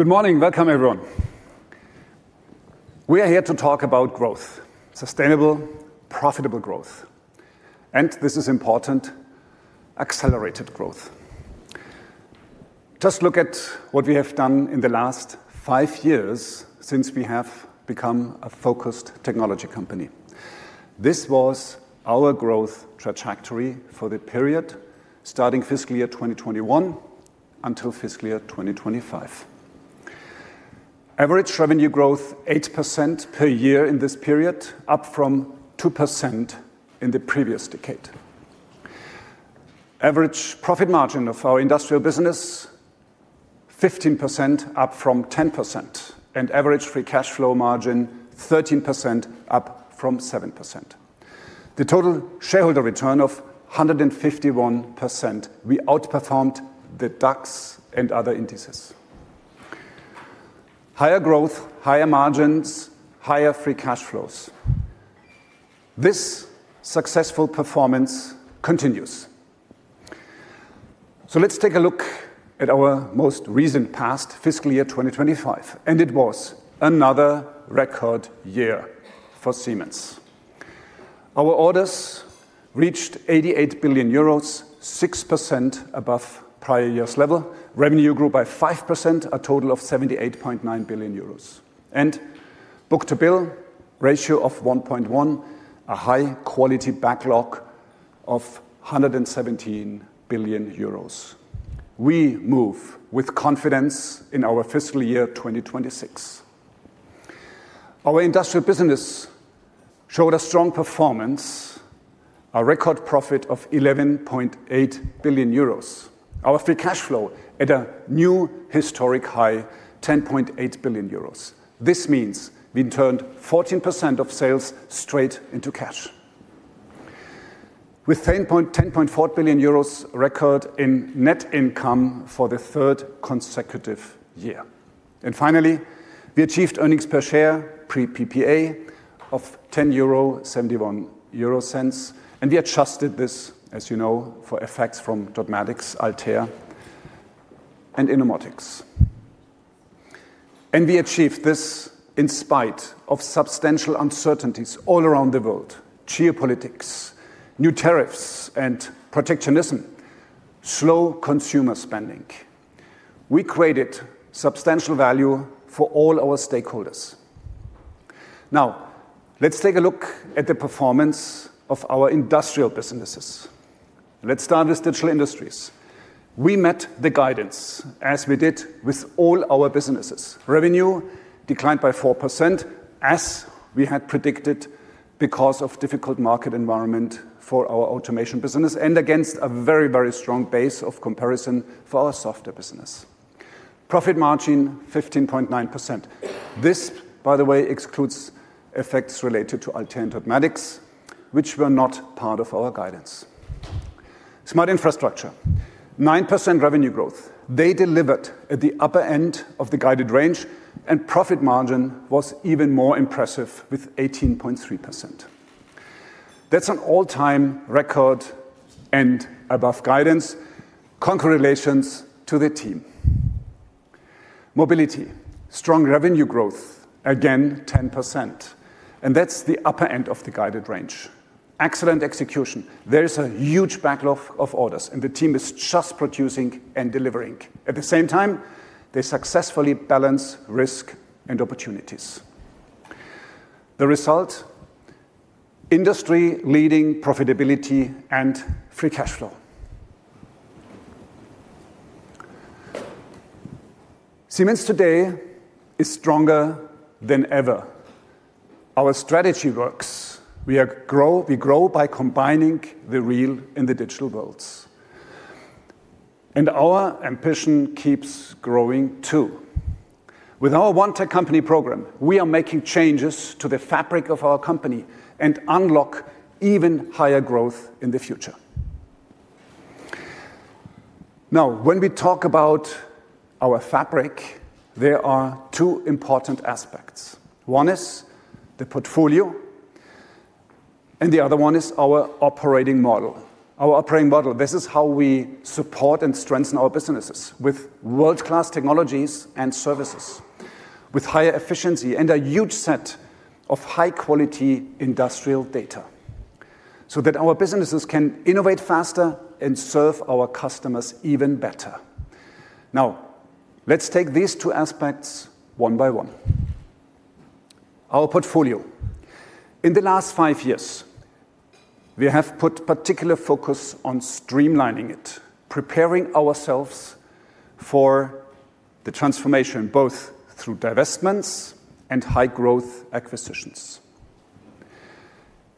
Good morning. Welcome, everyone. We are here to talk about growth: sustainable, profitable growth. This is important: accelerated growth. Just look at what we have done in the last five years since we have become a focused technology company. This was our growth trajectory for the period starting fiscal year 2021 until fiscal year 2025. Average revenue growth: 8% per year in this period, up from 2% in the previous decade. Average profit margin of our industrial business: 15%, up from 10%. Average free cash flow margin: 13%, up from 7%. The total shareholder return of 151%. We outperformed the DAX and other indices. Higher growth, higher margins, higher free cash flows. This successful performance continues. Let's take a look at our most recent past: fiscal year 2025. It was another record year for Siemens. Our orders reached 88 billion euros, 6% above prior year's level. Revenue grew by 5%, a total of 78.9 billion euros. A book-to-bill ratio of 1.1, a high-quality backlog of 117 billion euros. We move with confidence in our fiscal year 2026. Our industrial business showed a strong performance, a record profit of 11.8 billion euros. Our free cash flow at a new historic high: 10.8 billion euros. This means we turned 14% of sales straight into cash, with 10.4 billion euros record in net income for the third consecutive year. Finally, we achieved earnings per share pre-PPA of 10.71 euro. We adjusted this, as you know, for effects from Dotmatics, Altair, and Innomotics. We achieved this in spite of substantial uncertainties all around the world: geopolitics, new tariffs, and protectionism, slow consumer spending. We created substantial value for all our stakeholders. Now, let's take a look at the performance of our industrial businesses. Let's start with Digital Industries. We met the guidance, as we did with all our businesses. Revenue declined by 4%, as we had predicted, because of a difficult market environment for our automation business and against a very, very strong base of comparison for our software business. Profit margin: 15.9%. This, by the way, excludes effects related to Altair and Dotmatics, which were not part of our guidance. Smart Infrastructure: 9% revenue growth. They delivered at the upper end of the guided range, and profit margin was even more impressive with 18.3%. That's an all-time record and above guidance. Congratulations to the team. Mobility: strong revenue growth, again 10%. That's the upper end of the guided range. Excellent execution. There is a huge backlog of orders, and the team is just producing and delivering. At the same time, they successfully balance risk and opportunities. The result: industry-leading profitability and free cash flow. Siemens today is stronger than ever. Our strategy works. We grow by combining the real and the digital worlds. Our ambition keeps growing too. With our ONE Tech Company program, we are making changes to the fabric of our company and unlock even higher growth in the future. Now, when we talk about our fabric, there are two important aspects. One is the portfolio, and the other one is our operating model. Our operating model, this is how we support and strengthen our businesses with world-class technologies and services, with higher efficiency and a huge set of high-quality industrial data so that our businesses can innovate faster and serve our customers even better. Now, let's take these two aspects one by one. Our portfolio. In the last five years, we have put particular focus on streamlining it, preparing ourselves for the transformation, both through divestments and high-growth acquisitions.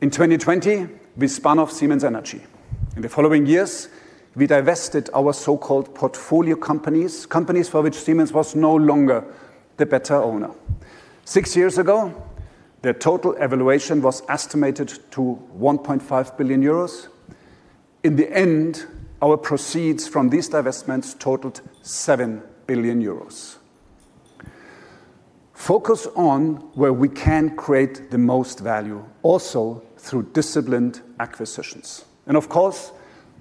In 2020, we spun off Siemens Energy. In the following years, we divested our so-called portfolio companies, companies for which Siemens was no longer the better owner. Six years ago, their total evaluation was estimated to 1.5 billion euros. In the end, our proceeds from these divestments totaled 7 billion euros. Focus on where we can create the most value, also through disciplined acquisitions. Of course,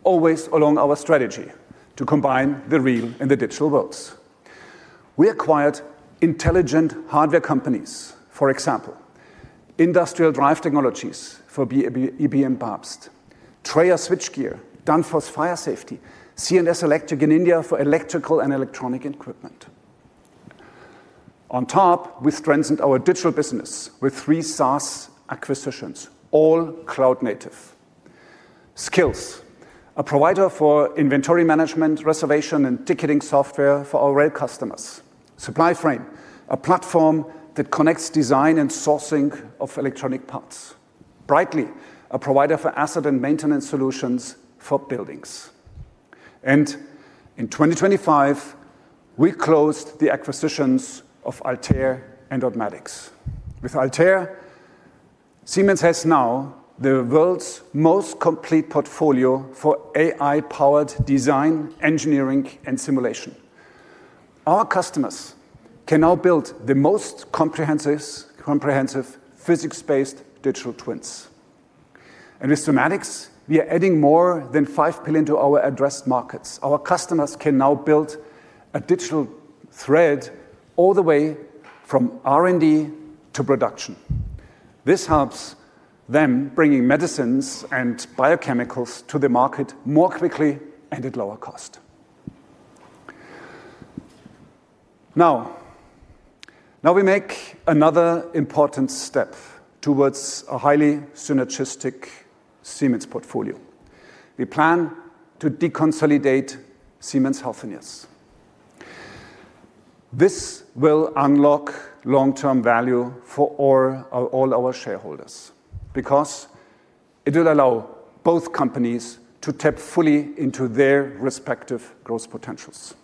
always along our strategy to combine the real and the digital worlds. We acquired intelligent hardware companies, for example, Industrial Drive Technologies for ebm-papst, Trayer switchgear, Danfoss Fire Safety, C&S Electric in India for electrical and electronic equipment. On top, we strengthened our digital business with three SaaS acquisitions, all cloud-native. Sqills: a provider for inventory management, reservation, and ticketing software for our rail customers. Supplyframe: a platform that connects design and sourcing of electronic parts. Brightly: a provider for asset and maintenance solutions for buildings. In 2025, we closed the acquisitions of Altair and Dotmatics. With Altair, Siemens has now the world's most complete portfolio for AI-powered design, engineering, and simulation. Our customers can now build the most comprehensive physics-based digital twins. With Dotmatics, we are adding more than $5 billion to our addressed markets. Our customers can now build a digital thread all the way from R&D to production. This helps them bring medicines and biochemicals to the market more quickly and at lower cost. Now, we make another important step towards a highly synergistic Siemens portfolio. We plan to deconsolidate Siemens Healthineers. This will unlock long-term value for all our shareholders because it will allow both companies to tap fully into their respective growth potentials.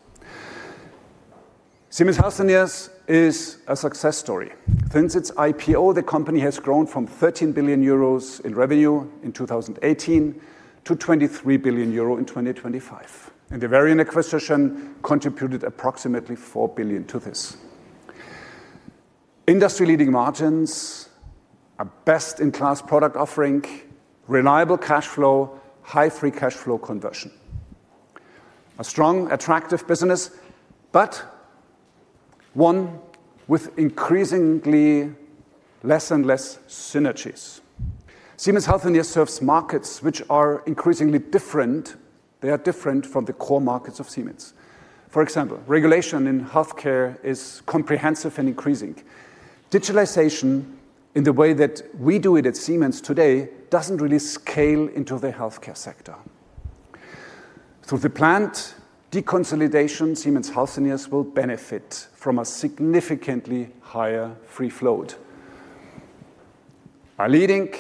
Siemens Healthineers is a success story. Since its IPO, the company has grown from 13 billion euros in revenue in 2018 to 23 billion euro in 2025. The Varian acquisition contributed approximately 4 billion to this. Industry-leading margins, a best-in-class product offering, reliable cash flow, high free cash flow conversion. A strong, attractive business, but one with increasingly less and less synergies. Siemens Healthineers serves markets which are increasingly different. They are different from the core markets of Siemens. For example, regulation in healthcare is comprehensive and increasing. Digitalization, in the way that we do it at Siemens today, does not really scale into the healthcare sector. Through the planned deconsolidation, Siemens Healthineers will benefit from a significantly higher free float. A leading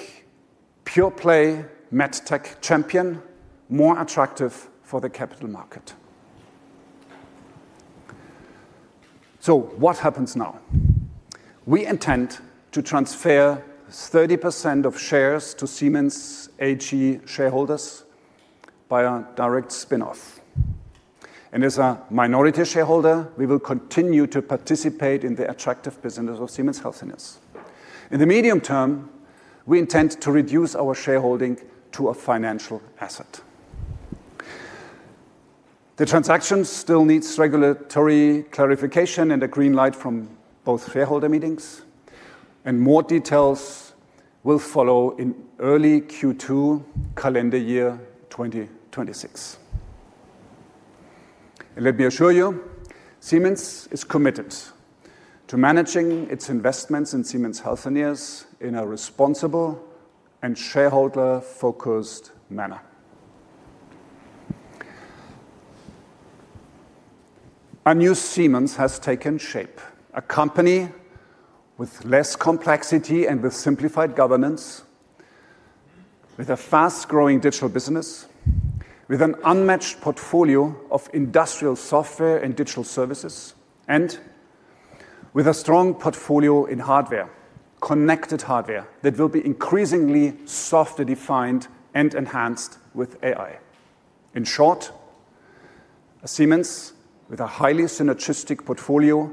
pure-play medtech champion, more attractive for the capital market. What happens now? We intend to transfer 30% of shares to Siemens AG shareholders by a direct spinoff. As a minority shareholder, we will continue to participate in the attractive business of Siemens Healthineers. In the medium term, we intend to reduce our shareholding to a financial asset. The transaction still needs regulatory clarification and a green light from both shareholder meetings. More details will follow in early Q2, calendar year 2026. Let me assure you, Siemens is committed to managing its investments in Siemens Healthineers in a responsible and shareholder-focused manner. A new Siemens has taken shape. A company with less complexity and with simplified governance, with a fast-growing digital business, with an unmatched portfolio of industrial software and digital services, and with a strong portfolio in hardware, connected hardware that will be increasingly soft-defined and enhanced with AI. In short, a Siemens with a highly synergistic portfolio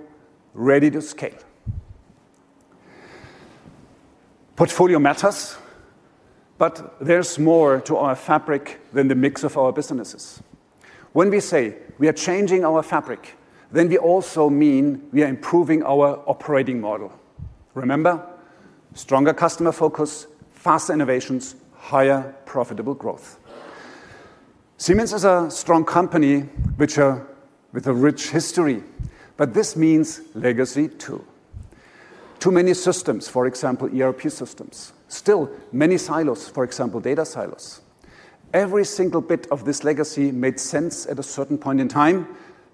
ready to scale. Portfolio matters, but there is more to our fabric than the mix of our businesses. When we say we are changing our fabric, then we also mean we are improving our operating model. Remember: stronger customer focus, faster innovations, higher profitable growth. Siemens is a strong company with a rich history, but this means legacy too. Too many systems, for example, ERP systems. Still, many silos, for example, data silos. Every single bit of this legacy made sense at a certain point in time,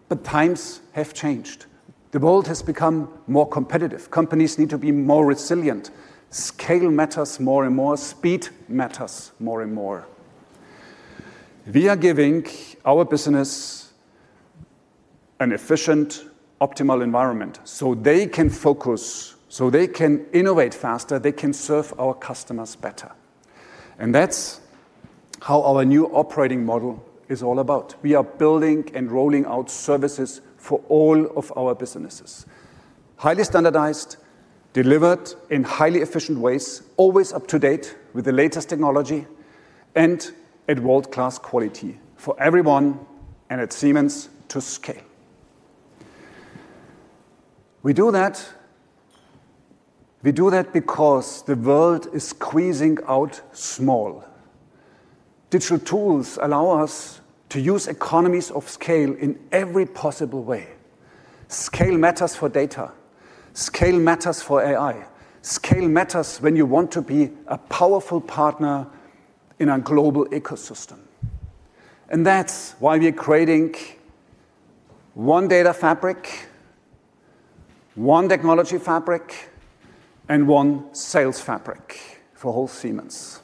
but times have changed. The world has become more competitive. Companies need to be more resilient. Scale matters more and more. Speed matters more and more. We are giving our business an efficient, optimal environment so they can focus, so they can innovate faster, they can serve our customers better. That is how our new operating model is all about. We are building and rolling out services for all of our businesses. Highly standardized, delivered in highly efficient ways, always up to date with the latest technology, and at world-class quality for everyone and at Siemens to scale. We do that because the world is squeezing out small. Digital tools allow us to use economies of scale in every possible way. Scale matters for data. Scale matters for AI. Scale matters when you want to be a powerful partner in a global ecosystem. That is why we are creating one data fabric, one technology fabric, and one sales fabric for all Siemens.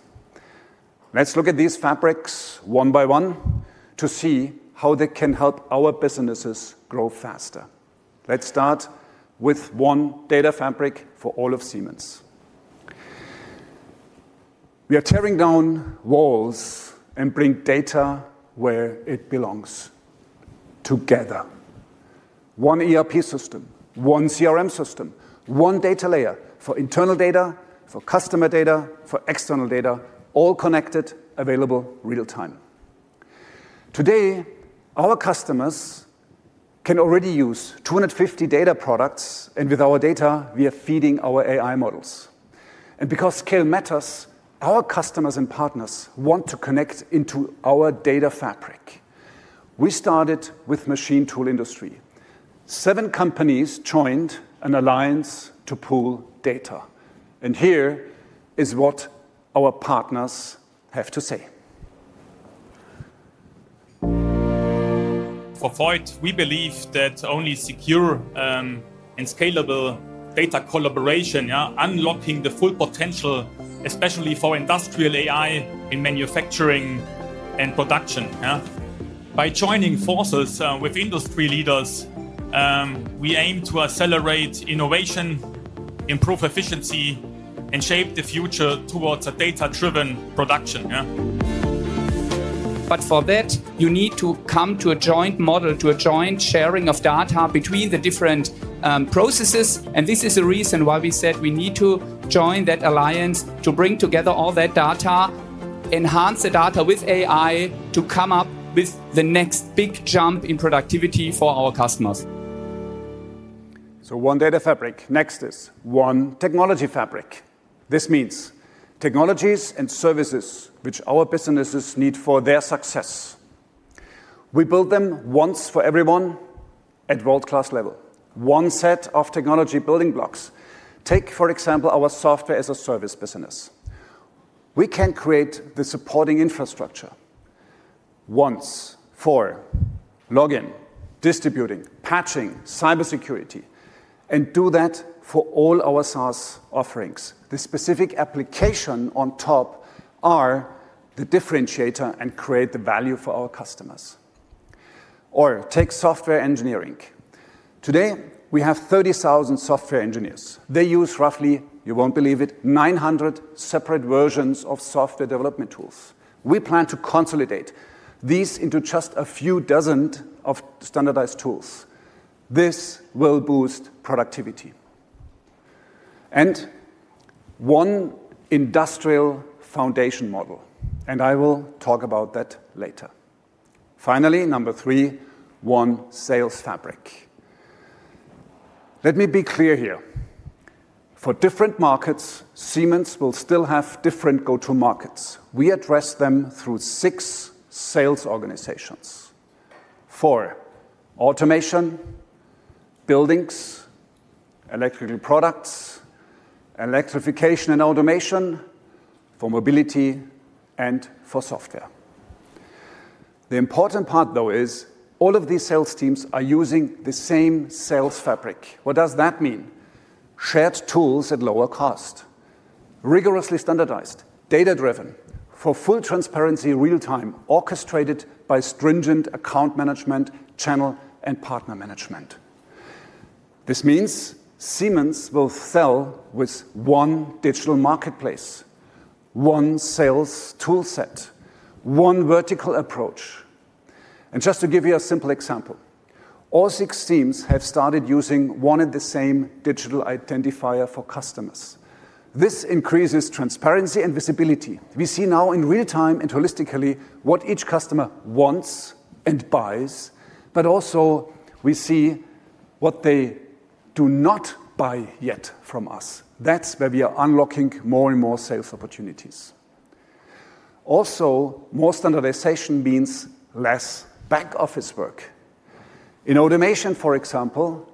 Let's look at these fabrics one by one to see how they can help our businesses grow faster. Let's start with one data fabric for all of Siemens. We are tearing down walls and bringing data where it belongs together. One ERP system, one CRM system, one data layer for internal data, for customer data, for external data, all connected, available real-time. Today, our customers can already use 250 data products, and with our data, we are feeding our AI models. Because scale matters, our customers and partners want to connect into our data fabric. We started with machine tool industry. Seven companies joined an alliance to pool data. Here is what our partners have to say. For Voith, we believe that only secure and scalable data collaboration unlocks the full potential, especially for industrial AI in manufacturing and production. By joining forces with industry leaders, we aim to accelerate innovation, improve efficiency, and shape the future towards a data-driven production. For that, you need to come to a joint model, to a joint sharing of data between the different processes. This is the reason why we said we need to join that alliance to bring together all that data, enhance the data with AI to come up with the next big jump in productivity for our customers. One data fabric. Next is one technology fabric. This means technologies and services which our businesses need for their success. We build them once for everyone at world-class level. One set of technology building blocks. Take, for example, our software as a service business. We can create the supporting infrastructure once for login, distributing, patching, cybersecurity, and do that for all our SaaS offerings. The specific application on top is the differentiator and creates the value for our customers. Or take software engineering. Today, we have 30,000 software engineers. They use roughly, you won't believe it, 900 separate versions of software development tools. We plan to consolidate these into just a few dozen standardized tools. This will boost productivity. And one industrial foundation model. I will talk about that later. Finally, number three, one sales fabric. Let me be clear here. For different markets, Siemens will still have different go-to markets. We address them through six sales organizations. Four: automation, buildings, electrical products, electrification and automation for mobility, and for software. The important part, though, is all of these sales teams are using the same sales fabric. What does that mean? Shared tools at lower cost, rigorously standardized, data-driven for full transparency, real-time, orchestrated by stringent account management, channel, and partner management. This means Siemens will sell with one digital marketplace, one sales toolset, one vertical approach. Just to give you a simple example, all six teams have started using one and the same digital identifier for customers. This increases transparency and visibility. We see now in real time and holistically what each customer wants and buys, but also we see what they do not buy yet from us. That is where we are unlocking more and more sales opportunities. Also, more standardization means less back-office work. In automation, for example,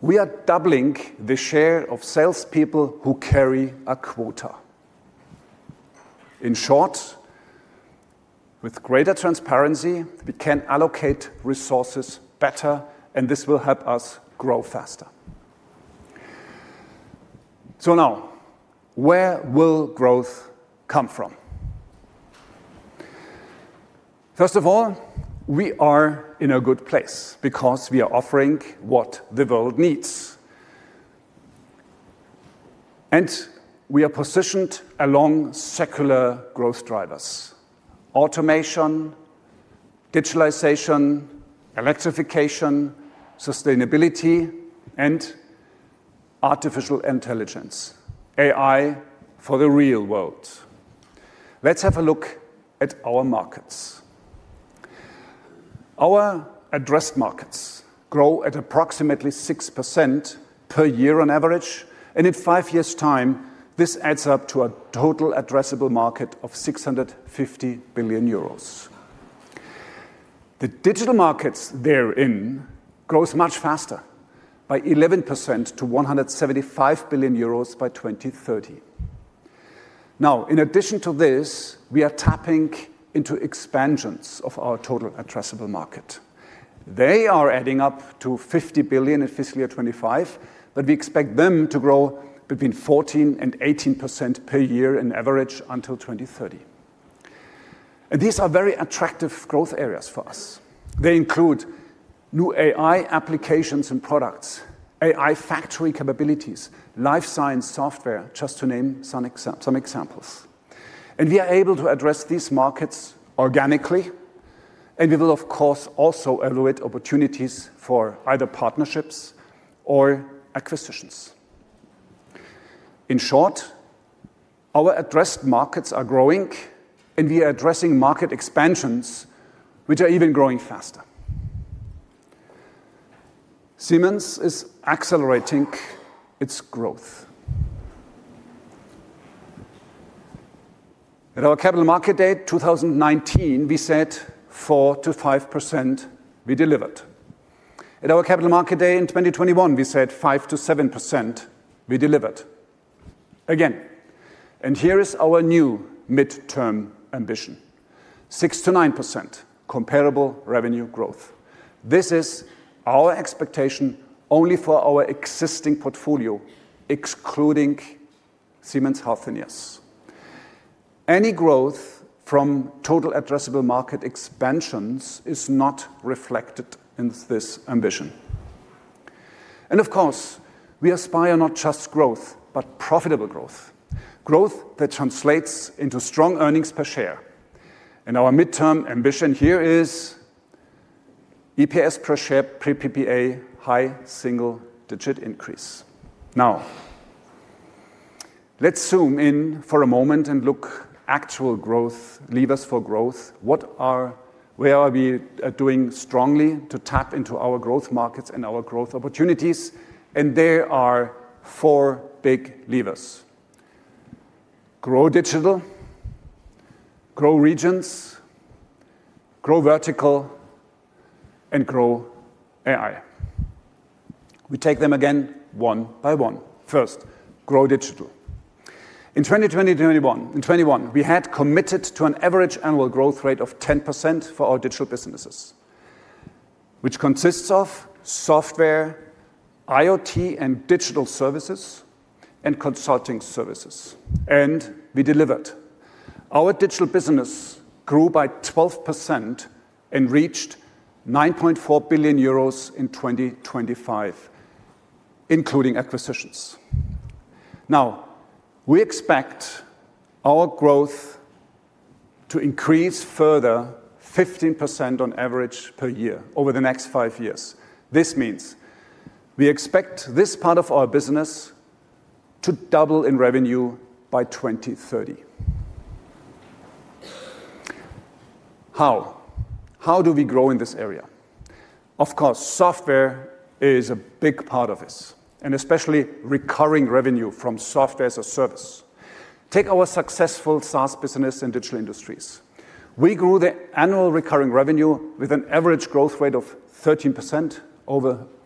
we are doubling the share of salespeople who carry a quota. In short, with greater transparency, we can allocate resources better, and this will help us grow faster. Now, where will growth come from? First of all, we are in a good place because we are offering what the world needs. We are positioned along secular growth drivers: automation, digitalization, electrification, sustainability, and artificial intelligence. AI for the real world. Let's have a look at our markets. Our addressed markets grow at approximately 6% per year on average. In five years' time, this adds up to a total addressable market of 650 billion euros. The digital markets therein grow much faster by 11% to 175 billion euros by 2030. In addition to this, we are tapping into expansions of our total addressable market. They are adding up to 50 billion in fiscal year 2025, but we expect them to grow between 14%-18% per year on average until 2030. These are very attractive growth areas for us. They include new AI applications and products, AI factory capabilities, life science software, just to name some examples. We are able to address these markets organically. We will, of course, also evaluate opportunities for either partnerships or acquisitions. In short, our addressed markets are growing, and we are addressing market expansions, which are even growing faster. Siemens is accelerating its growth. At our capital market day 2019, we said 4%-5% we delivered. At our capital market day in 2021, we said 5%-7% we delivered. Again, here is our new midterm ambition: 6%-9% comparable revenue growth. This is our expectation only for our existing portfolio, excluding Siemens Healthineers. Any growth from total addressable market expansions is not reflected in this ambition. Of course, we aspire not just growth, but profitable growth. Growth that translates into strong earnings per share. Our midterm ambition here is EPS per share pre-PPA high single-digit increase. Let's zoom in for a moment and look at actual growth levers for growth. What are we doing strongly to tap into our growth markets and our growth opportunities? There are four big levers: grow digital, grow regions, grow vertical, and grow AI. We take them again one by one. First, grow digital. In 2021, we had committed to an average annual growth rate of 10% for our digital businesses, which consists of software, IoT, and digital services, and consulting services. We delivered. Our digital business grew by 12% and reached 9.4 billion euros in 2025, including acquisitions. Now, we expect our growth to increase further, 15% on average per year, over the next five years. This means we expect this part of our business to double in revenue by 2030. How? How do we grow in this area? Of course, software is a big part of this, and especially recurring revenue from software as a service. Take our successful SaaS business in Digital Industries. We grew the annual recurring revenue with an average growth rate of 13%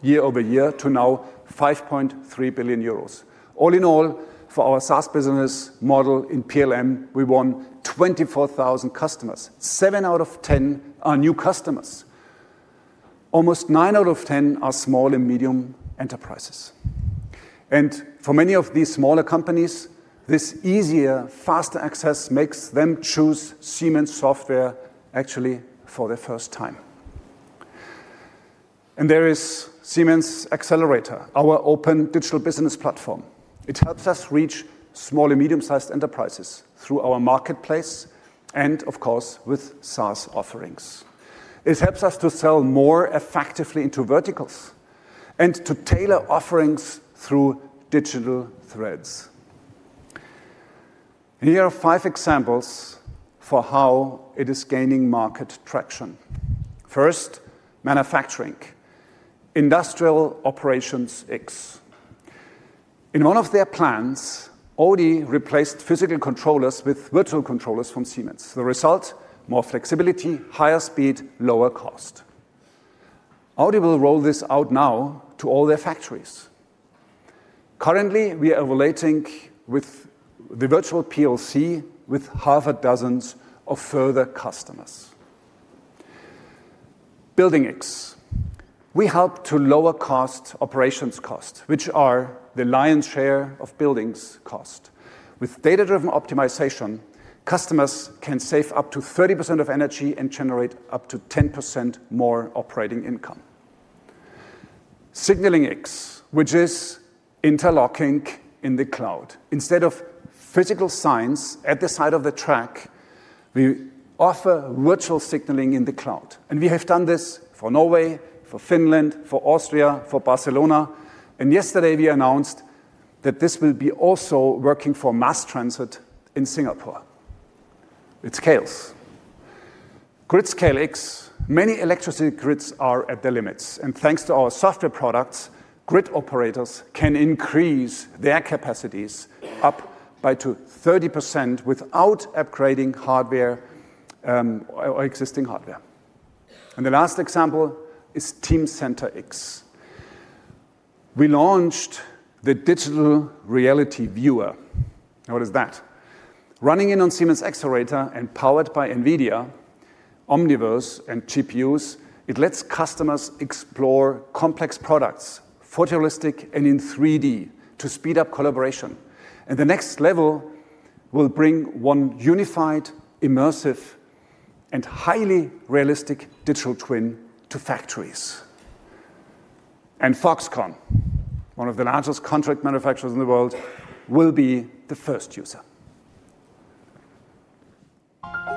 year over year to now 5.3 billion euros. All in all, for our SaaS business model in PLM, we won 24,000 customers. Seven out of 10 are new customers. Almost nine out of 10 are small and medium enterprises. For many of these smaller companies, this easier, faster access makes them choose Siemens software actually for the first time. There is Siemens Accelerator, our open digital business platform. It helps us reach small and medium-sized enterprises through our marketplace and, of course, with SaaS offerings. It helps us to sell more effectively into verticals and to tailor offerings through digital threads. Here are five examples for how it is gaining market traction. First, manufacturing. Industrial Operations X. In one of their plants, Audi replaced physical controllers with virtual controllers from Siemens. The result: more flexibility, higher speed, lower cost. Audi will roll this out now to all their factories. Currently, we are evaluating with the virtual PLC with half a dozen further customers. Building X. We help to lower operations cost, which are the lion's share of buildings' cost. With data-driven optimization, customers can save up to 30% of energy and generate up to 10% more operating income. Signaling X, which is interlocking in the cloud. Instead of physical signs at the side of the track, we offer virtual signaling in the cloud. We have done this for Norway, for Finland, for Austria, for Barcelona. Yesterday, we announced that this will be also working for mass transit in Singapore. It scales. Gridscale X. Many electricity grids are at their limits. Thanks to our software products, grid operators can increase their capacities up by 30% without upgrading existing hardware. The last example is Teamcenter X. We launched the digital reality viewer. What is that? Running in on Siemens Accelerator and powered by NVIDIA, Omniverse, and GPUs, it lets customers explore complex products photorealistic and in 3D to speed up collaboration. The next level will bring one unified, immersive, and highly realistic digital twin to factories. Foxconn, one of the largest contract manufacturers in the world, will be the first user.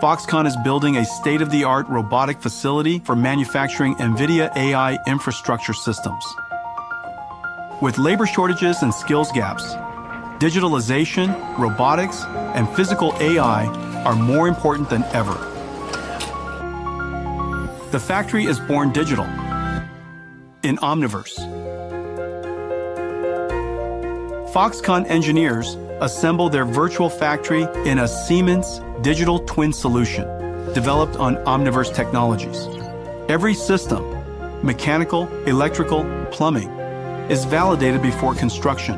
Foxconn is building a state-of-the-art robotic facility for manufacturing NVIDIA AI infrastructure systems. With labor shortages and skills gaps, digitalization, robotics, and physical AI are more important than ever. The factory is born digital in Omniverse. Foxconn engineers assemble their virtual factory in a Siemens digital twin solution developed on Omniverse technologies. Every system—mechanical, electrical, plumbing—is validated before construction.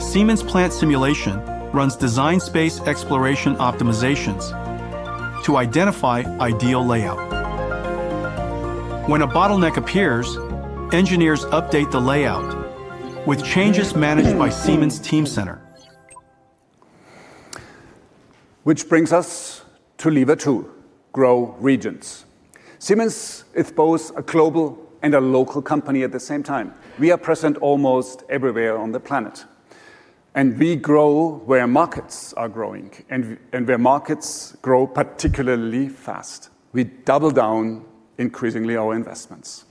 Siemens Plant Simulation runs design space exploration optimizations to identify ideal layout. When a bottleneck appears, engineers update the layout with changes managed by Siemens Teamcenter. Which brings us to lever two: grow regions. Siemens, it's both a global and a local company at the same time. We are present almost everywhere on the planet. We grow where markets are growing and where markets grow particularly fast. We double down increasingly on our investments.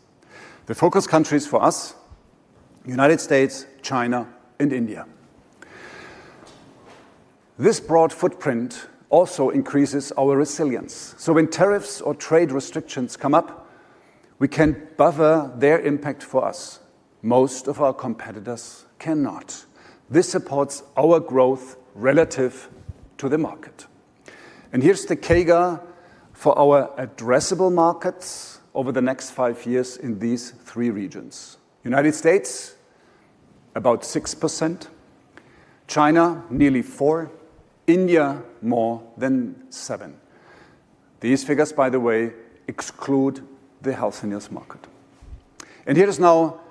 The focus countries for us are the United States, China, and India. This broad footprint also increases our resilience. When tariffs or trade restrictions come up, we can buffer their impact for us. Most of our competitors cannot. This supports our growth relative to the market. Here is the CAGR for our addressable markets over the next five years in these three regions: United States, about 6%; China, nearly 4%; India, more than 7%. These figures, by the way, exclude the Healthineers market. Here is now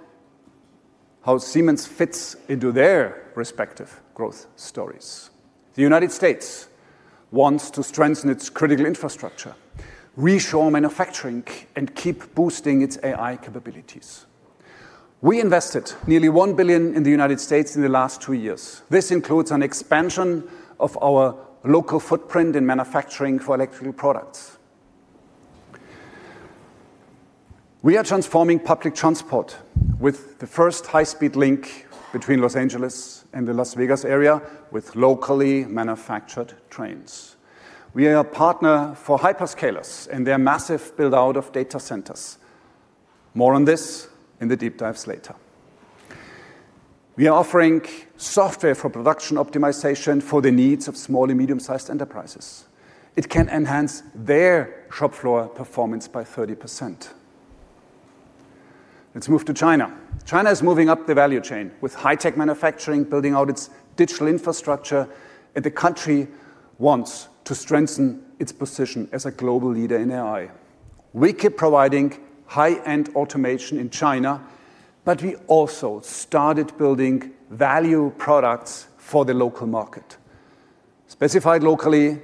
how Siemens fits into their respective growth stories. The United States wants to strengthen its critical infrastructure, reshore manufacturing, and keep boosting its AI capabilities. We invested nearly $1 billion in the United States in the last two years. This includes an expansion of our local footprint in manufacturing for electrical products. We are transforming public transport with the first high-speed link between Los Angeles and the Las Vegas area with locally manufactured trains. We are a partner for hyperscalers and their massive build-out of data centers. More on this in the deep dives later. We are offering software for production optimization for the needs of small and medium-sized enterprises. It can enhance their shop floor performance by 30%. Let's move to China. China is moving up the value chain with high-tech manufacturing, building out its digital infrastructure, and the country wants to strengthen its position as a global leader in AI. We keep providing high-end automation in China, but we also started building value products for the local market: specified locally,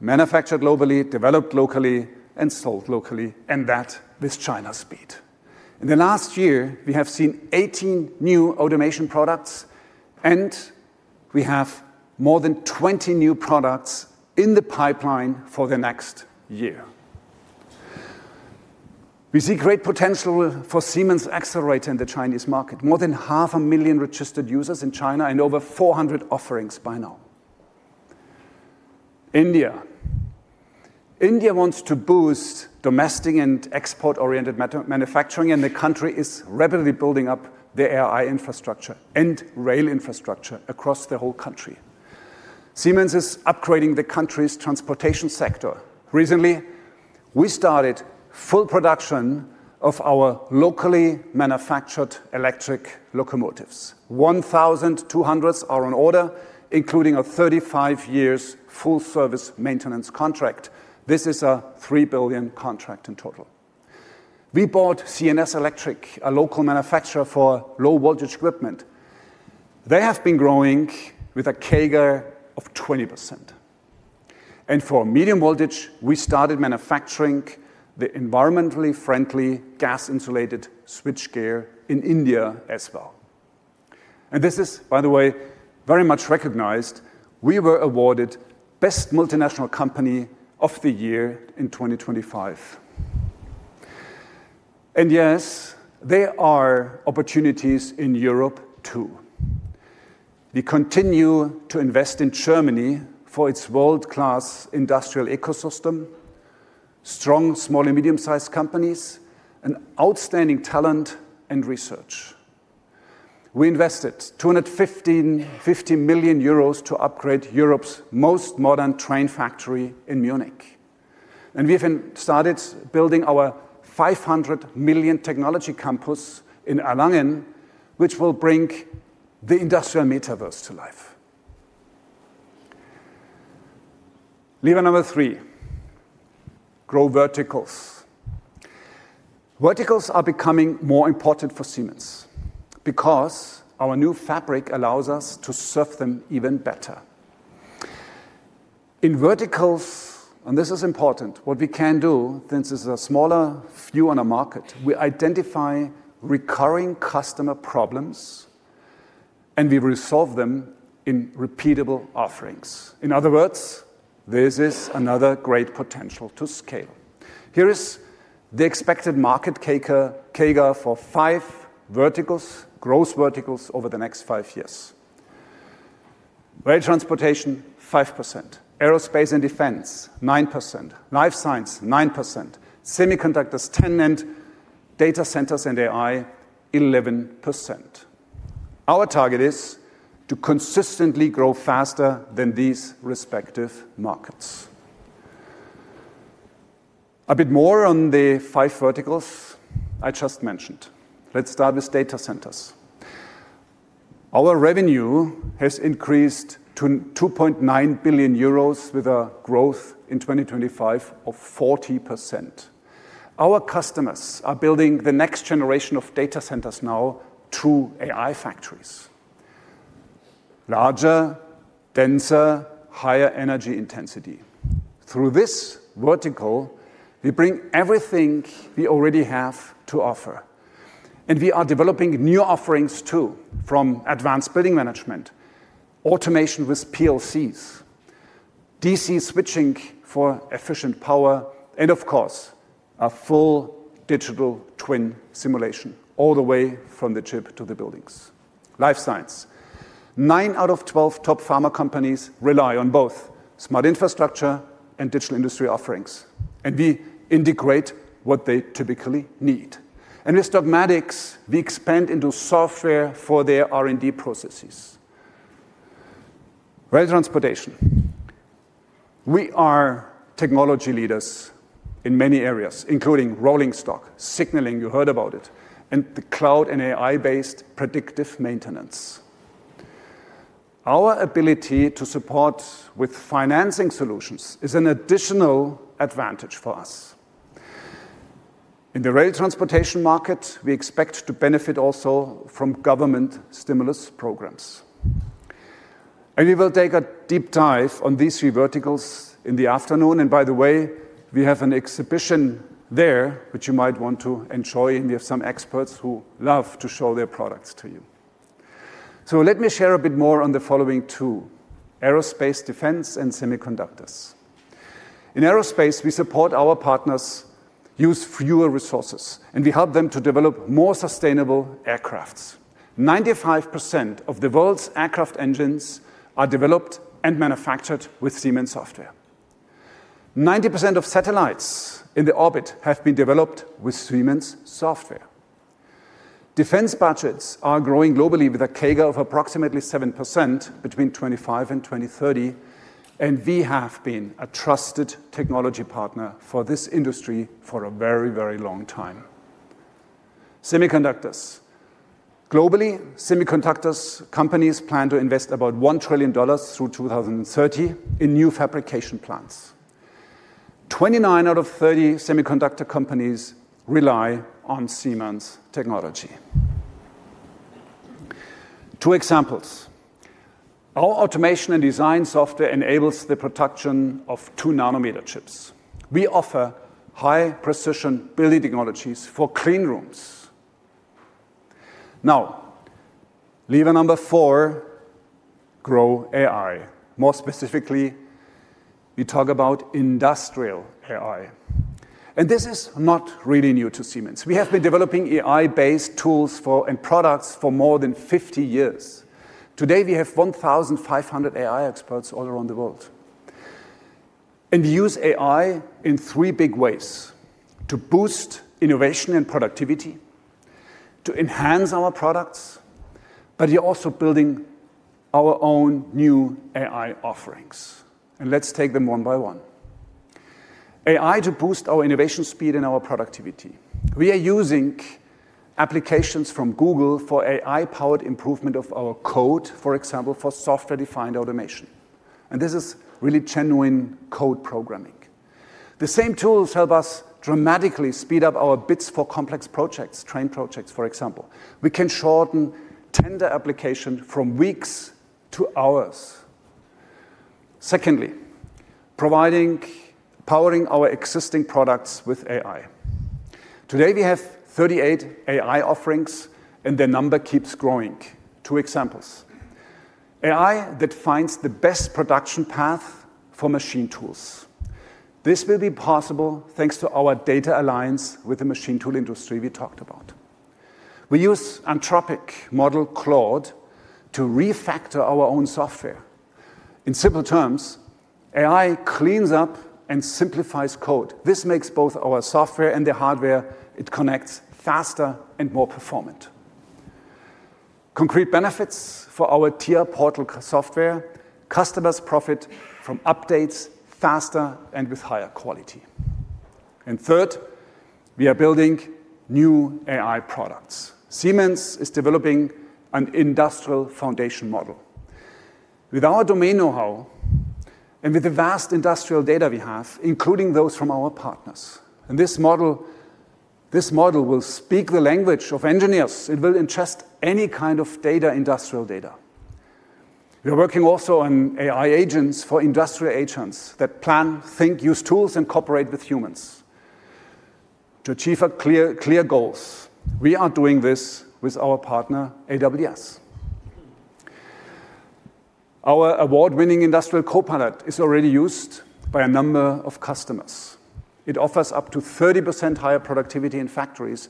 manufactured globally, developed locally, and sold locally, and that with China's speed. In the last year, we have seen 18 new automation products, and we have more than 20 new products in the pipeline for the next year. We see great potential for Siemens Accelerator in the Chinese market: more than 500,000 registered users in China and over 400 offerings by now. India. India wants to boost domestic and export-oriented manufacturing, and the country is rapidly building up their AI infrastructure and rail infrastructure across the whole country. Siemens is upgrading the country's transportation sector. Recently, we started full production of our locally manufactured electric locomotives. 1,200 are on order, including a 35-year full-service maintenance contract. This is a 3 billion contract in total. We bought CNS Electric, a local manufacturer for low-voltage equipment. They have been growing with a CAGR of 20%. For medium voltage, we started manufacturing the environmentally friendly gas-insulated switchgear in India as well. This is, by the way, very much recognized. We were awarded Best Multinational Company of the Year in 2025. Yes, there are opportunities in Europe too. We continue to invest in Germany for its world-class industrial ecosystem, strong small and medium-sized companies, and outstanding talent and research. We invested 250 million euros to upgrade Europe's most modern train factory in Munich. We have started building our 500 million technology campus in Erlangen, which will bring the industrial metaverse to life. Lever number three: grow verticals. Verticals are becoming more important for Siemens because our new fabric allows us to serve them even better. In verticals, and this is important, what we can do, since this is a smaller view on a market, we identify recurring customer problems and we resolve them in repeatable offerings. In other words, this is another great potential to scale. Here is the expected market CAGR for five verticals, growth verticals over the next five years. Rail transportation, 5%. Aerospace and defense, 9%. Life science, 9%. Semiconductors, 10%. Data centers and AI, 11%. Our target is to consistently grow faster than these respective markets. A bit more on the five verticals I just mentioned. Let's start with data centers. Our revenue has increased to 2.9 billion euros with a growth in 2025 of 40%. Our customers are building the next generation of data centers now through AI factories: larger, denser, higher energy intensity. Through this vertical, we bring everything we already have to offer. We are developing new offerings too, from advanced building management, automation with PLCs, DC switching for efficient power, and of course, a full digital twin simulation all the way from the chip to the buildings. Life science. Nine out of 12 top pharma companies rely on both Smart Infrastructure and Digital Industries offerings. We integrate what they typically need. With Dotmatics, we expand into software for their R&D processes. Rail transportation. We are technology leaders in many areas, including rolling stock, signaling—you heard about it—and the cloud and AI-based predictive maintenance. Our ability to support with financing solutions is an additional advantage for us. In the rail transportation market, we expect to benefit also from government stimulus programs. We will take a deep dive on these three verticals in the afternoon. By the way, we have an exhibition there, which you might want to enjoy. We have some experts who love to show their products to you. Let me share a bit more on the following two: aerospace, defense, and semiconductors. In aerospace, we support our partners use fewer resources, and we help them to develop more sustainable aircraft. 95% of the world's aircraft engines are developed and manufactured with Siemens software. 90% of satellites in the orbit have been developed with Siemens software. Defense budgets are growing globally with a CAGR of approximately 7% between 2025 and 2030. We have been a trusted technology partner for this industry for a very, very long time. Semiconductors. Globally, semiconductor companies plan to invest about $1 trillion through 2030 in new fabrication plants. Twenty-nine out of 30 semiconductor companies rely on Siemens technology. Two examples. Our automation and design software enables the production of 2-nanometer chips. We offer high-precision building technologies for clean rooms. Now, lever number four: grow AI. More specifically, we talk about industrial AI. This is not really new to Siemens. We have been developing AI-based tools and products for more than 50 years. Today, we have 1,500 AI experts all around the world. We use AI in three big ways: to boost innovation and productivity, to enhance our products, but we're also building our own new AI offerings. Let's take them one by one. AI to boost our innovation speed and our productivity. We are using applications from Google for AI-powered improvement of our code, for example, for software-defined automation. This is really genuine code programming. The same tools help us dramatically speed up our bids for complex projects, train projects, for example. We can shorten tender application from weeks to hours. Secondly, powering our existing products with AI. Today, we have 38 AI offerings, and the number keeps growing. Two examples. AI that finds the best production path for machine tools. This will be possible thanks to our data alliance with the machine tool industry we talked about. We use Anthropic model Claude to refactor our own software. In simple terms, AI cleans up and simplifies code. This makes both our software and the hardware it connects faster and more performant. Concrete benefits for our TIA Portal software: customers profit from updates faster and with higher quality. Third, we are building new AI products. Siemens is developing an industrial foundation model. With our domain know-how and with the vast industrial data we have, including those from our partners. This model will speak the language of engineers. It will ingest any kind of data—industrial data. We are working also on AI agents for industrial agents that plan, think, use tools, and cooperate with humans to achieve clear goals. We are doing this with our partner, AWS. Our award-winning Industrial Copilot is already used by a number of customers. It offers up to 30% higher productivity in factories,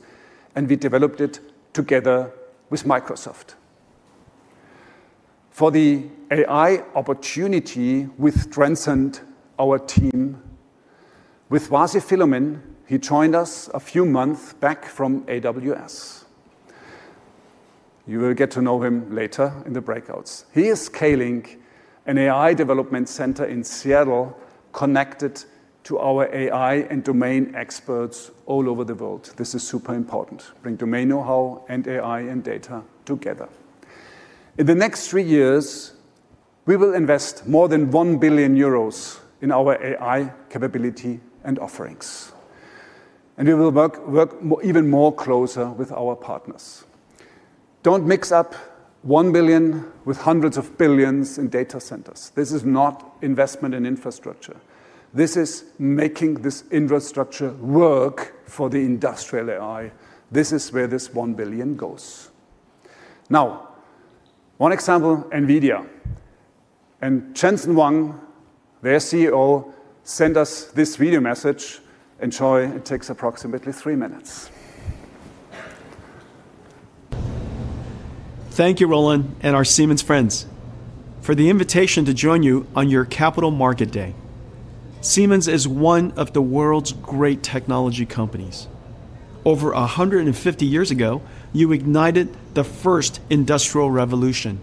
and we developed it together with Microsoft. For the AI opportunity, we've strengthened our team with Vasi Philomin. He joined us a few months back from AWS. You will get to know him later in the breakouts. He is scaling an AI development center in Seattle, connected to our AI and domain experts all over the world. This is super important: bring domain know-how and AI and data together. In the next three years, we will invest more than 1 billion euros in our AI capability and offerings. We will work even closer with our partners. Do not mix up 1 billion with hundreds of billions in data centers. This is not investment in infrastructure. This is making this infrastructure work for the industrial AI. This is where this 1 billion goes. Now, one example: NVIDIA. And Jensen Huang, their CEO, sent us this video message. Enjoy. It takes approximately three minutes. Thank you, Roland and our Siemens friends, for the invitation to join you on your Capital Market Day. Siemens is one of the world's great technology companies. Over 150 years ago, you ignited the first industrial revolution.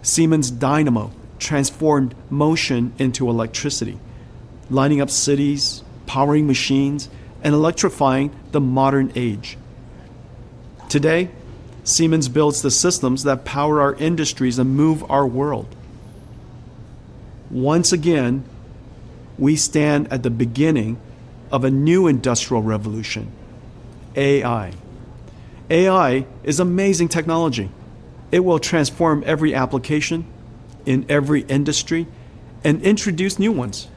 Siemens Dynamo transformed motion into electricity, lighting up cities, powering machines, and electrifying the modern age. Today, Siemens builds the systems that power our industries and move our world. Once again, we stand at the beginning of a new industrial revolution: AI. AI is amazing technology. It will transform every application in every industry and introduce new ones.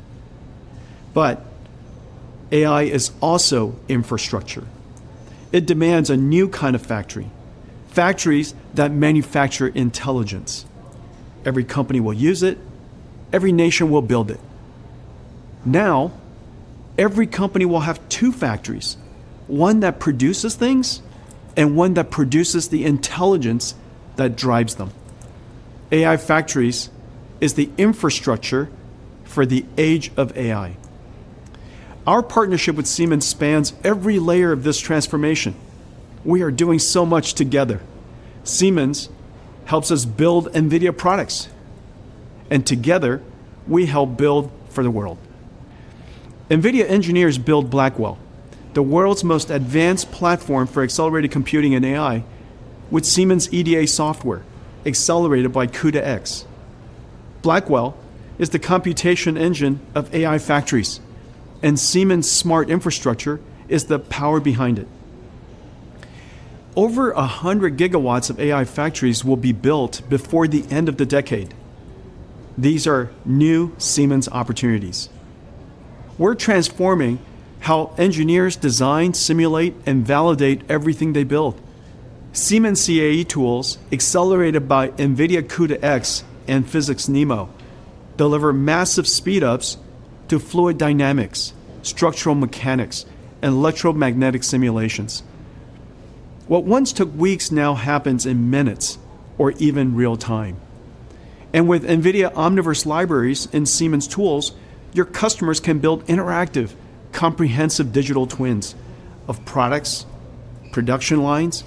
AI is also infrastructure. It demands a new kind of factory: factories that manufacture intelligence. Every company will use it. Every nation will build it. Now, every company will have two factories: one that produces things and one that produces the intelligence that drives them. AI factories is the infrastructure for the age of AI. Our partnership with Siemens spans every layer of this transformation. We are doing so much together. Siemens helps us build NVIDIA products. Together, we help build for the world. NVIDIA engineers build Blackwell, the world's most advanced platform for accelerated computing and AI, with Siemens EDA software accelerated by CUDA-X. Blackwell is the computation engine of AI factories, and Siemens Smart Infrastructure is the power behind it. Over 100 GW of AI factories will be built before the end of the decade. These are new Siemens opportunities. We are transforming how engineers design, simulate, and validate everything they build. Siemens CAE tools, accelerated by NVIDIA CUDA-X and PhysicsNeMo, deliver massive speed-ups to fluid dynamics, structural mechanics, and electromagnetic simulations. What once took weeks now happens in minutes or even real time. With NVIDIA Omniverse libraries and Siemens tools, your customers can build interactive, comprehensive digital twins of products, production lines,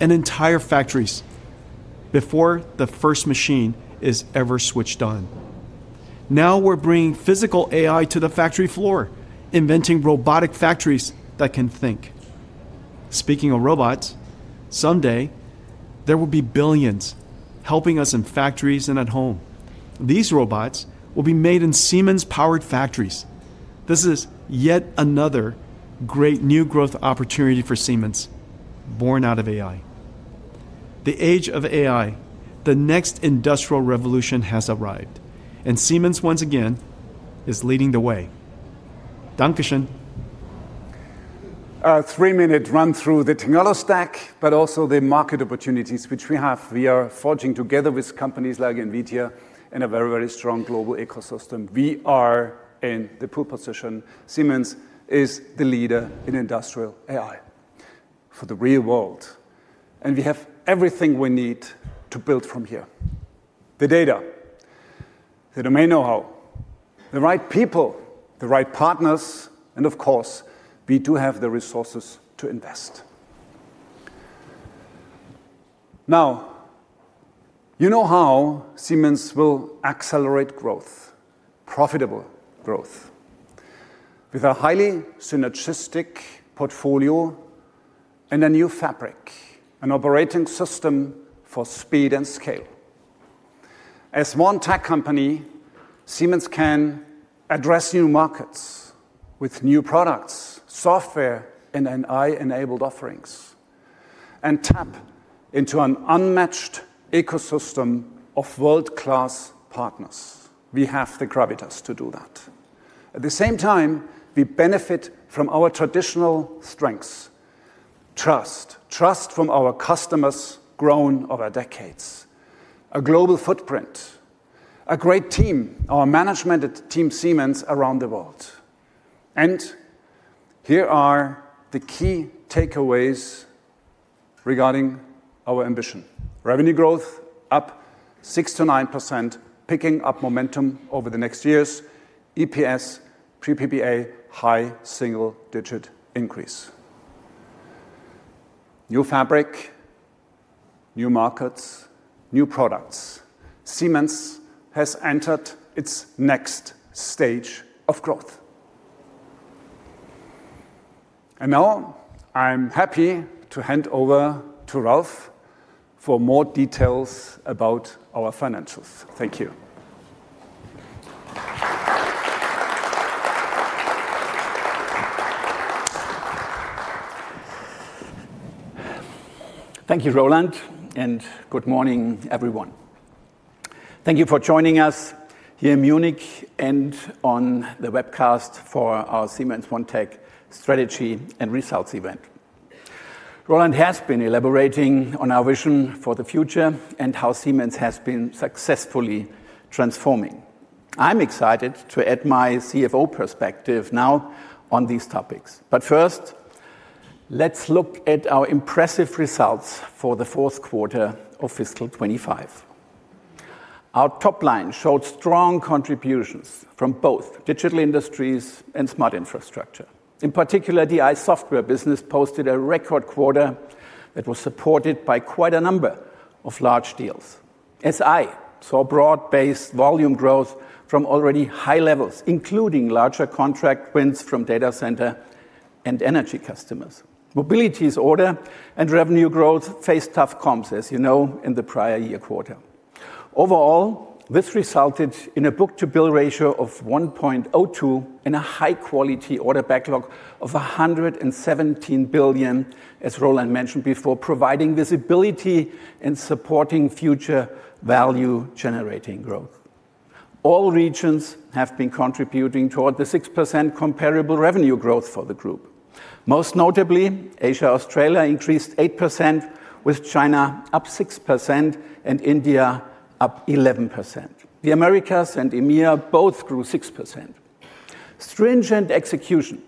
and entire factories before the first machine is ever switched on. Now we're bringing physical AI to the factory floor, inventing robotic factories that can think. Speaking of robots, someday there will be billions helping us in factories and at home. These robots will be made in Siemens-powered factories. This is yet another great new growth opportunity for Siemens born out of AI. The age of AI, the next industrial revolution has arrived. Siemens once again is leading the way. Dan Kischen. A three-minute run through the technology stack, but also the market opportunities which we have. We are forging together with companies like NVIDIA and a very, very strong global ecosystem. We are in the pole position. Siemens is the leader in industrial AI for the real world. We have everything we need to build from here: the data, the domain know-how, the right people, the right partners. Of course, we do have the resources to invest. Now, you know how Siemens will accelerate growth, profitable growth, with a highly synergistic portfolio and a new fabric, an operating system for speed and scale. As one tech company, Siemens can address new markets with new products, software, and AI-enabled offerings, and tap into an unmatched ecosystem of world-class partners. We have the gravitas to do that. At the same time, we benefit from our traditional strengths: trust, trust from our customers grown over decades, a global footprint, a great team, our management at Team Siemens around the world. Here are the key takeaways regarding our ambition: revenue growth up 6%-9%, picking up momentum over the next years, EPS pre-PPA high single-digit increase. New fabric, new markets, new products. Siemens has entered its next stage of growth. Now I'm happy to hand over to Ralf for more details about our financials. Thank you. Thank you, Roland, and good morning, everyone. Thank you for joining us here in Munich and on the webcast for our Siemens ONE Tech Strategy and Results event. Roland has been elaborating on our vision for the future and how Siemens has been successfully transforming. I'm excited to add my CFO perspective now on these topics. First, let's look at our impressive results for the fourth quarter of fiscal 2025. Our top line showed strong contributions from both Digital Industries and Smart Infrastructure. In particular, the AI software business posted a record quarter that was supported by quite a number of large deals, as I saw broad-based volume growth from already high levels, including larger contract wins from data center and energy customers. Mobility's order and revenue growth faced tough comps, as you know, in the prior year quarter. Overall, this resulted in a book-to-bill ratio of 1.02 and a high-quality order backlog of 117 billion, as Roland mentioned before, providing visibility and supporting future value-generating growth. All regions have been contributing toward the 6% comparable revenue growth for the group. Most notably, Asia-Australia increased 8%, with China up 6% and India up 11%. The Americas and EMEA both grew 6%. Stringent execution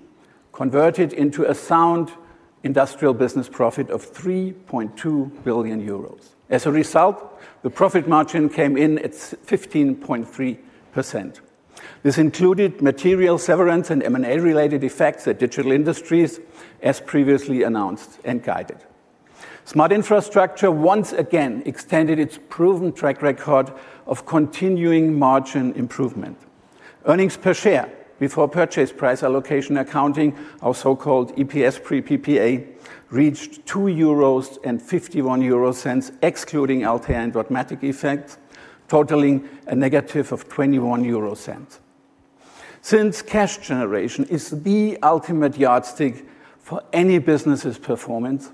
converted into a sound industrial business profit of 3.2 billion euros. As a result, the profit margin came in at 15.3%. This included material severance and M&A-related effects at Digital Industries, as previously announced and guided. Smart Infrastructure once again extended its proven track record of continuing margin improvement. Earnings per share before purchase price allocation accounting, our so-called EPS pre-PPA, reached 2.51 euros, excluding LTE and automatic effects, totaling a negative of 0.21. Since cash generation is the ultimate yardstick for any business's performance,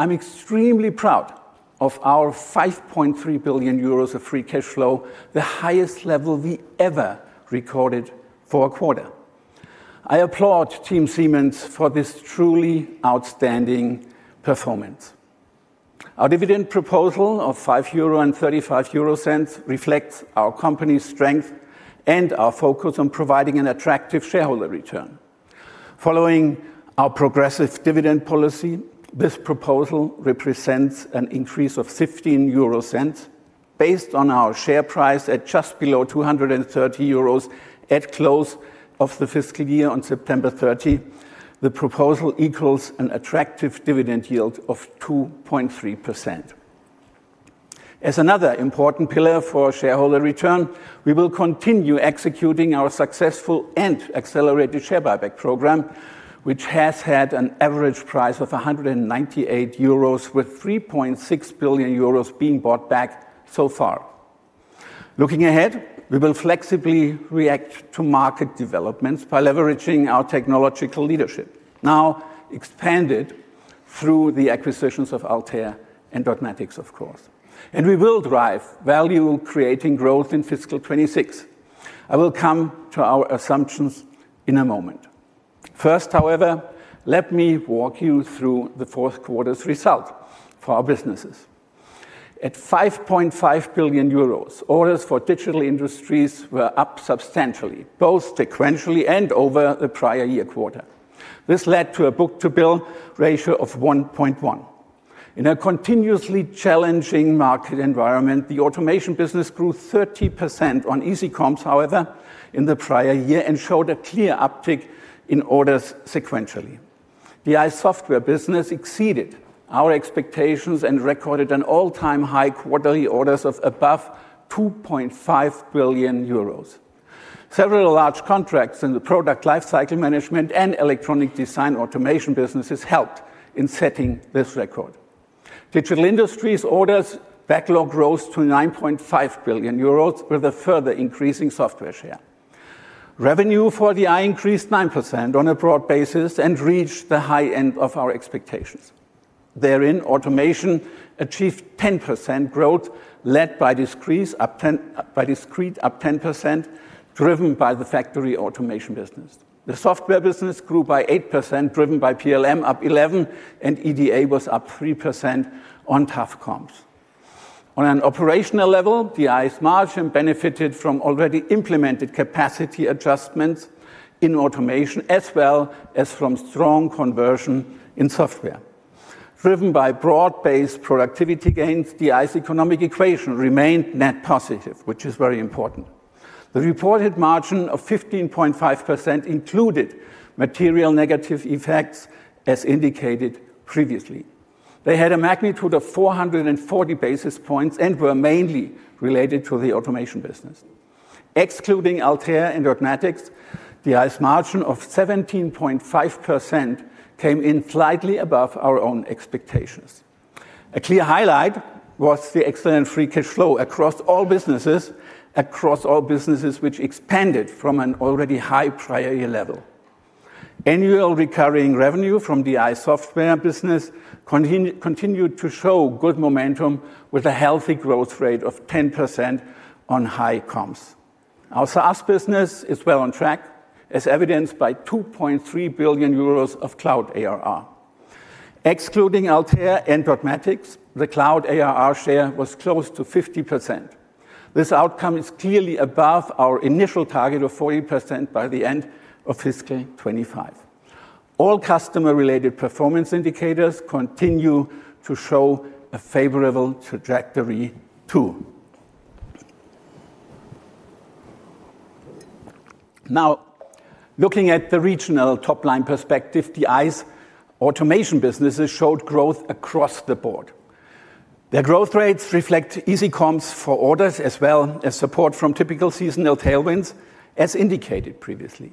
I'm extremely proud of our 5.3 billion euros of free cash flow, the highest level we ever recorded for a quarter. I applaud Team Siemens for this truly outstanding performance. Our dividend proposal of 5.35 euro reflects our company's strength and our focus on providing an attractive shareholder return. Following our progressive dividend policy, this proposal represents an increase of 0.15 based on our share price at just below 230 euros at close of the fiscal year on September 30. The proposal equals an attractive dividend yield of 2.3%. As another important pillar for shareholder return, we will continue executing our successful and accelerated share buyback program, which has had an average price of 198 euros, with 3.6 billion euros being bought back so far. Looking ahead, we will flexibly react to market developments by leveraging our technological leadership, now expanded through the acquisitions of Altair and Dotmatics, of course. We will drive value-creating growth in fiscal 2026. I will come to our assumptions in a moment. First, however, let me walk you through the fourth quarter's result for our businesses. At 5.5 billion euros, orders for Digital Industries were up substantially, both sequentially and over the prior year quarter. This led to a book-to-bill ratio of 1.1. In a continuously challenging market environment, the automation business grew 30% on easy comps, however, in the prior year and showed a clear uptick in orders sequentially. The AI software business exceeded our expectations and recorded an all-time high quarterly orders of above 2.5 billion euros. Several large contracts in the product lifecycle management and electronic design automation businesses helped in setting this record. Digital Industries' orders backlog rose to 9.5 billion euros with a further increase in software share. Revenue for the DI increased 9% on a broad basis and reached the high end of our expectations. Therein, automation achieved 10% growth, led by discrete up 10% driven by the factory automation business. The software business grew by 8%, driven by PLM, up 11%, and EDA was up 3% on tough comps. On an operational level, the DI's margin benefited from already implemented capacity adjustments in automation, as well as from strong conversion in software. Driven by broad-based productivity gains, the DI's economic equation remained net positive, which is very important. The reported margin of 15.5% included material negative effects, as indicated previously. They had a magnitude of 440 basis points and were mainly related to the automation business. Excluding Altair and Dotmatics, the AI's margin of 17.5% came in slightly above our own expectations. A clear highlight was the excellent free cash flow across all businesses, which expanded from an already high prior year level. Annual recurring revenue from the AI software business continued to show good momentum with a healthy growth rate of 10% on high comps. Our SaaS business is well on track, as evidenced by 2.3 billion euros of cloud ARR. Excluding Altair and Dotmatics, the cloud ARR share was close to 50%. This outcome is clearly above our initial target of 40% by the end of fiscal 2025. All customer-related performance indicators continue to show a favorable trajectory too. Now, looking at the regional top-line perspective, the AI's automation businesses showed growth across the board. Their growth rates reflect easy comps for orders, as well as support from typical seasonal tailwinds, as indicated previously.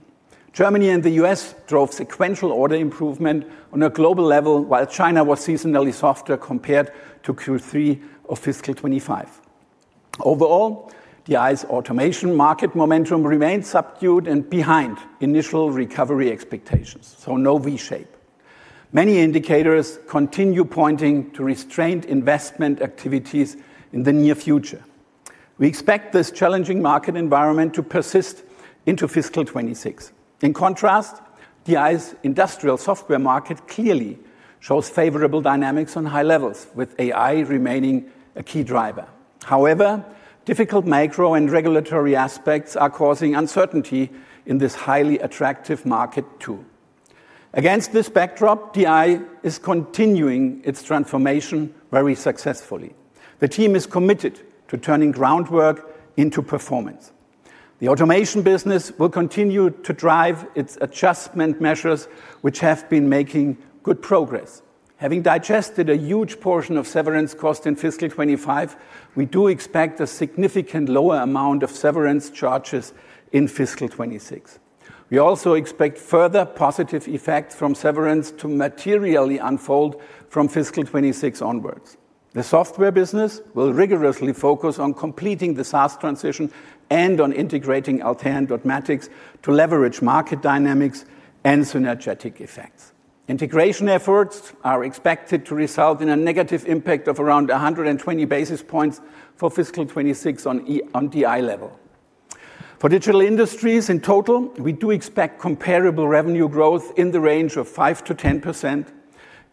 Germany and the U.S. drove sequential order improvement on a global level, while China was seasonally softer compared to Q3 of fiscal 2025. Overall, the automation market momentum remained subdued and behind initial recovery expectations, so no V-shape. Many indicators continue pointing to restrained investment activities in the near future. We expect this challenging market environment to persist into fiscal 2026. In contrast, the industrial software market clearly shows favorable dynamics on high levels, with AI remaining a key driver. However, difficult macro and regulatory aspects are causing uncertainty in this highly attractive market too. Against this backdrop, Siemens is continuing its transformation very successfully. The team is committed to turning groundwork into performance. The automation business will continue to drive its adjustment measures, which have been making good progress. Having digested a huge portion of severance cost in fiscal 2025, we do expect a significantly lower amount of severance charges in fiscal 2026. We also expect further positive effects from severance to materially unfold from fiscal 2026 onwards. The software business will rigorously focus on completing the SaaS transition and on integrating Altair and Dotmatics to leverage market dynamics and synergetic effects. Integration efforts are expected to result in a negative impact of around 120 basis points for fiscal 2026 on the AI level. For Digital Industries, in total, we do expect comparable revenue growth in the range of 5%-10%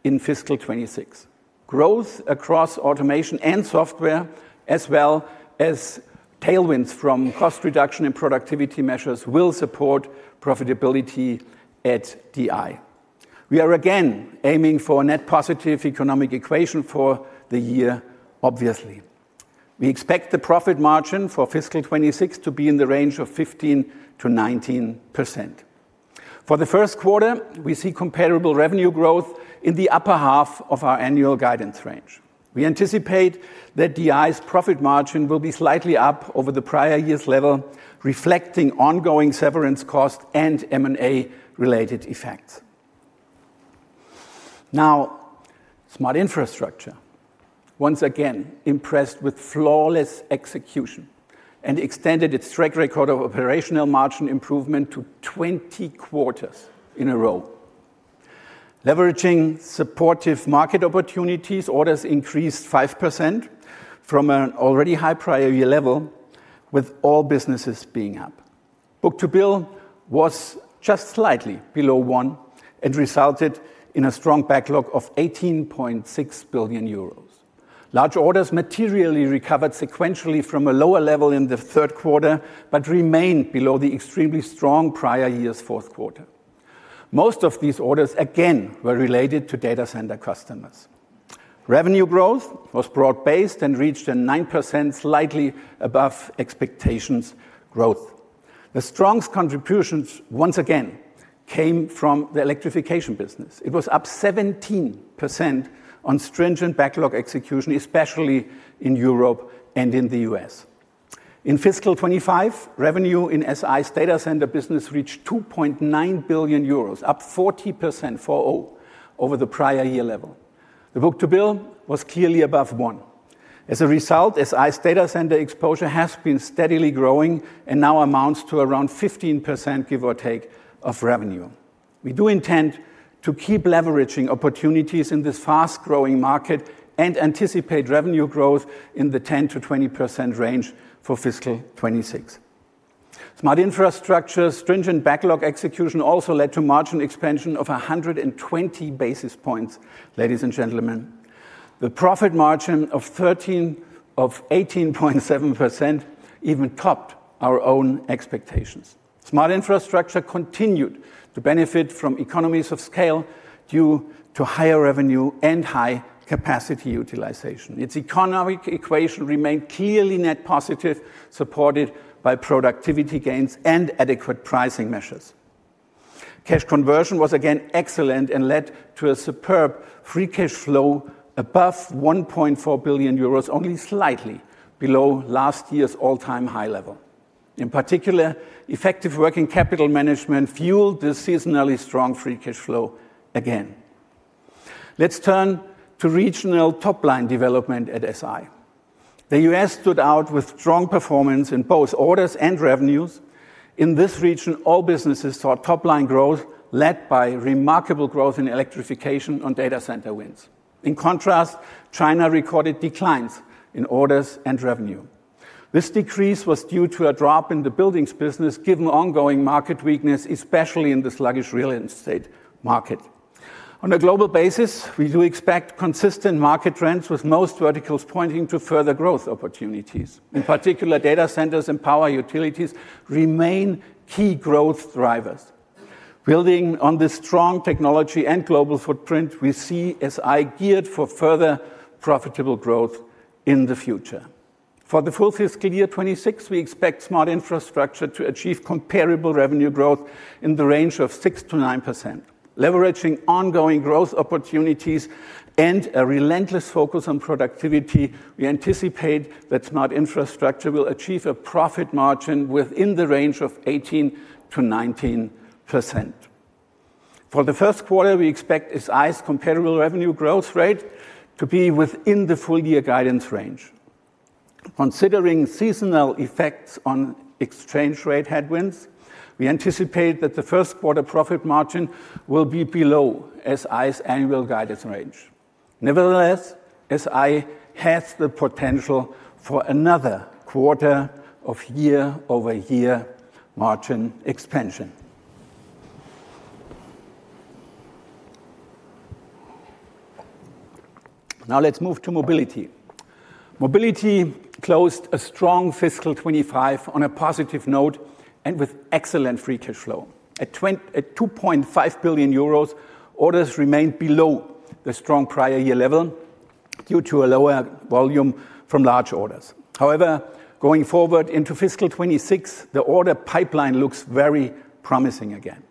in fiscal 2026. Growth across automation and software, as well as tailwinds from cost reduction and productivity measures, will support profitability at the AI. We are again aiming for a net positive economic equation for the year, obviously. We expect the profit margin for fiscal 2026 to be in the range of 15%-19%. For the first quarter, we see comparable revenue growth in the upper half of our annual guidance range. We anticipate that the AI's profit margin will be slightly up over the prior year's level, reflecting ongoing severance cost and M&A-related effects. Now, Smart Infrastructure, once again impressed with flawless execution and extended its track record of operational margin improvement to 20 quarters in a row. Leveraging supportive market opportunities, orders increased 5% from an already high prior year level, with all businesses being up. Book-to-bill was just slightly below 1 and resulted in a strong backlog of 18.6 billion euros. Large orders materially recovered sequentially from a lower level in the third quarter, but remained below the extremely strong prior year's fourth quarter. Most of these orders again were related to data center customers. Revenue growth was broad-based and reached 9%, slightly above expectations growth. The strongest contributions once again came from the Electrification business. It was up 17% on stringent backlog execution, especially in Europe and in the US. In fiscal 2025, revenue in SI's data center business reached 2.9 billion euros, up 40% for over the prior year level. The book-to-bill was clearly above 1. As a result, SI's data center exposure has been steadily growing and now amounts to around 15%, give or take, of revenue. We do intend to keep leveraging opportunities in this fast-growing market and anticipate revenue growth in the 10%-20% range for fiscal 2026. Smart Infrastructure's stringent backlog execution also led to margin expansion of 120 basis points, ladies and gentlemen. The profit margin of 18.7% even topped our own expectations. Smart Infrastructure continued to benefit from economies of scale due to higher revenue and high capacity utilization. Its economic equation remained clearly net positive, supported by productivity gains and adequate pricing measures. Cash conversion was again excellent and led to a superb free cash flow above 1.4 billion euros, only slightly below last year's all-time high level. In particular, effective working capital management fueled the seasonally strong free cash flow again. Let's turn to regional top-line development at SI. The U.S. stood out with strong performance in both orders and revenues. In this region, all businesses saw top-line growth, led by remarkable growth in Electrification on Data Centers wins. In contrast, China recorded declines in orders and revenue. This decrease was due to a drop in the buildings business, given ongoing market weakness, especially in the sluggish real estate market. On a global basis, we do expect consistent market trends, with most verticals pointing to further growth opportunities. In particular, data centers and power utilities remain key growth drivers. Building on this strong technology and global footprint, we see SI geared for further profitable growth in the future. For the full fiscal year 2026, we expect Smart Infrastructure to achieve comparable revenue growth in the range of 6%-9%. Leveraging ongoing growth opportunities and a relentless focus on productivity, we anticipate that Smart Infrastructure will achieve a profit margin within the range of 18%-19%. For the first quarter, we expect SI's comparable revenue growth rate to be within the full-year guidance range. Considering seasonal effects on exchange rate headwinds, we anticipate that the first quarter profit margin will be below SI's annual guidance range. Nevertheless, SI has the potential for another quarter of year-over-year margin expansion. Now let's move to Mobility. Mobility closed a strong fiscal 2025 on a positive note and with excellent free cash flow. At 2.5 billion euros, orders remained below the strong prior year level due to a lower volume from large orders. However, going forward into fiscal 2026, the order pipeline looks very promising again.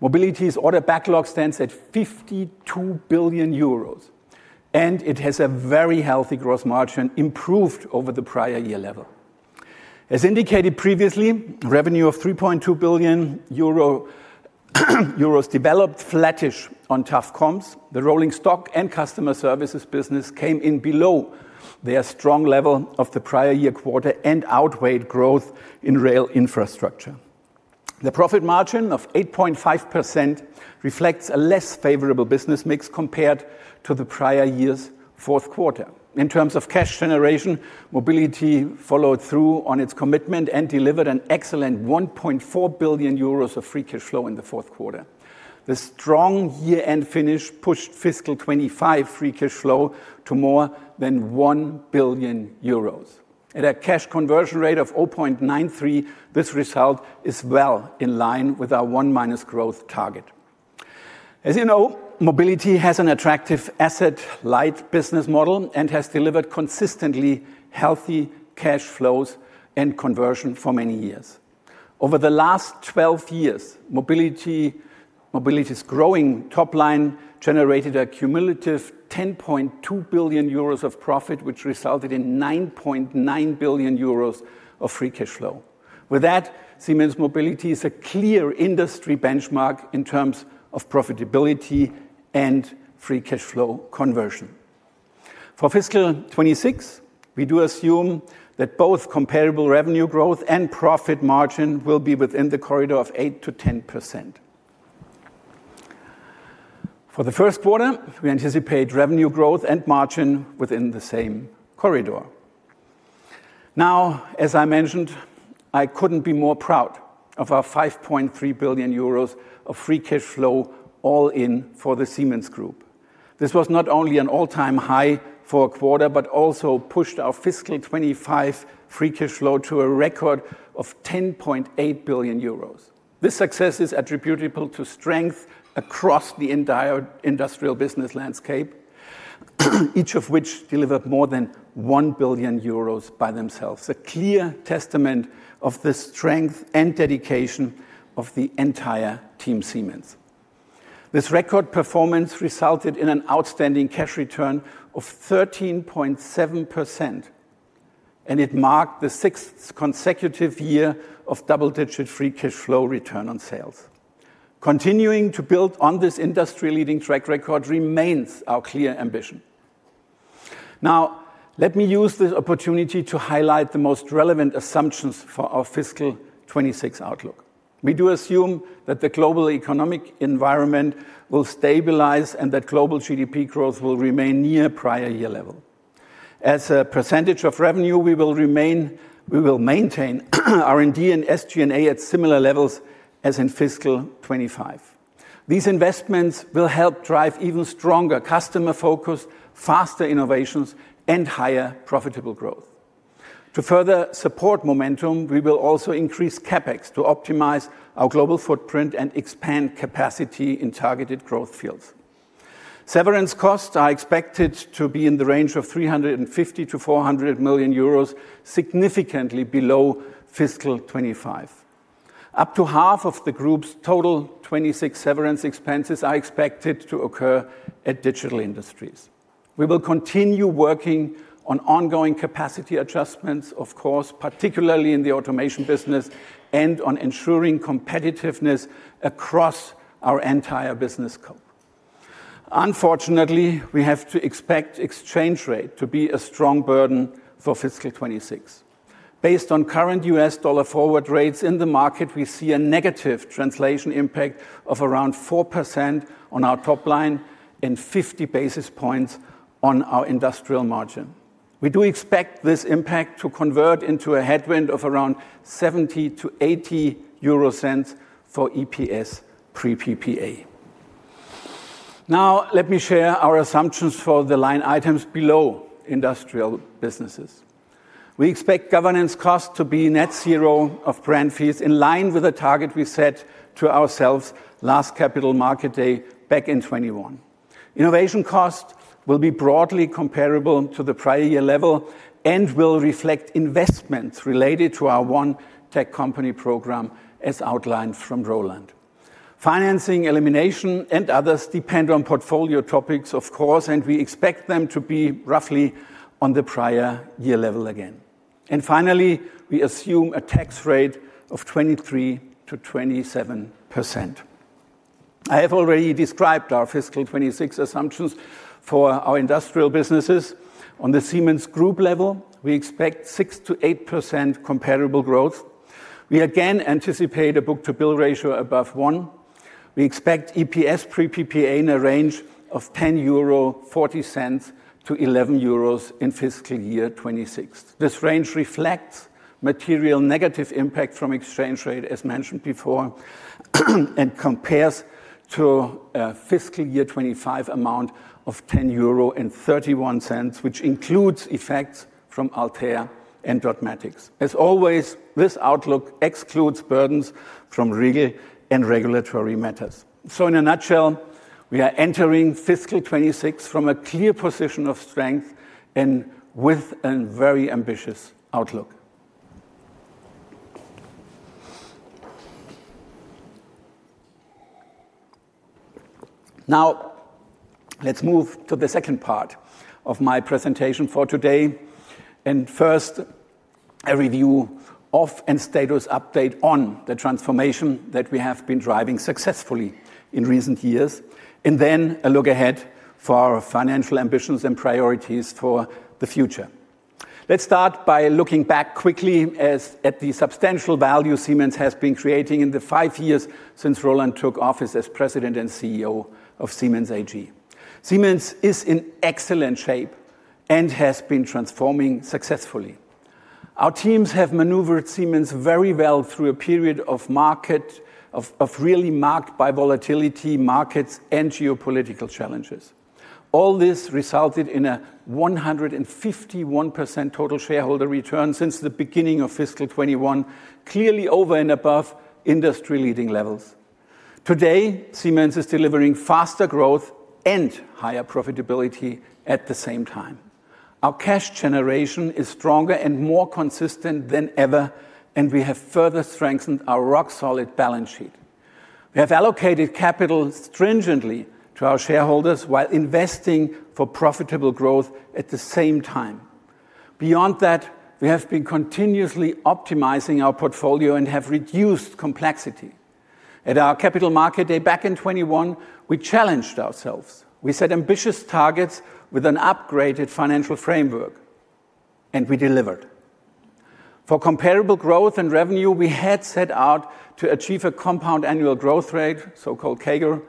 Mobility's order backlog stands at 52 billion euros, and it has a very healthy gross margin improved over the prior year level. As indicated previously, revenue of 3.2 billion euro developed flattish on tough comps. The rolling stock and customer services business came in below their strong level of the prior year quarter and outweighed growth in rail infrastructure. The profit margin of 8.5% reflects a less favorable business mix compared to the prior year's fourth quarter. In terms of cash generation, Mobility followed through on its commitment and delivered an excellent 1.4 billion euros of free cash flow in the fourth quarter. The strong year-end finish pushed fiscal 2025 free cash flow to more than 1 billion euros. At a cash conversion rate of 0.93, this result is well in line with our one-minus growth target. As you know, Mobility has an attractive asset-light business model and has delivered consistently healthy cash flows and conversion for many years. Over the last 12 years, Mobility's growing top-line generated a cumulative 10.2 billion euros of profit, which resulted in 9.9 billion euros of free cash flow. With that, Siemens Mobility is a clear industry benchmark in terms of profitability and free cash flow conversion. For fiscal 2026, we do assume that both comparable revenue growth and profit margin will be within the corridor of 8%-10%. For the first quarter, we anticipate revenue growth and margin within the same corridor. Now, as I mentioned, I could not be more proud of our 5.3 billion euros of free cash flow all in for the Siemens Group. This was not only an all-time high for a quarter, but also pushed our fiscal 2025 free cash flow to a record of 10.8 billion euros. This success is attributable to strength across the entire industrial business landscape, each of which delivered more than 1 billion euros by themselves. A clear testament of the strength and dedication of the entire team Siemens. This record performance resulted in an outstanding cash return of 13.7%, and it marked the sixth consecutive year of double-digit free cash flow return on sales. Continuing to build on this industry-leading track record remains our clear ambition. Now, let me use this opportunity to highlight the most relevant assumptions for our fiscal 2026 outlook. We do assume that the global economic environment will stabilize and that global GDP growth will remain near prior year level. As a percentage of revenue, we will maintain R&D and SG&A at similar levels as in fiscal 2025. These investments will help drive even stronger customer focus, faster innovations, and higher profitable growth. To further support momentum, we will also increase CapEx to optimize our global footprint and expand capacity in targeted growth fields. Severance costs are expected to be in the range of 350 million-400 million euros, significantly below fiscal 2025. Up to half of the group's total 2026 severance expenses are expected to occur at Digital Industries. We will continue working on ongoing capacity adjustments, of course, particularly in the automation business and on ensuring competitiveness across our entire business scope. Unfortunately, we have to expect exchange rate to be a strong burden for fiscal 2026. Based on current $ forward rates in the market, we see a negative translation impact of around 4% on our top line and 50 basis points on our industrial margin. We do expect this impact to convert into a headwind of around 0.70-0.80 euro for EPS pre-PPA. Now, let me share our assumptions for the line items below industrial businesses. We expect governance costs to be net zero of brand fees, in line with the target we set to ourselves last capital market day back in 2021. Innovation costs will be broadly comparable to the prior year level and will reflect investments related to our One Tech Company program, as outlined from Roland. Financing elimination and others depend on portfolio topics, of course, and we expect them to be roughly on the prior year level again. Finally, we assume a tax rate of 23%-27%. I have already described our fiscal 2026 assumptions for our industrial businesses. On the Siemens Group level, we expect 6%-8% comparable growth. We again anticipate a book-to-bill ratio above 1. We expect EPS pre-PPA in a range of 10.40-11 euro in fiscal year 2026. This range reflects material negative impact from exchange rate, as mentioned before, and compares to a fiscal year 2025 amount of 10.31 euro, which includes effects from Altair and Dotmatics. As always, this outlook excludes burdens from real and regulatory matters. In a nutshell, we are entering fiscal 2026 from a clear position of strength and with a very ambitious outlook. Now, let's move to the second part of my presentation for today. First, a review of and status update on the transformation that we have been driving successfully in recent years, and then a look ahead for our financial ambitions and priorities for the future. Let's start by looking back quickly at the substantial value Siemens has been creating in the five years since Roland took office as President and CEO of Siemens AG. Siemens is in excellent shape and has been transforming successfully. Our teams have maneuvered Siemens very well through a period really marked by volatility in markets and geopolitical challenges. All this resulted in a 151% total shareholder return since the beginning of fiscal 2021, clearly over and above industry-leading levels. Today, Siemens is delivering faster growth and higher profitability at the same time. Our cash generation is stronger and more consistent than ever, and we have further strengthened our rock-solid balance sheet. We have allocated capital stringently to our shareholders while investing for profitable growth at the same time. Beyond that, we have been continuously optimizing our portfolio and have reduced complexity. At our capital market day back in 2021, we challenged ourselves. We set ambitious targets with an upgraded financial framework, and we delivered. For comparable growth and revenue, we had set out to achieve a compound annual growth rate, so-called CAGR,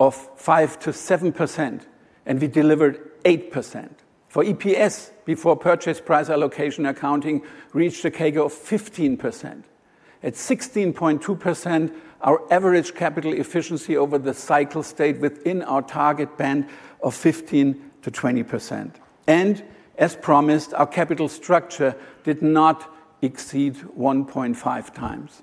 of 5%-7%, and we delivered 8%. For EPS, before purchase price allocation accounting, we reached a CAGR of 15%. At 16.2%, our average capital efficiency over the cycle stayed within our target band of 15%-20%. As promised, our capital structure did not exceed 1.5 times.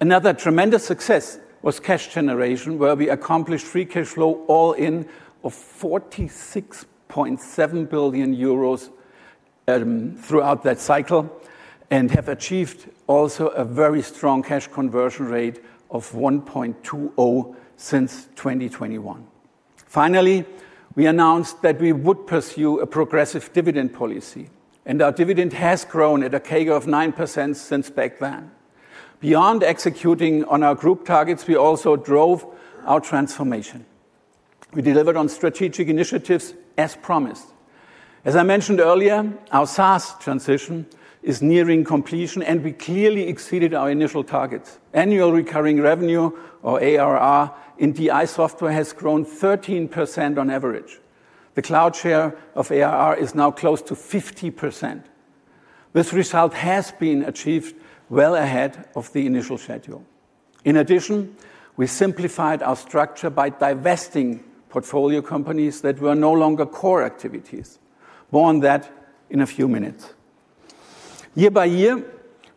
Another tremendous success was cash generation, where we accomplished free cash flow all in of 46.7 billion euros throughout that cycle and have achieved also a very strong cash conversion rate of 1.20 since 2021. Finally, we announced that we would pursue a progressive dividend policy, and our dividend has grown at a CAGR of 9% since back then. Beyond executing on our group targets, we also drove our transformation. We delivered on strategic initiatives as promised. As I mentioned earlier, our SaaS transition is nearing completion, and we clearly exceeded our initial targets. Annual recurring revenue, or ARR, in DI software has grown 13% on average. The cloud share of ARR is now close to 50%. This result has been achieved well ahead of the initial schedule. In addition, we simplified our structure by divesting portfolio companies that were no longer core activities. More on that in a few minutes. Year by year,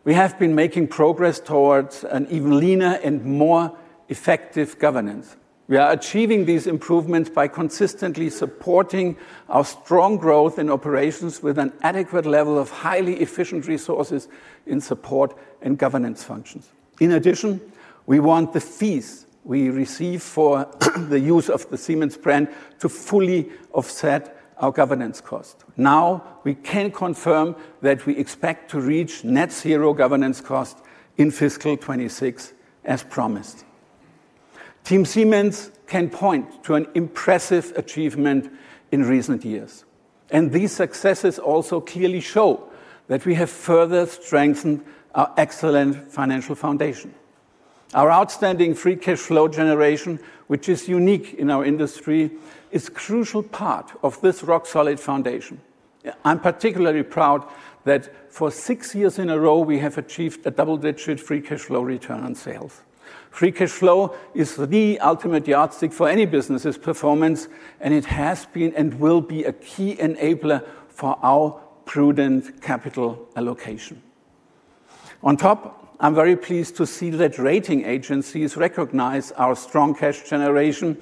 we have been making progress towards an even leaner and more effective governance. We are achieving these improvements by consistently supporting our strong growth in operations with an adequate level of highly efficient resources in support and governance functions. In addition, we want the fees we receive for the use of the Siemens brand to fully offset our governance cost. Now, we can confirm that we expect to reach net zero governance cost in fiscal 2026 as promised. Team Siemens can point to an impressive achievement in recent years, and these successes also clearly show that we have further strengthened our excellent financial foundation. Our outstanding free cash flow generation, which is unique in our industry, is a crucial part of this rock-solid foundation. I'm particularly proud that for six years in a row, we have achieved a double-digit free cash flow return on sales. Free cash flow is the ultimate yardstick for any business's performance, and it has been and will be a key enabler for our prudent capital allocation. On top, I'm very pleased to see that rating agencies recognize our strong cash generation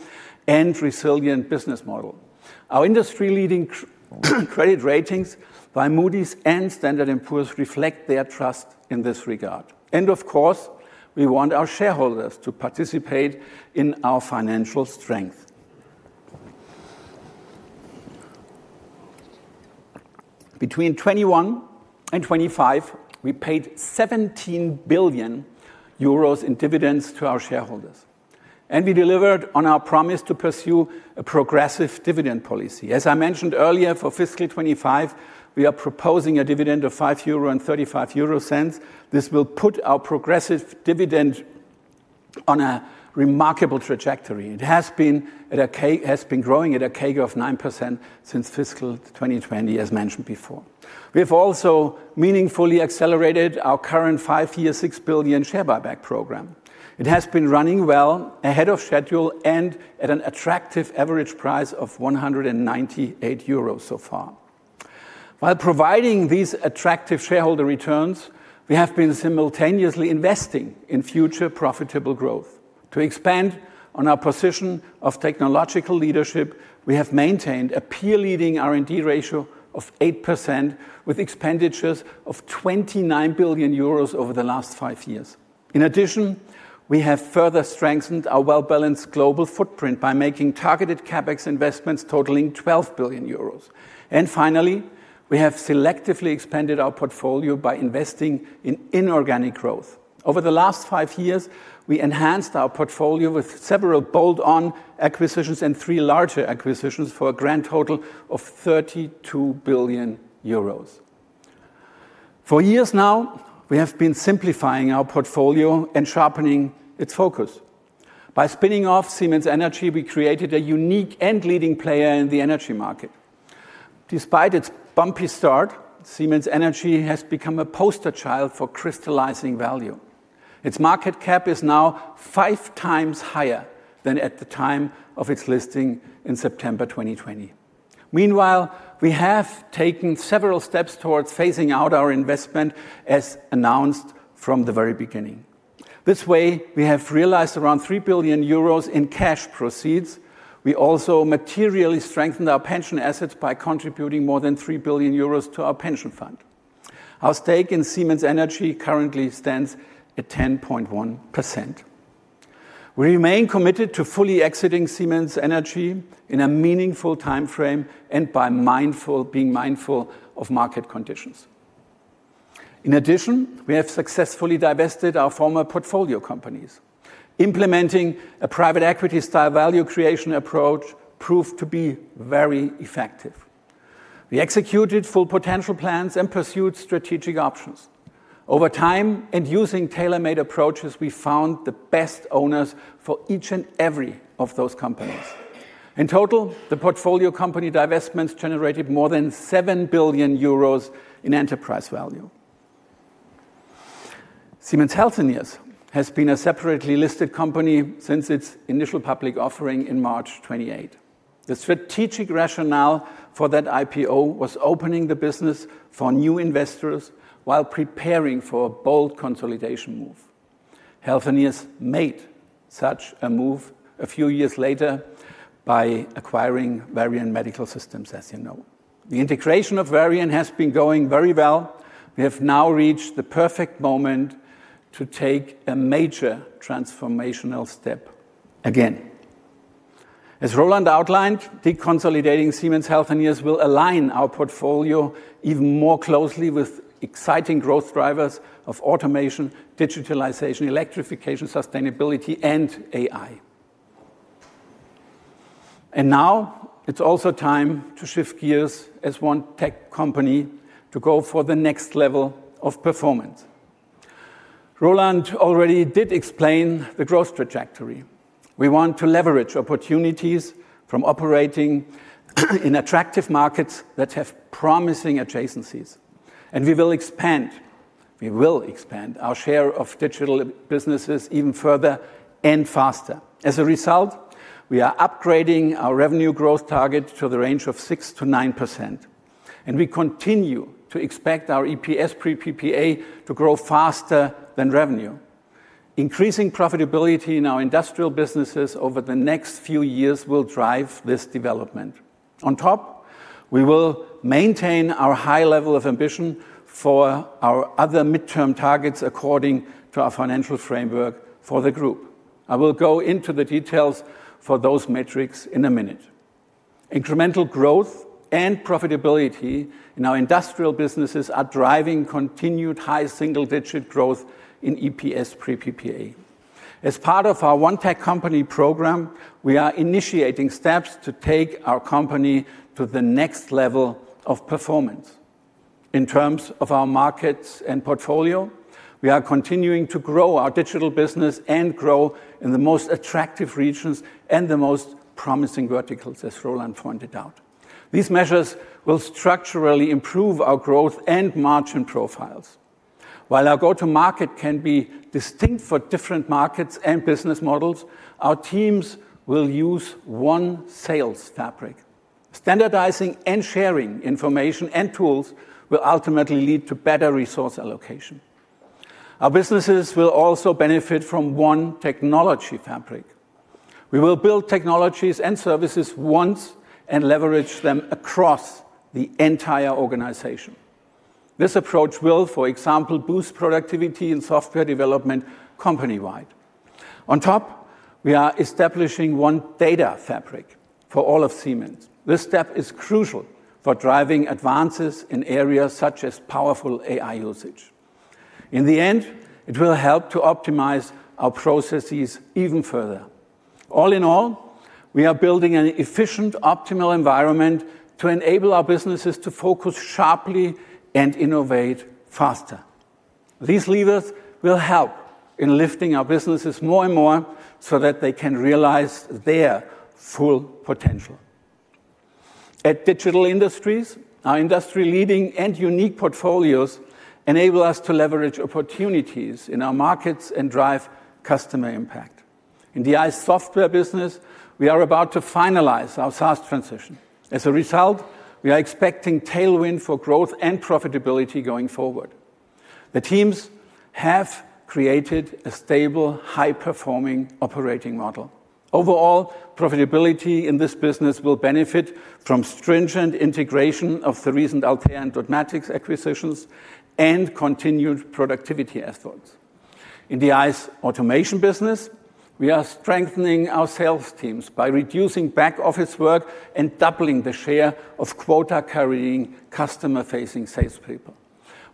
and resilient business model. Our industry-leading credit ratings by Moody's and Standard & Poor's reflect their trust in this regard. Of course, we want our shareholders to participate in our financial strength. Between 2021 and 2025, we paid 17 billion euros in dividends to our shareholders, and we delivered on our promise to pursue a progressive dividend policy. As I mentioned earlier, for fiscal 2025, we are proposing a dividend of 0.0535. This will put our progressive dividend on a remarkable trajectory. It has been growing at a CAGR of 9% since fiscal 2020, as mentioned before. We have also meaningfully accelerated our current five-year 6 billion share buyback program. It has been running well, ahead of schedule, and at an attractive average price of 198 euros so far. While providing these attractive shareholder returns, we have been simultaneously investing in future profitable growth. To expand on our position of technological leadership, we have maintained a peer-leading R&D ratio of 8% with expenditures of 29 billion euros over the last five years. In addition, we have further strengthened our well-balanced global footprint by making targeted CapEx investments totaling 12 billion euros. Finally, we have selectively expanded our portfolio by investing in inorganic growth. Over the last five years, we enhanced our portfolio with several bolt-on acquisitions and three larger acquisitions for a grand total of 32 billion euros. For years now, we have been simplifying our portfolio and sharpening its focus. By spinning off Siemens Energy, we created a unique and leading player in the energy market. Despite its bumpy start, Siemens Energy has become a poster child for crystallizing value. Its market cap is now five times higher than at the time of its listing in September 2020. Meanwhile, we have taken several steps towards phasing out our investment, as announced from the very beginning. This way, we have realized around 3 billion euros in cash proceeds. We also materially strengthened our pension assets by contributing more than 3 billion euros to our pension fund. Our stake in Siemens Energy currently stands at 10.1%. We remain committed to fully exiting Siemens Energy in a meaningful time frame and by being mindful of market conditions. In addition, we have successfully divested our former portfolio companies. Implementing a private equity-style value creation approach proved to be very effective. We executed full potential plans and pursued strategic options. Over time and using tailor-made approaches, we found the best owners for each and every one of those companies. In total, the portfolio company divestments generated more than 7 billion euros in enterprise value. Siemens Healthineers has been a separately listed company since its initial public offering in March 2028. The strategic rationale for that IPO was opening the business for new investors while preparing for a bold consolidation move. Healthineers made such a move a few years later by acquiring Varian Medical Systems, as you know. The integration of Varian has been going very well. We have now reached the perfect moment to take a major transformational step again. As Roland outlined, deconsolidating Siemens Healthineers will align our portfolio even more closely with exciting growth drivers of automation, digitalization, electrification, sustainability, and AI. It is also time to shift gears as one tech company to go for the next level of performance. Roland already did explain the growth trajectory. We want to leverage opportunities from operating in attractive markets that have promising adjacencies. We will expand our share of digital businesses even further and faster. As a result, we are upgrading our revenue growth target to the range of 6%-9%. We continue to expect our EPS pre-PPA to grow faster than revenue. Increasing profitability in our industrial businesses over the next few years will drive this development. On top, we will maintain our high level of ambition for our other midterm targets according to our financial framework for the group. I will go into the details for those metrics in a minute. Incremental growth and profitability in our industrial businesses are driving continued high single-digit growth in EPS pre-PPA. As part of our One Tech Company program, we are initiating steps to take our company to the next level of performance. In terms of our markets and portfolio, we are continuing to grow our digital business and grow in the most attractive regions and the most promising verticals, as Roland pointed out. These measures will structurally improve our growth and margin profiles. While our go-to-market can be distinct for different markets and business models, our teams will use one sales fabric. Standardizing and sharing information and tools will ultimately lead to better resource allocation. Our businesses will also benefit from one technology fabric. We will build technologies and services once and leverage them across the entire organization. This approach will, for example, boost productivity in software development company-wide. On top, we are establishing one data fabric for all of Siemens. This step is crucial for driving advances in areas such as powerful AI usage. In the end, it will help to optimize our processes even further. All in all, we are building an efficient, optimal environment to enable our businesses to focus sharply and innovate faster. These levers will help in lifting our businesses more and more so that they can realize their full potential. At Digital Industries, our industry-leading and unique portfolios enable us to leverage opportunities in our markets and drive customer impact. In the AI software business, we are about to finalize our SaaS transition. As a result, we are expecting tailwind for growth and profitability going forward. The teams have created a stable, high-performing operating model. Overall, profitability in this business will benefit from stringent integration of the recent Altair and Dotmatics acquisitions and continued productivity efforts. In the AI automation business, we are strengthening our sales teams by reducing back-office work and doubling the share of quota-carrying customer-facing salespeople.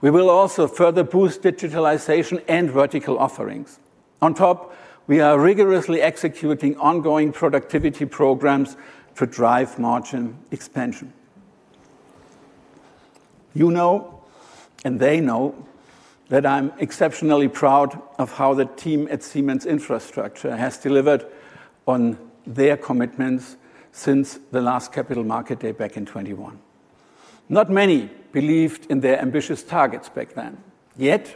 We will also further boost digitalization and vertical offerings. On top, we are rigorously executing ongoing productivity programs to drive margin expansion. You know, and they know, that I'm exceptionally proud of how the team at Siemens Infrastructure has delivered on their commitments since the last capital market day back in 2021. Not many believed in their ambitious targets back then. Yet,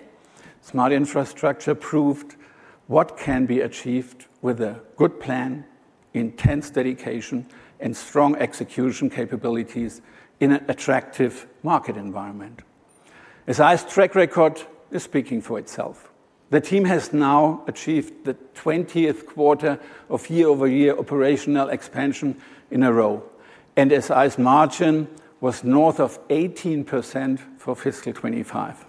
Smart Infrastructure proved what can be achieved with a good plan, intense dedication, and strong execution capabilities in an attractive market environment. SI's track record is speaking for itself. The team has now achieved the 20th quarter of year-over-year operational expansion in a row, and SI's margin was north of 18% for fiscal 2025.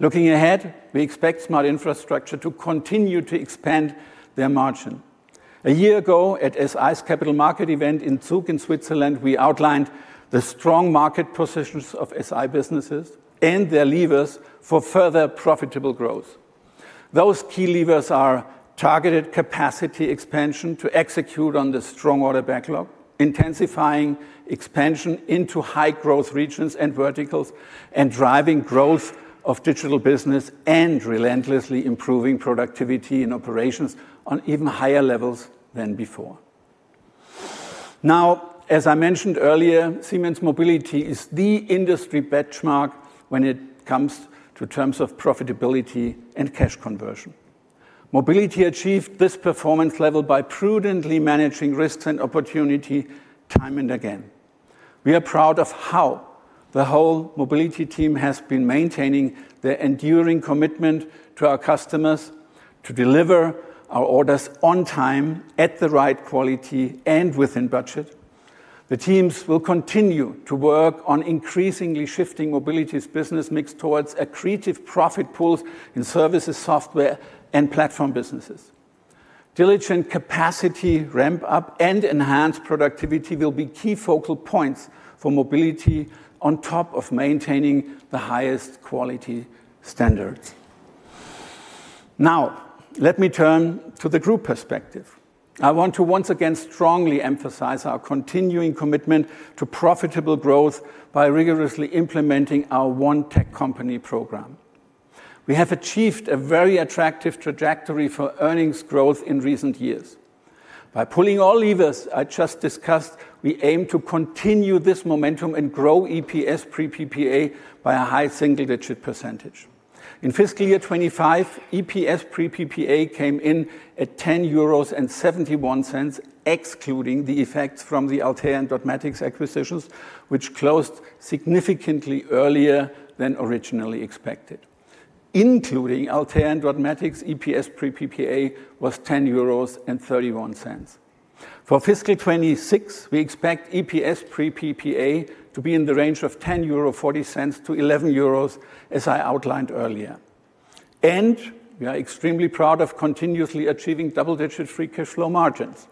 Looking ahead, we expect Smart Infrastructure to continue to expand their margin. A year ago, at SI's capital market event in Zug in Switzerland, we outlined the strong market positions of SI businesses and their levers for further profitable growth. Those key levers are targeted capacity expansion to execute on the strong order backlog, intensifying expansion into high-growth regions and verticals, and driving growth of digital business and relentlessly improving productivity in operations on even higher levels than before. Now, as I mentioned earlier, Siemens Mobility is the industry benchmark when it comes to terms of profitability and cash conversion. Mobility achieved this performance level by prudently managing risks and opportunity time and again. We are proud of how the whole Mobility team has been maintaining their enduring commitment to our customers to deliver our orders on time, at the right quality, and within budget. The teams will continue to work on increasingly shifting Mobility's business mix towards accretive profit pools in services, software, and platform businesses. Diligent capacity ramp-up and enhanced productivity will be key focal points for Mobility on top of maintaining the highest quality standards. Now, let me turn to the group perspective. I want to once again strongly emphasize our continuing commitment to profitable growth by rigorously implementing our ONE Tech Company program. We have achieved a very attractive trajectory for earnings growth in recent years. By pulling all levers I just discussed, we aim to continue this momentum and grow EPS pre-PPA by a high single-digit %. In fiscal year 2025, EPS pre-PPA came in at 10.71 euros, excluding the effects from the Altair and Dotmatics acquisitions, which closed significantly earlier than originally expected. Including Altair and Dotmatics, EPS pre-PPA was 10.31 euros. For fiscal 2026, we expect EPS pre-PPA to be in the range of 10.40-11.00 euro, as I outlined earlier. We are extremely proud of continuously achieving double-digit free cash flow margins.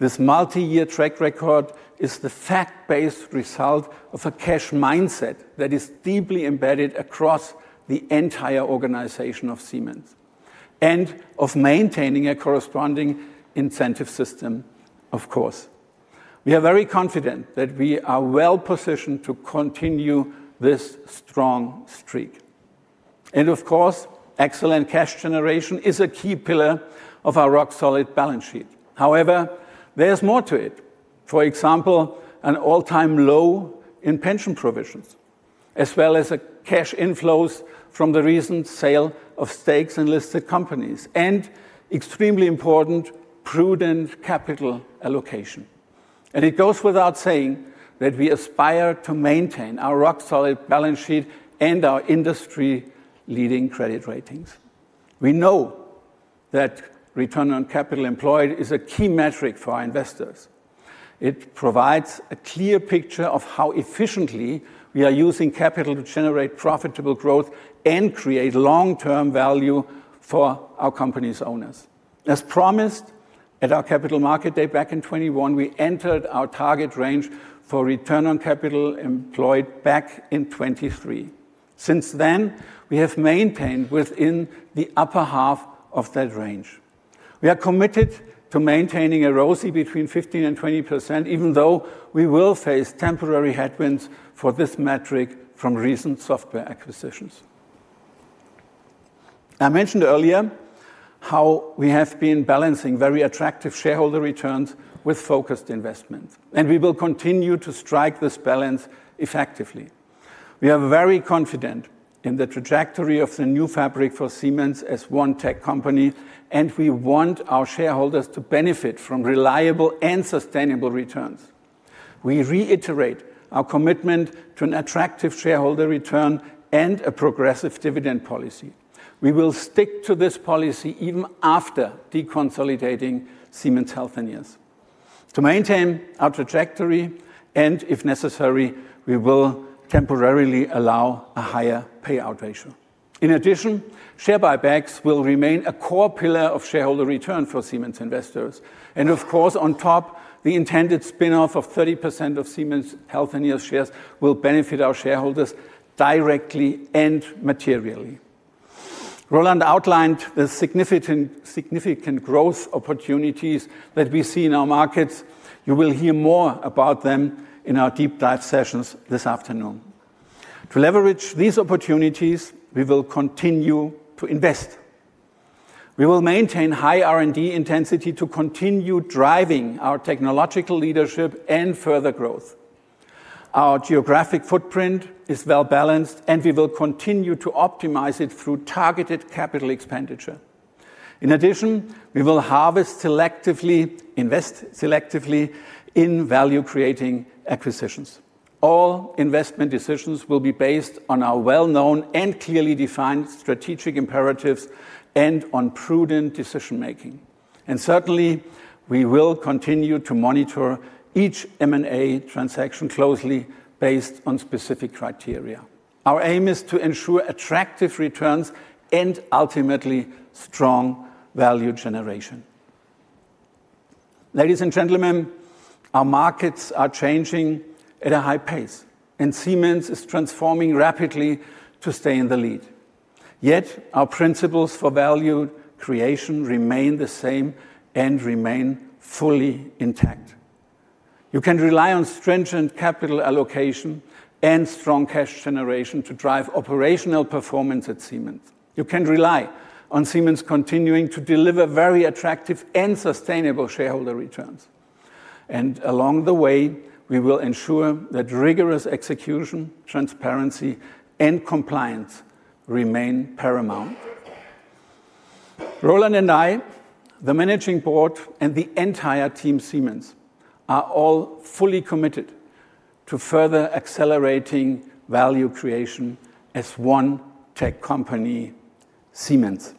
This multi-year track record is the fact-based result of a cash mindset that is deeply embedded across the entire organization of Siemens and of maintaining a corresponding incentive system, of course. We are very confident that we are well-positioned to continue this strong streak. Excellent cash generation is a key pillar of our rock-solid balance sheet. However, there is more to it. For example, an all-time low in pension provisions, as well as cash inflows from the recent sale of stakes in listed companies, and extremely important prudent capital allocation. It goes without saying that we aspire to maintain our rock-solid balance sheet and our industry-leading credit ratings. We know that return on capital employed is a key metric for our investors. It provides a clear picture of how efficiently we are using capital to generate profitable growth and create long-term value for our company's owners. As promised at our capital market day back in 2021, we entered our target range for return on capital employed back in 2023. Since then, we have maintained within the upper half of that range. We are committed to maintaining a ROSI between 15%-20%, even though we will face temporary headwinds for this metric from recent software acquisitions. I mentioned earlier how we have been balancing very attractive shareholder returns with focused investment. We will continue to strike this balance effectively. We are very confident in the trajectory of the new fabric for Siemens as one tech company, and we want our shareholders to benefit from reliable and sustainable returns. We reiterate our commitment to an attractive shareholder return and a progressive dividend policy. We will stick to this policy even after deconsolidating Siemens Healthineers. To maintain our trajectory, and if necessary, we will temporarily allow a higher payout ratio. In addition, share buybacks will remain a core pillar of shareholder return for Siemens investors. Of course, on top, the intended spinoff of 30% of Siemens Healthineers shares will benefit our shareholders directly and materially. Roland outlined the significant growth opportunities that we see in our markets. You will hear more about them in our deep dive sessions this afternoon. To leverage these opportunities, we will continue to invest. We will maintain high R&D intensity to continue driving our technological leadership and further growth. Our geographic footprint is well-balanced, and we will continue to optimize it through targeted capital expenditure. In addition, we will harvest selectively, invest selectively in value-creating acquisitions. All investment decisions will be based on our well-known and clearly defined strategic imperatives and on prudent decision-making. Certainly, we will continue to monitor each M&A transaction closely based on specific criteria. Our aim is to ensure attractive returns and ultimately strong value generation. Ladies and gentlemen, our markets are changing at a high pace, and Siemens is transforming rapidly to stay in the lead. Yet, our principles for value creation remain the same and remain fully intact. You can rely on stringent capital allocation and strong cash generation to drive operational performance at Siemens. You can rely on Siemens continuing to deliver very attractive and sustainable shareholder returns. Along the way, we will ensure that rigorous execution, transparency, and compliance remain paramount. Roland and I, the Managing Board, and the entire team Siemens are all fully committed to further accelerating value creation as one tech company, Siemens.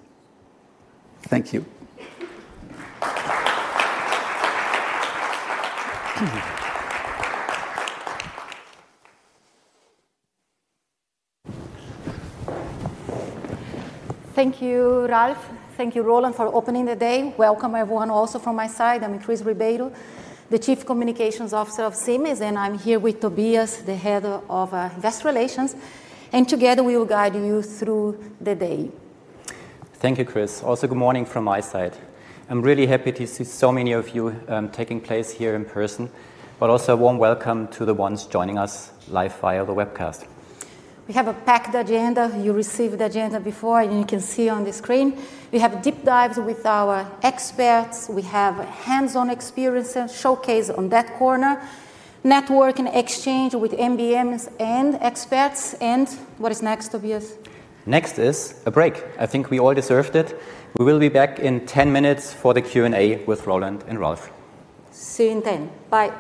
Thank you. Thank you, Ralf. Thank you, Roland, for opening the day. Welcome, everyone, also from my side. I'm Chris Ribeiro, the Chief Communications Officer of Siemens, and I'm here with Tobias, the Head of Investor Relations. Together, we will guide you through the day. Thank you, Chris. Also, good morning from my side. I'm really happy to see so many of you taking place here in person, but also a warm welcome to the ones joining us live via the webcast. We have a packed agenda. You received the agenda before, and you can see on the screen. We have deep dives with our experts. We have hands-on experiences showcased on that corner, network and exchange with MBMs and experts. What is next, Tobias? Next is a break. I think we all deserved it. We will be back in 10 minutes for the Q&A with Roland and Ralf. See you in 10. Bye.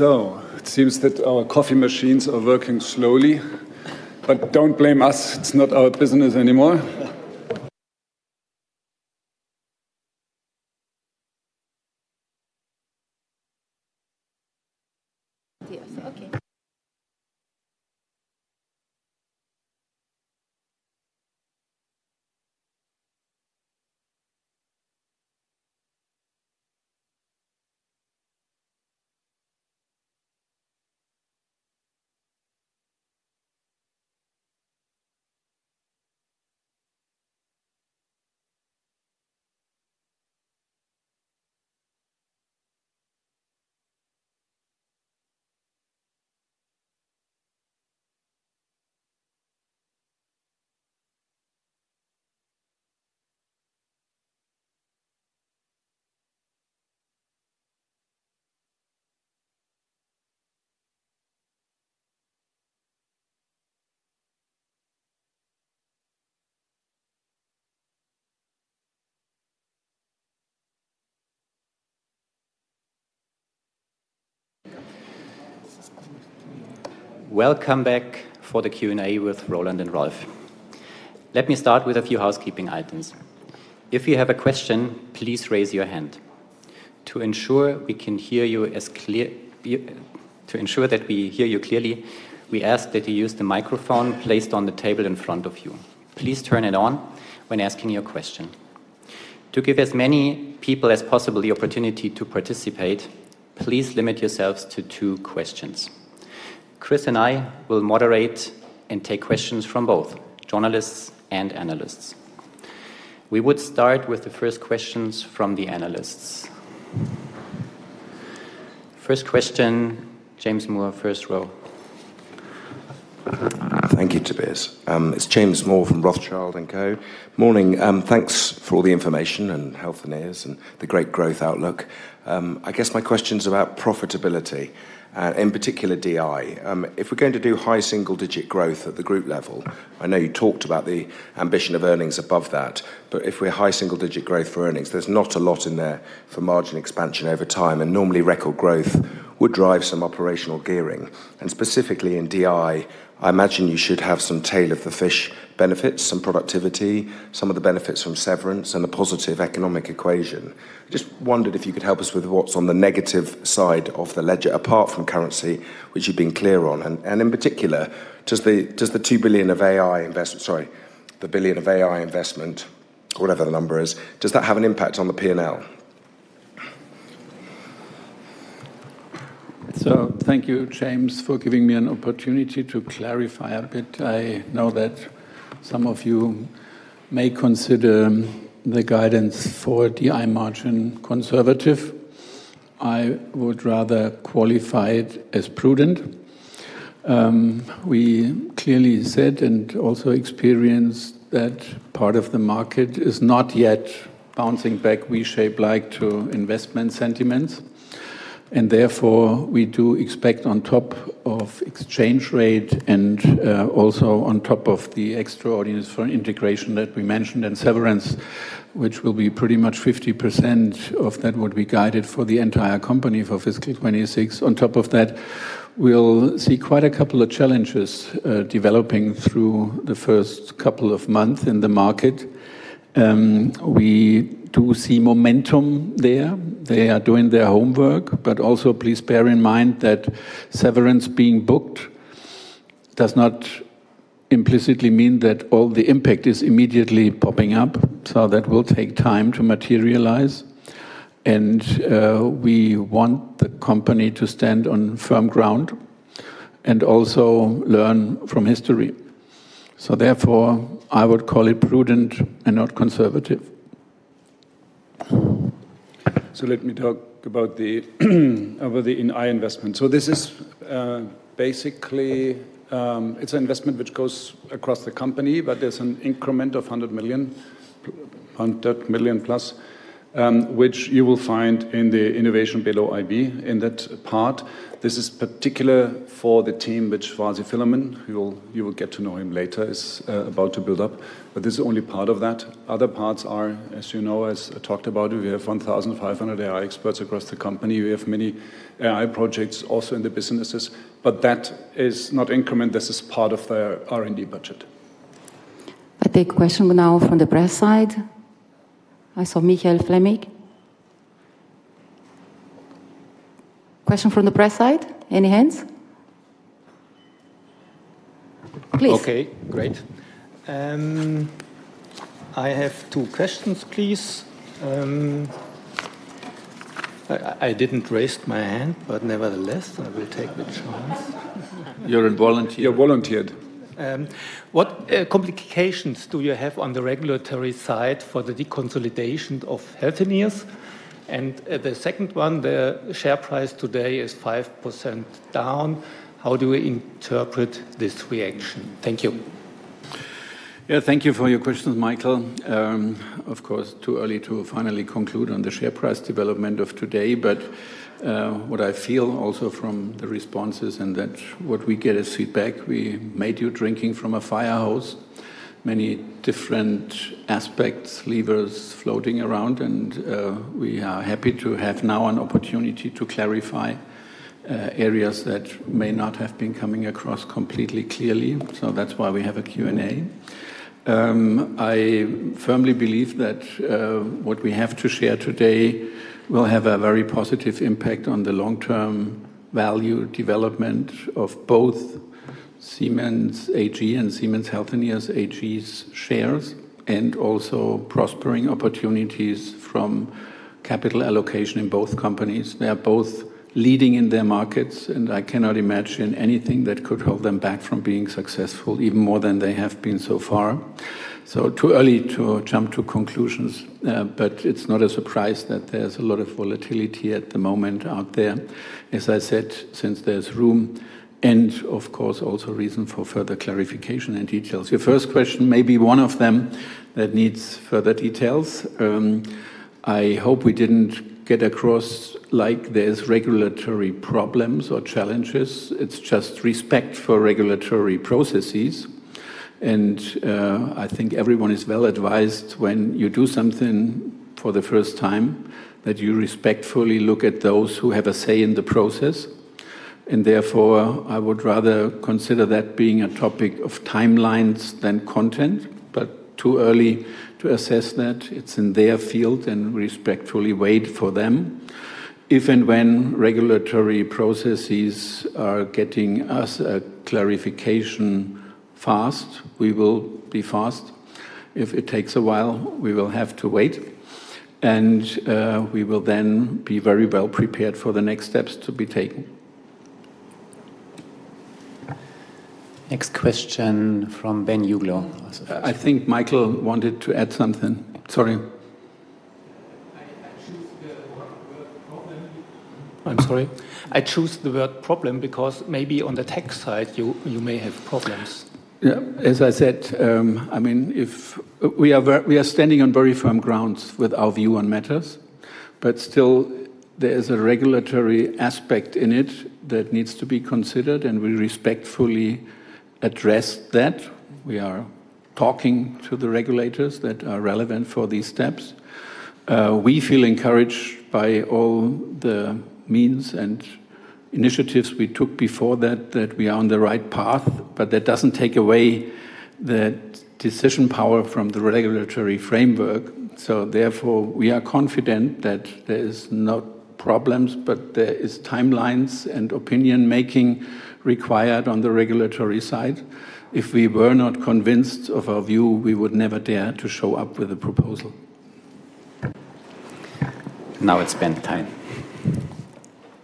It seems that our coffee machines are working slowly, but don't blame us, it's not our business anymore. Welcome back for the Q&A with Roland and Ralf. Let me start with a few housekeeping items. If you have a question, please raise your hand. To ensure that we hear you clearly, we ask that you use the microphone placed on the table in front of you. Please turn it on when asking your question. To give as many people as possible the opportunity to participate, please limit yourselves to two questions. Chris and I will moderate and take questions from both journalists and analysts. We would start with the first questions from the analysts. First question, James Moore, first row. Thank you, Tobias. It's James Moore from Rothschild & Co. Morning. Thanks for all the information and Healthineers and the great growth outlook. I guess my question is about profitability, and in particular DI. If we're going to do high single-digit growth at the group level, I know you talked about the ambition of earnings above that, but if we're high single-digit growth for earnings, there's not a lot in there for margin expansion over time, and normally record growth would drive some operational gearing. Specifically in DI, I imagine you should have some tail-of-the-fish benefits, some productivity, some of the benefits from severance, and a positive economic equation. I just wondered if you could help us with what's on the negative side of the ledger, apart from currency, which you've been clear on. In particular, does the $2 billion of AI investment, sorry, the $1 billion of AI investment, whatever the number is, does that have an impact on the P&L? Thank you, James, for giving me an opportunity to clarify a bit. I know that some of you may consider the guidance for DI margin conservative. I would rather qualify it as prudent. We clearly said and also experienced that part of the market is not yet bouncing back V-shape-like to investment sentiments. Therefore, we do expect on top of exchange rate and also on top of the extraordinary integration that we mentioned and severance, which will be pretty much 50% of that would be guided for the entire company for fiscal 2026. On top of that, we'll see quite a couple of challenges developing through the first couple of months in the market. We do see momentum there. They are doing their homework, but also please bear in mind that severance being booked does not implicitly mean that all the impact is immediately popping up. That will take time to materialize. We want the company to stand on firm ground and also learn from history. Therefore, I would call it prudent and not conservative. Let me talk about the AI investment. This is basically an investment which goes across the company, but there is an increment of 100 million, 100 million plus, which you will find in the innovation below IB in that part. This is particular for the team which was a filament. You will get to know him later. It is about to build up. This is only part of that. Other parts are, as you know, as I talked about, we have 1,500 AI experts across the company. We have many AI projects also in the businesses, but that is not increment. This is part of the R&D budget. A big question now from the press side. I saw Michael Fleming. Question from the press side. Any hands? Please. Okay, great. I have two questions, please. I did not raise my hand, but nevertheless, I will take the chance. You are a volunteer. You are volunteered. What complications do you have on the regulatory side for the deconsolidation of Healthineers? And the second one, the share price today is 5% down. How do we interpret this reaction? Thank you. Yeah, thank you for your questions, Michael. Of course, too early to finally conclude on the share price development of today, but what I feel also from the responses and that what we get as feedback, we made you drinking from a fire hose. Many different aspects, levers floating around, and we are happy to have now an opportunity to clarify areas that may not have been coming across completely clearly. That is why we have a Q&A. I firmly believe that what we have to share today will have a very positive impact on the long-term value development of both Siemens AG and Siemens Healthineers shares, and also prospering opportunities from capital allocation in both companies. They are both leading in their markets, and I cannot imagine anything that could hold them back from being successful, even more than they have been so far. Too early to jump to conclusions, but it's not a surprise that there's a lot of volatility at the moment out there. As I said, since there's room and, of course, also reason for further clarification and details. Your first question, maybe one of them that needs further details. I hope we didn't get across like there's regulatory problems or challenges. It's just respect for regulatory processes. I think everyone is well advised when you do something for the first time that you respectfully look at those who have a say in the process. Therefore, I would rather consider that being a topic of timelines than content, but too early to assess that. It is in their field and respectfully wait for them. If and when regulatory processes are getting us a clarification fast, we will be fast. If it takes a while, we will have to wait. We will then be very well prepared for the next steps to be taken. Next question from Ben Uglow. I think Michael wanted to add something. Sorry. I am sorry. I choose the word problem because maybe on the tech side, you may have problems. Yeah, as I said, I mean, we are standing on very firm grounds with our view on matters, but still there is a regulatory aspect in it that needs to be considered, and we respectfully address that. We are talking to the regulators that are relevant for these steps. We feel encouraged by all the means and initiatives we took before that, that we are on the right path, but that does not take away the decision power from the regulatory framework. Therefore, we are confident that there are no problems, but there are timelines and opinion-making required on the regulatory side. If we were not convinced of our view, we would never dare to show up with a proposal. Now it's Ben's time.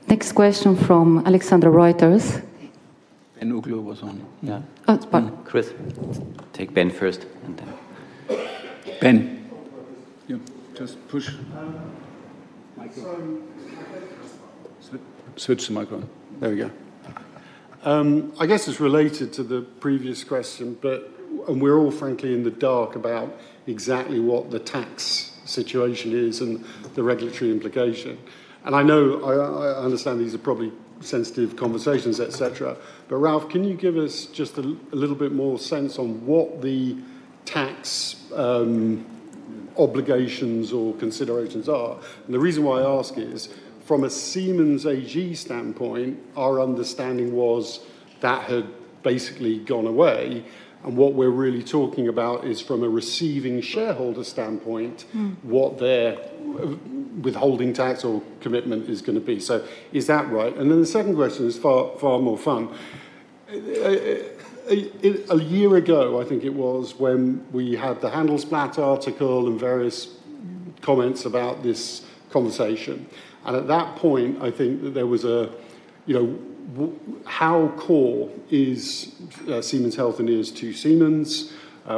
Next question from Alexander Reuters. Ben Uglow was on. Yeah. Oh, it's fine. Chris, take Ben first. Ben. Yeah, just push. Switch the microphone. There we go. I guess it's related to the previous question, but we're all frankly in the dark about exactly what the tax situation is and the regulatory implication. I know I understand these are probably sensitive conversations, etc., but Ralf, can you give us just a little bit more sense on what the tax obligations or considerations are? The reason why I ask is, from a Siemens AG standpoint, our understanding was that had basically gone away. What we're really talking about is, from a receiving shareholder standpoint, what their withholding tax or commitment is going to be. Is that right? The second question is far more fun. A year ago, I think it was, when we had the Handelsblatt article and various comments about this conversation. At that point, I think that there was a, how core is Siemens Healthineers to Siemens?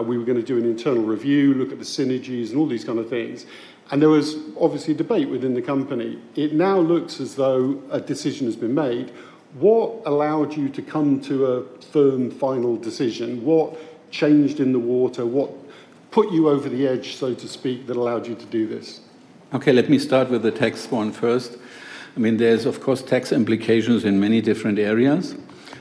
We were going to do an internal review, look at the synergies and all these kinds of things. There was obviously debate within the company. It now looks as though a decision has been made. What allowed you to come to a firm final decision? What changed in the water? What put you over the edge, so to speak, that allowed you to do this? Okay, let me start with the tax one first. I mean, there are, of course, tax implications in many different areas.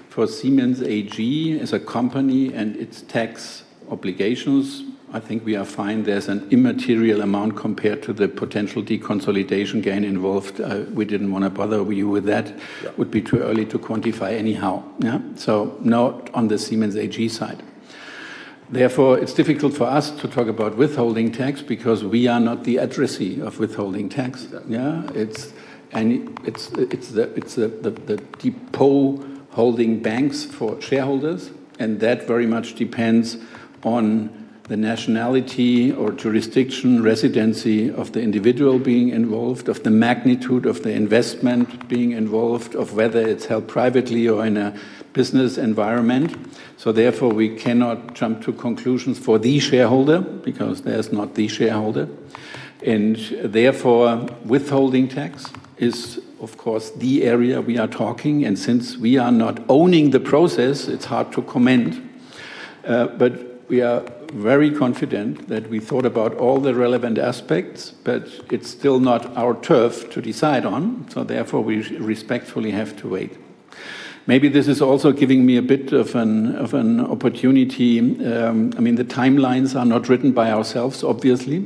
For Siemens AG as a company and its tax obligations, I think we are fine. There is an immaterial amount compared to the potential deconsolidation gain involved. We did not want to bother you with that. It would be too early to quantify anyhow. Not on the Siemens AG side. Therefore, it's difficult for us to talk about withholding tax because we are not the addressee of withholding tax. It's the depot holding banks for shareholders. That very much depends on the nationality or jurisdiction, residency of the individual being involved, the magnitude of the investment being involved, whether it's held privately or in a business environment. Therefore, we cannot jump to conclusions for the shareholder because there's not the shareholder. Withholding tax is, of course, the area we are talking. Since we are not owning the process, it's hard to comment. We are very confident that we thought about all the relevant aspects, but it's still not our turf to decide on. Therefore, we respectfully have to wait. Maybe this is also giving me a bit of an opportunity. I mean, the timelines are not written by ourselves, obviously.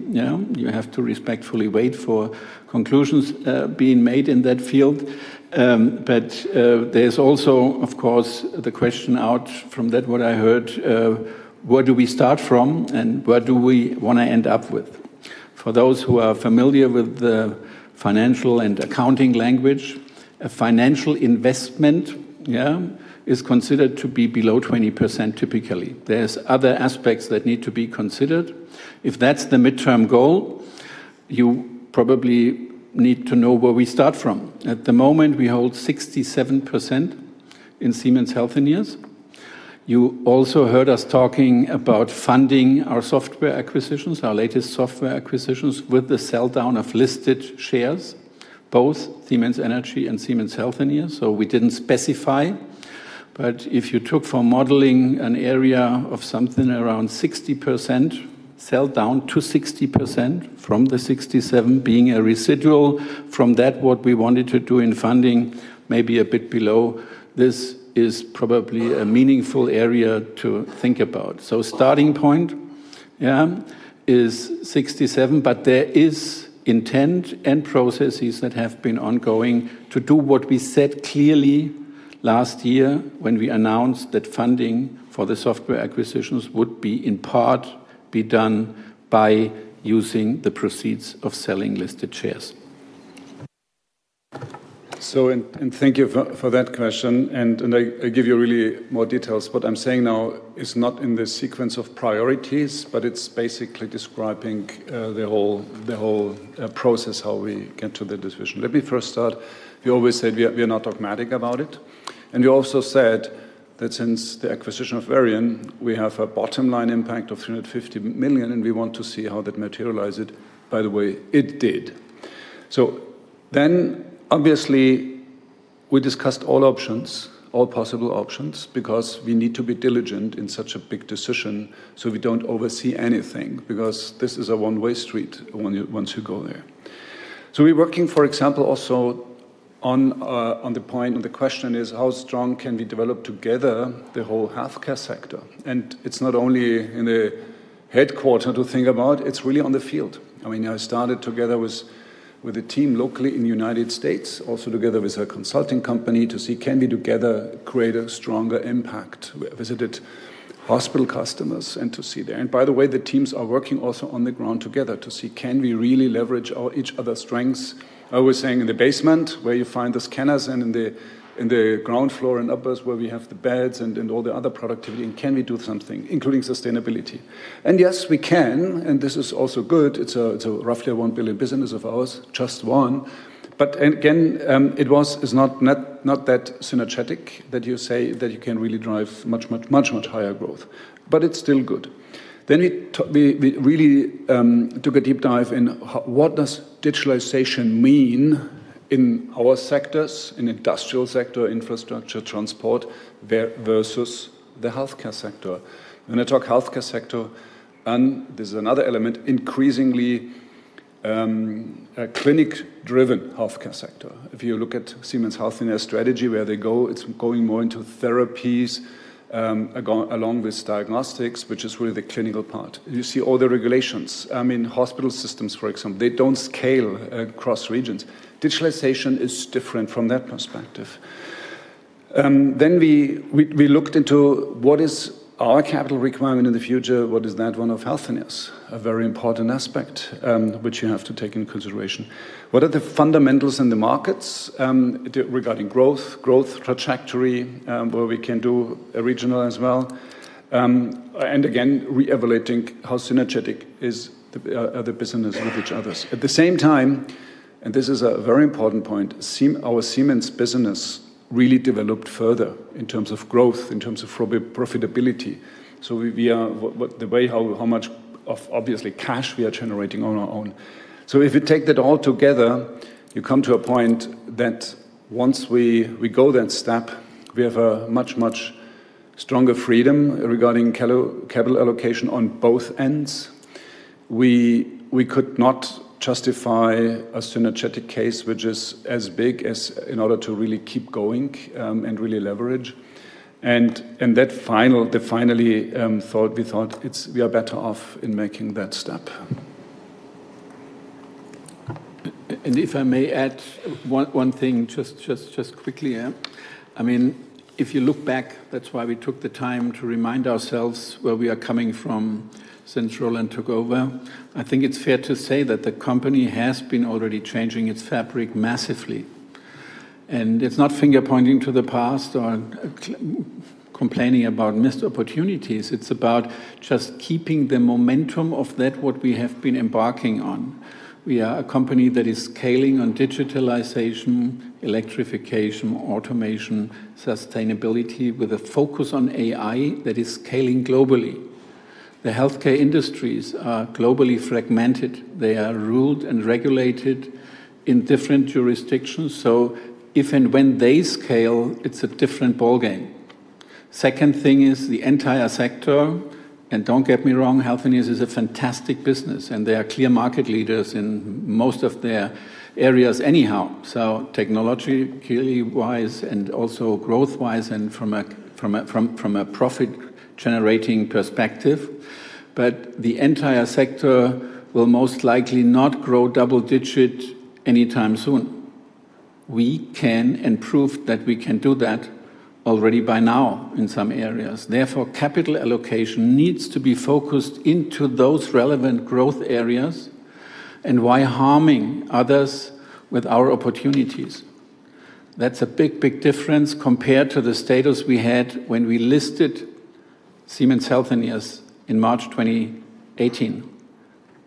You have to respectfully wait for conclusions being made in that field. There is also, of course, the question out from that, what I heard, where do we start from and where do we want to end up with? For those who are familiar with the financial and accounting language, a financial investment is considered to be below 20% typically. There are other aspects that need to be considered. If that is the midterm goal, you probably need to know where we start from. At the moment, we hold 67% in Siemens Healthineers. You also heard us talking about funding our software acquisitions, our latest software acquisitions with the sell down of listed shares, both Siemens Energy and Siemens Healthineers. We did not specify. If you took for modeling an area of something around 60%, sell down to 60% from the 67% being a residual from that, what we wanted to do in funding, maybe a bit below this is probably a meaningful area to think about. Starting point is 67%, but there is intent and processes that have been ongoing to do what we said clearly last year when we announced that funding for the software acquisitions would in part be done by using the proceeds of selling listed shares. Thank you for that question. I give you really more details. What I'm saying now is not in the sequence of priorities, but it's basically describing the whole process, how we get to the decision. Let me first start. We always said we are not dogmatic about it. We also said that since the acquisition of Varian, we have a bottom line impact of $350 million, and we want to see how that materializes. By the way, it did. Obviously, we discussed all options, all possible options, because we need to be diligent in such a big decision so we do not oversee anything because this is a one-way street once you go there. We are working, for example, also on the point. The question is, how strong can we develop together the whole healthcare sector? It is not only in the headquarter to think about, it is really on the field. I mean, I started together with a team locally in the United States, also together with a consulting company to see, can we together create a stronger impact? We visited hospital customers and to see there. By the way, the teams are working also on the ground together to see, can we really leverage each other's strengths? I was saying in the basement, where you find the scanners, and in the ground floor and uppers, where we have the beds and all the other productivity, and can we do something, including sustainability? Yes, we can. This is also good. It is a roughly 1 billion business of ours, just one. Again, it is not that synergetic that you say that you can really drive much, much, much, much higher growth, but it is still good. We really took a deep dive in what does digitalization mean in our sectors, in the industrial sector, infrastructure, transport versus the healthcare sector. When I talk healthcare sector, and this is another element, increasingly clinic-driven healthcare sector. If you look at Siemens Healthineers' strategy, where they go, it's going more into therapies along with diagnostics, which is really the clinical part. You see all the regulations. I mean, hospital systems, for example, they don't scale across regions. Digitalization is different from that perspective. We looked into what is our capital requirement in the future. What is that one of Healthineers? A very important aspect, which you have to take into consideration. What are the fundamentals in the markets regarding growth, growth trajectory, where we can do a regional as well? Again, reevaluating how synergetic are the businesses with each other? At the same time, and this is a very important point, our Siemens business really developed further in terms of growth, in terms of profitability. The way how much of obviously cash we are generating on our own. If you take that all together, you come to a point that once we go that step, we have a much, much stronger freedom regarding capital allocation on both ends. We could not justify a synergetic case which is as big as in order to really keep going and really leverage. The final thought, we thought we are better off in making that step. If I may add one thing just quickly, I mean, if you look back, that's why we took the time to remind ourselves where we are coming from central and took over. I think it's fair to say that the company has been already changing its fabric massively. It's not finger-pointing to the past or complaining about missed opportunities. It's about just keeping the momentum of that what we have been embarking on. We are a company that is scaling on digitalization, electrification, automation, sustainability with a focus on AI that is scaling globally. The healthcare industries are globally fragmented. They are ruled and regulated in different jurisdictions. If and when they scale, it's a different ballgame. The entire sector, and don't get me wrong, Healthineers is a fantastic business, and they are clear market leaders in most of their areas anyhow. Technology clearly wise and also growth-wise and from a profit-generating perspective. The entire sector will most likely not grow double-digit anytime soon. We can and prove that we can do that already by now in some areas. Therefore, capital allocation needs to be focused into those relevant growth areas and why harming others with our opportunities. That's a big, big difference compared to the status we had when we listed Siemens Healthineers in March 2018.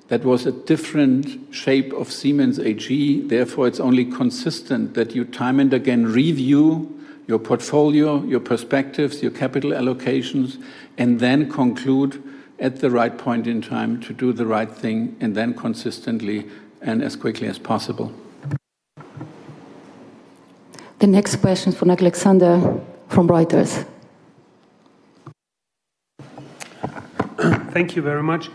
That was a different shape of Siemens AG. Therefore, it's only consistent that you time and again review your portfolio, your perspectives, your capital allocations, and then conclude at the right point in time to do the right thing and then consistently and as quickly as possible. The next question from Alexander from Reuters. Thank you very much.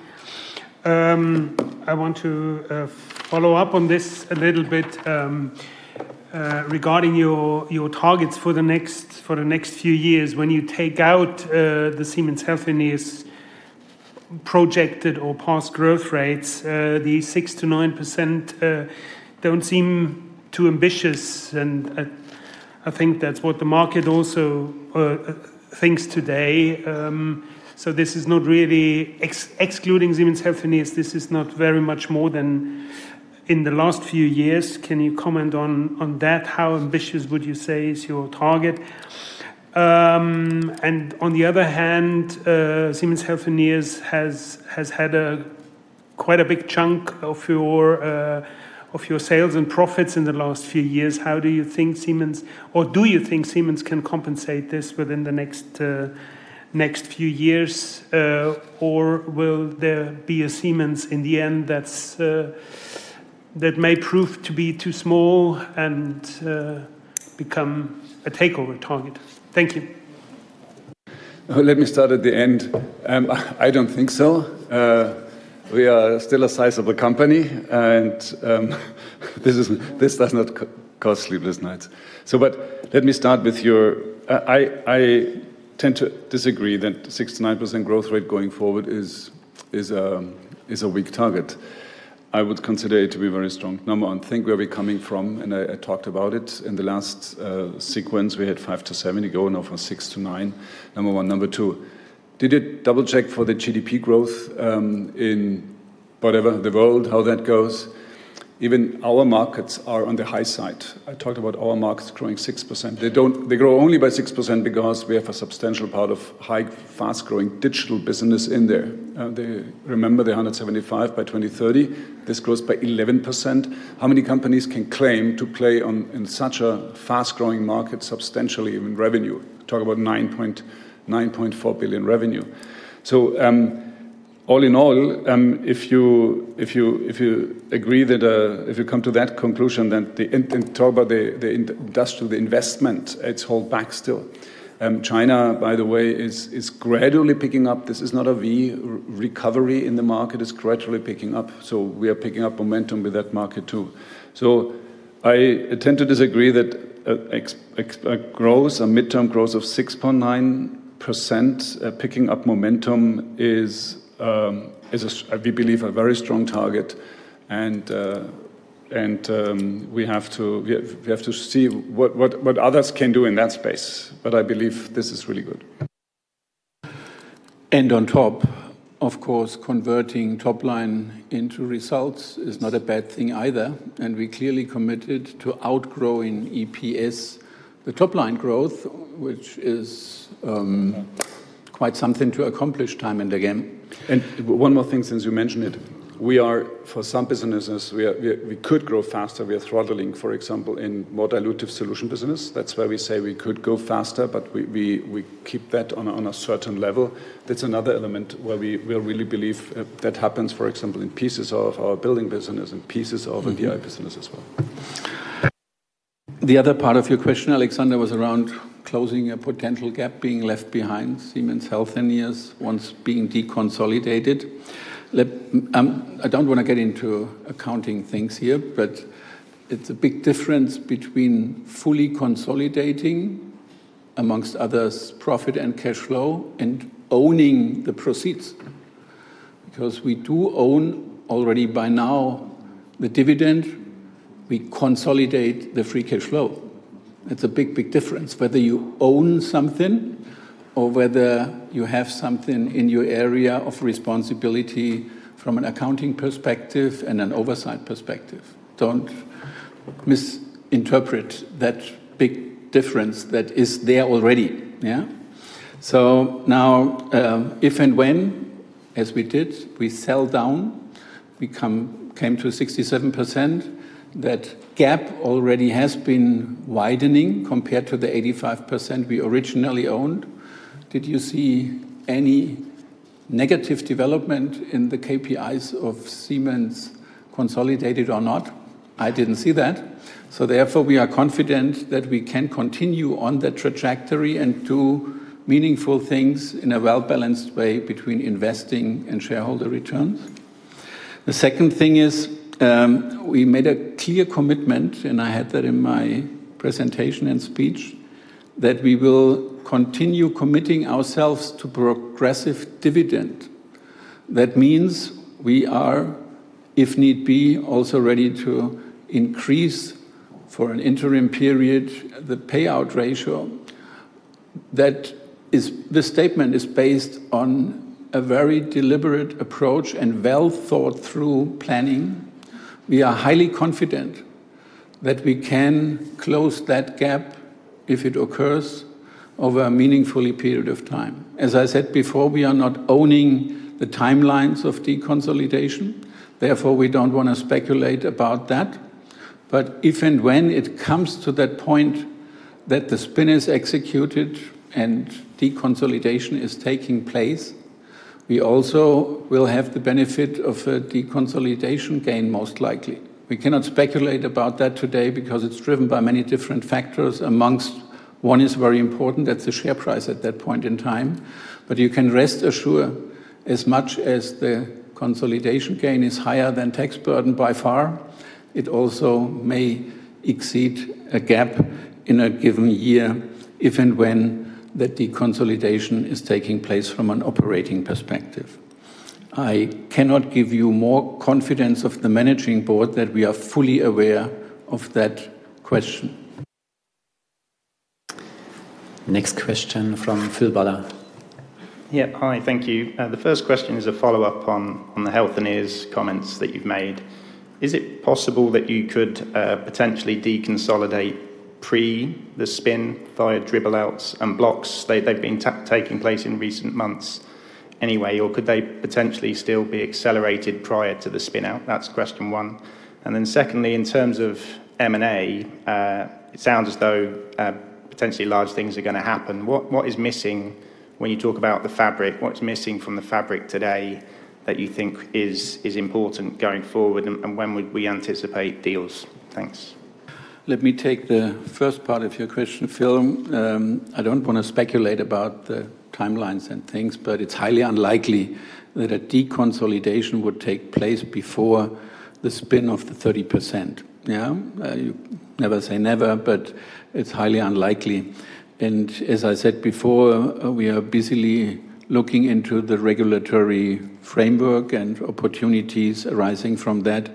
I want to follow up on this a little bit regarding your targets for the next few years. When you take out the Siemens Healthineers' projected or past growth rates, the 6%-9% don't seem too ambitious. I think that's what the market also thinks today. This is not really excluding Siemens Healthineers. This is not very much more than in the last few years. Can you comment on that? How ambitious would you say is your target? On the other hand, Siemens Healthineers has had quite a big chunk of your sales and profits in the last few years. How do you think Siemens, or do you think Siemens can compensate this within the next few years? Or will there be a Siemens in the end that may prove to be too small and become a takeover target? Thank you. Let me start at the end. I do not think so. We are still a sizeable company. This does not cause sleepless nights. Let me start with your, I tend to disagree that 6%-9% growth rate going forward is a weak target. I would consider it to be a very strong number, one. Think where we are coming from. I talked about it in the last sequence. We had 5%-7% ago, now from 6%-9%. Number one. Number two, did it double-check for the GDP growth in whatever the world, how that goes? Even our markets are on the high side. I talked about our markets growing 6%. They grow only by 6% because we have a substantial part of high, fast-growing digital business in there. Remember the 175 by 2030? This grows by 11%. How many companies can claim to play in such a fast-growing market substantially in revenue? Talk about $9.4 billion revenue. All in all, if you agree that if you come to that conclusion, then talk about the investment, it is hold back still. China, by the way, is gradually picking up. This is not a V recovery in the market. It is gradually picking up. We are picking up momentum with that market too. I tend to disagree that a midterm growth of 6.9% picking up momentum is, we believe, a very strong target. We have to see what others can do in that space. I believe this is really good. On top, of course, converting top line into results is not a bad thing either. We are clearly committed to outgrowing EPS, the top line growth, which is quite something to accomplish time and again. One more thing, since you mentioned it, we are, for some businesses, we could grow faster. We are throttling, for example, in more dilutive solution business. That is where we say we could go faster, but we keep that on a certain level. That is another element where we really believe that happens, for example, in pieces of our building business and pieces of the AI business as well. The other part of your question, Alexander, was around closing a potential gap being left behind Siemens Healthineers once being deconsolidated. I do not want to get into accounting things here, but it is a big difference between fully consolidating, amongst others, profit and cash flow, and owning the proceeds. Because we do own already by now the dividend, we consolidate the free cash flow. It is a big, big difference whether you own something or whether you have something in your area of responsibility from an accounting perspective and an oversight perspective. Do not misinterpret that big difference that is there already. If and when, as we did, we sell down, we came to 67%. That gap already has been widening compared to the 85% we originally owned. Did you see any negative development in the KPIs of Siemens consolidated or not? I did not see that. Therefore, we are confident that we can continue on that trajectory and do meaningful things in a well-balanced way between investing and shareholder returns. The second thing is we made a clear commitment, and I had that in my presentation and speech, that we will continue committing ourselves to progressive dividend. That means we are, if need be, also ready to increase for an interim period the payout ratio. That statement is based on a very deliberate approach and well-thought-through planning. We are highly confident that we can close that gap if it occurs over a meaningful period of time. As I said before, we are not owning the timelines of deconsolidation. Therefore, we do not want to speculate about that. If and when it comes to that point that the spin is executed and deconsolidation is taking place, we also will have the benefit of a deconsolidation gain most likely. We cannot speculate about that today because it is driven by many different factors, amongst one is very important. That is the share price at that point in time. You can rest assured, as much as the consolidation gain is higher than tax burden by far, it also may exceed a gap in a given year if and when that deconsolidation is taking place from an operating perspective. I cannot give you more confidence of the managing board that we are fully aware of that question. Next question from Phil Bala. Yeah. Hi. Thank you. The first question is a follow-up on the Healthineers' comments that you have made. Is it possible that you could potentially deconsolidate pre the spin via dribble-outs and blocks? They've been taking place in recent months anyway. Could they potentially still be accelerated prior to the spin-out? That's question one. In terms of M&A, it sounds as though potentially large things are going to happen. What is missing when you talk about the fabric? What's missing from the fabric today that you think is important going forward? When would we anticipate deals? Thanks. Let me take the first part of your question, Phil. I don't want to speculate about the timelines and things, but it's highly unlikely that a deconsolidation would take place before the spin of the 30%. You never say never, but it's highly unlikely. As I said before, we are busily looking into the regulatory framework and opportunities arising from that.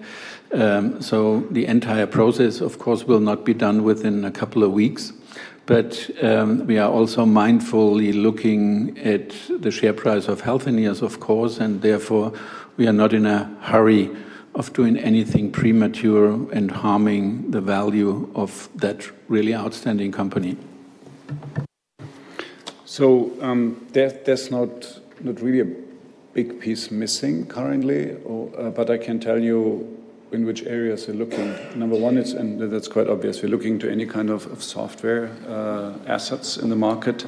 The entire process, of course, will not be done within a couple of weeks. We are also mindfully looking at the share price of Healthineers, of course. Therefore, we are not in a hurry of doing anything premature and harming the value of that really outstanding company. There is not really a big piece missing currently, but I can tell you in which areas we are looking. Number one, and that is quite obvious, we are looking to any kind of software assets in the market.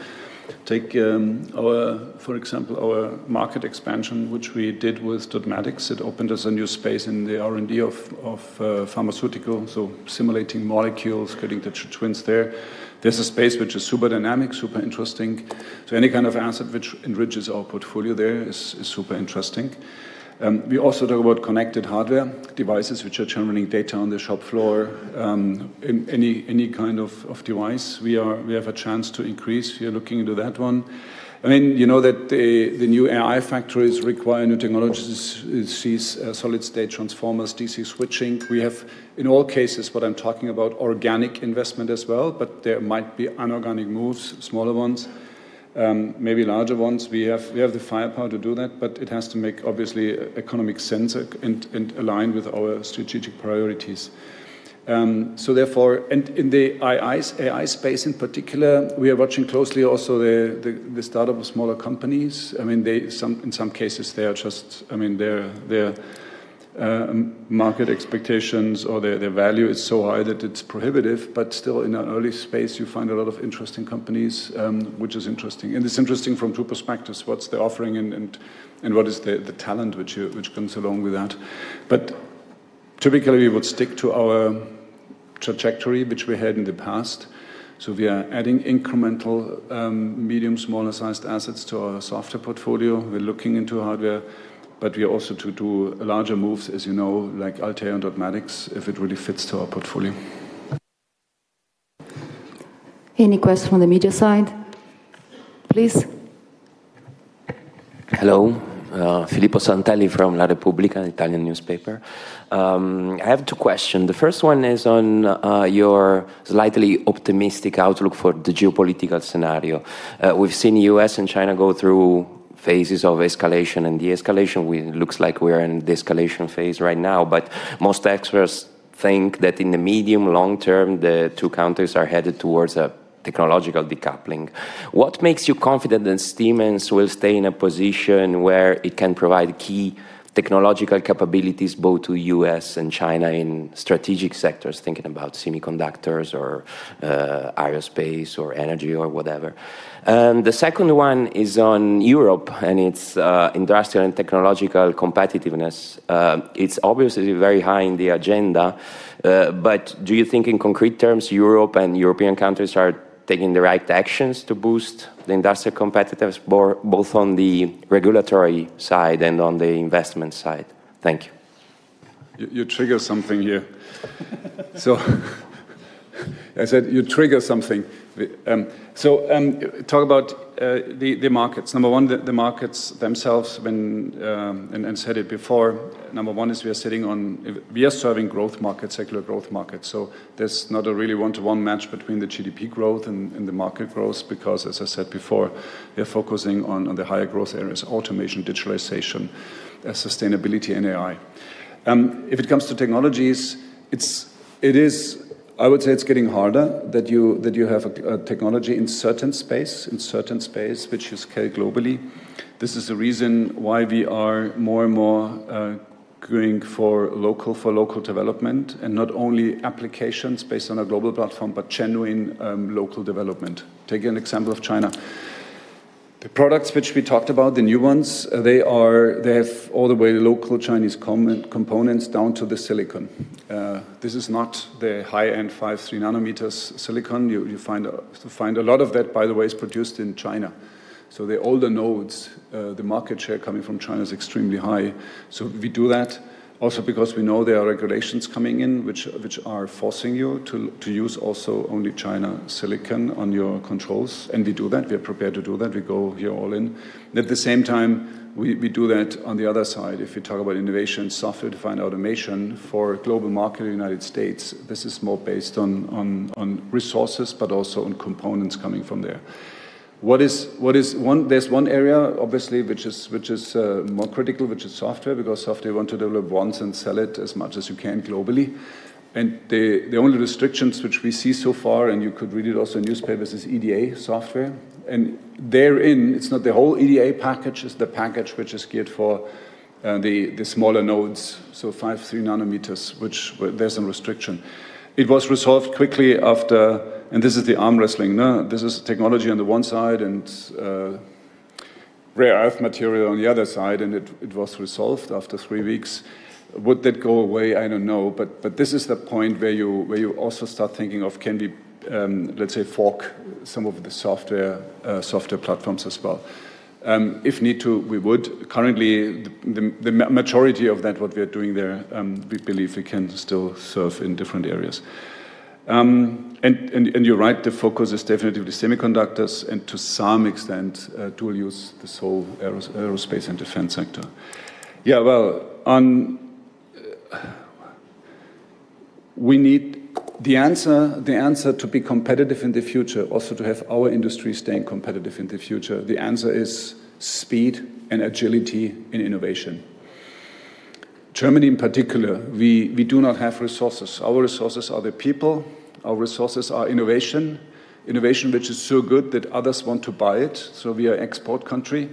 Take, for example, our market expansion, which we did with Dotmatics. It opened us a new space in the R&D of pharmaceuticals, so simulating molecules, creating the twins there. There is a space which is super dynamic, super interesting. Any kind of asset which enriches our portfolio there is super interesting. We also talk about connected hardware devices, which are generating data on the shop floor. Any kind of device, we have a chance to increase. We are looking into that one. I mean, you know that the new AI factories require new technologies such as solid-state transformers, DC switching. We have, in all cases, what I'm talking about, organic investment as well, but there might be inorganic moves, smaller ones, maybe larger ones. We have the firepower to do that, but it has to make, obviously, economic sense and align with our strategic priorities. Therefore, in the AI space in particular, we are watching closely also the startup of smaller companies. I mean, in some cases, they are just, I mean, their market expectations or their value is so high that it's prohibitive. Still, in an early space, you find a lot of interesting companies, which is interesting. It's interesting from two perspectives. What's the offering and what is the talent which comes along with that? Typically, we would stick to our trajectory, which we had in the past. We are adding incremental medium-small-sized assets to our software portfolio. We're looking into hardware, but we also do larger moves, as you know, like Altair and Dotmatics, if it really fits to our portfolio. Any questions from the media side? Please. Hello. Filippo Santelli from La Repubblica, an Italian newspaper. I have two questions. The first one is on your slightly optimistic outlook for the geopolitical scenario. We've seen the U.S. and China go through phases of escalation. The escalation, it looks like we're in the escalation phase right now. Most experts think that in the medium-long term, the two countries are headed towards a technological decoupling. What makes you confident that Siemens will stay in a position where it can provide key technological capabilities both to the U.S. and China in strategic sectors, thinking about semiconductors or aerospace or energy or whatever? The second one is on Europe, and its industrial and technological competitiveness. It is obviously very high in the agenda. Do you think in concrete terms Europe and European countries are taking the right actions to boost the industrial competitiveness, both on the regulatory side and on the investment side? Thank you. You trigger something here. I said you trigger something. Talk about the markets. Number one, the markets themselves, I said it before, number one is we are sitting on. We are serving growth markets, secular growth markets. There's not a really one-to-one match between the GDP growth and the market growth because, as I said before, we are focusing on the higher growth areas: automation, digitalization, sustainability, and AI. If it comes to technologies, I would say it's getting harder that you have a technology in a certain space, in a certain space, which you scale globally. This is the reason why we are more and more going for local development and not only applications based on a global platform, but genuine local development. Take an example of China. The products which we talked about, the new ones, they have all the way local Chinese components down to the silicon. This is not the high-end 53 nanometers silicon. You find a lot of that, by the way, is produced in China. The older nodes, the market share coming from China is extremely high. We do that also because we know there are regulations coming in which are forcing you to use also only China silicon on your controls. We do that. We are prepared to do that. We go here all in. At the same time, we do that on the other side. If we talk about innovation, software-defined automation for global market in the United States, this is more based on resources, but also on components coming from there. There is one area, obviously, which is more critical, which is software, because software you want to develop once and sell it as much as you can globally. The only restrictions which we see so far, and you could read it also in newspapers, is EDA software. Therein, it is not the whole EDA package. It's the package which is geared for the smaller nodes, so 53 nanometers, which there's a restriction. It was resolved quickly after, and this is the arm wrestling. This is technology on the one side and rare earth material on the other side, and it was resolved after three weeks. Would that go away? I don't know. This is the point where you also start thinking of, can we, let's say, fork some of the software platforms as well? If need to, we would. Currently, the majority of that, what we are doing there, we believe we can still serve in different areas. You're right. The focus is definitely semiconductors and, to some extent, dual use, the sole aerospace and defense sector. Yeah, we need the answer to be competitive in the future, also to have our industry staying competitive in the future. The answer is speed and agility in innovation. Germany, in particular, we do not have resources. Our resources are the people. Our resources are innovation, innovation which is so good that others want to buy it. We are an export country.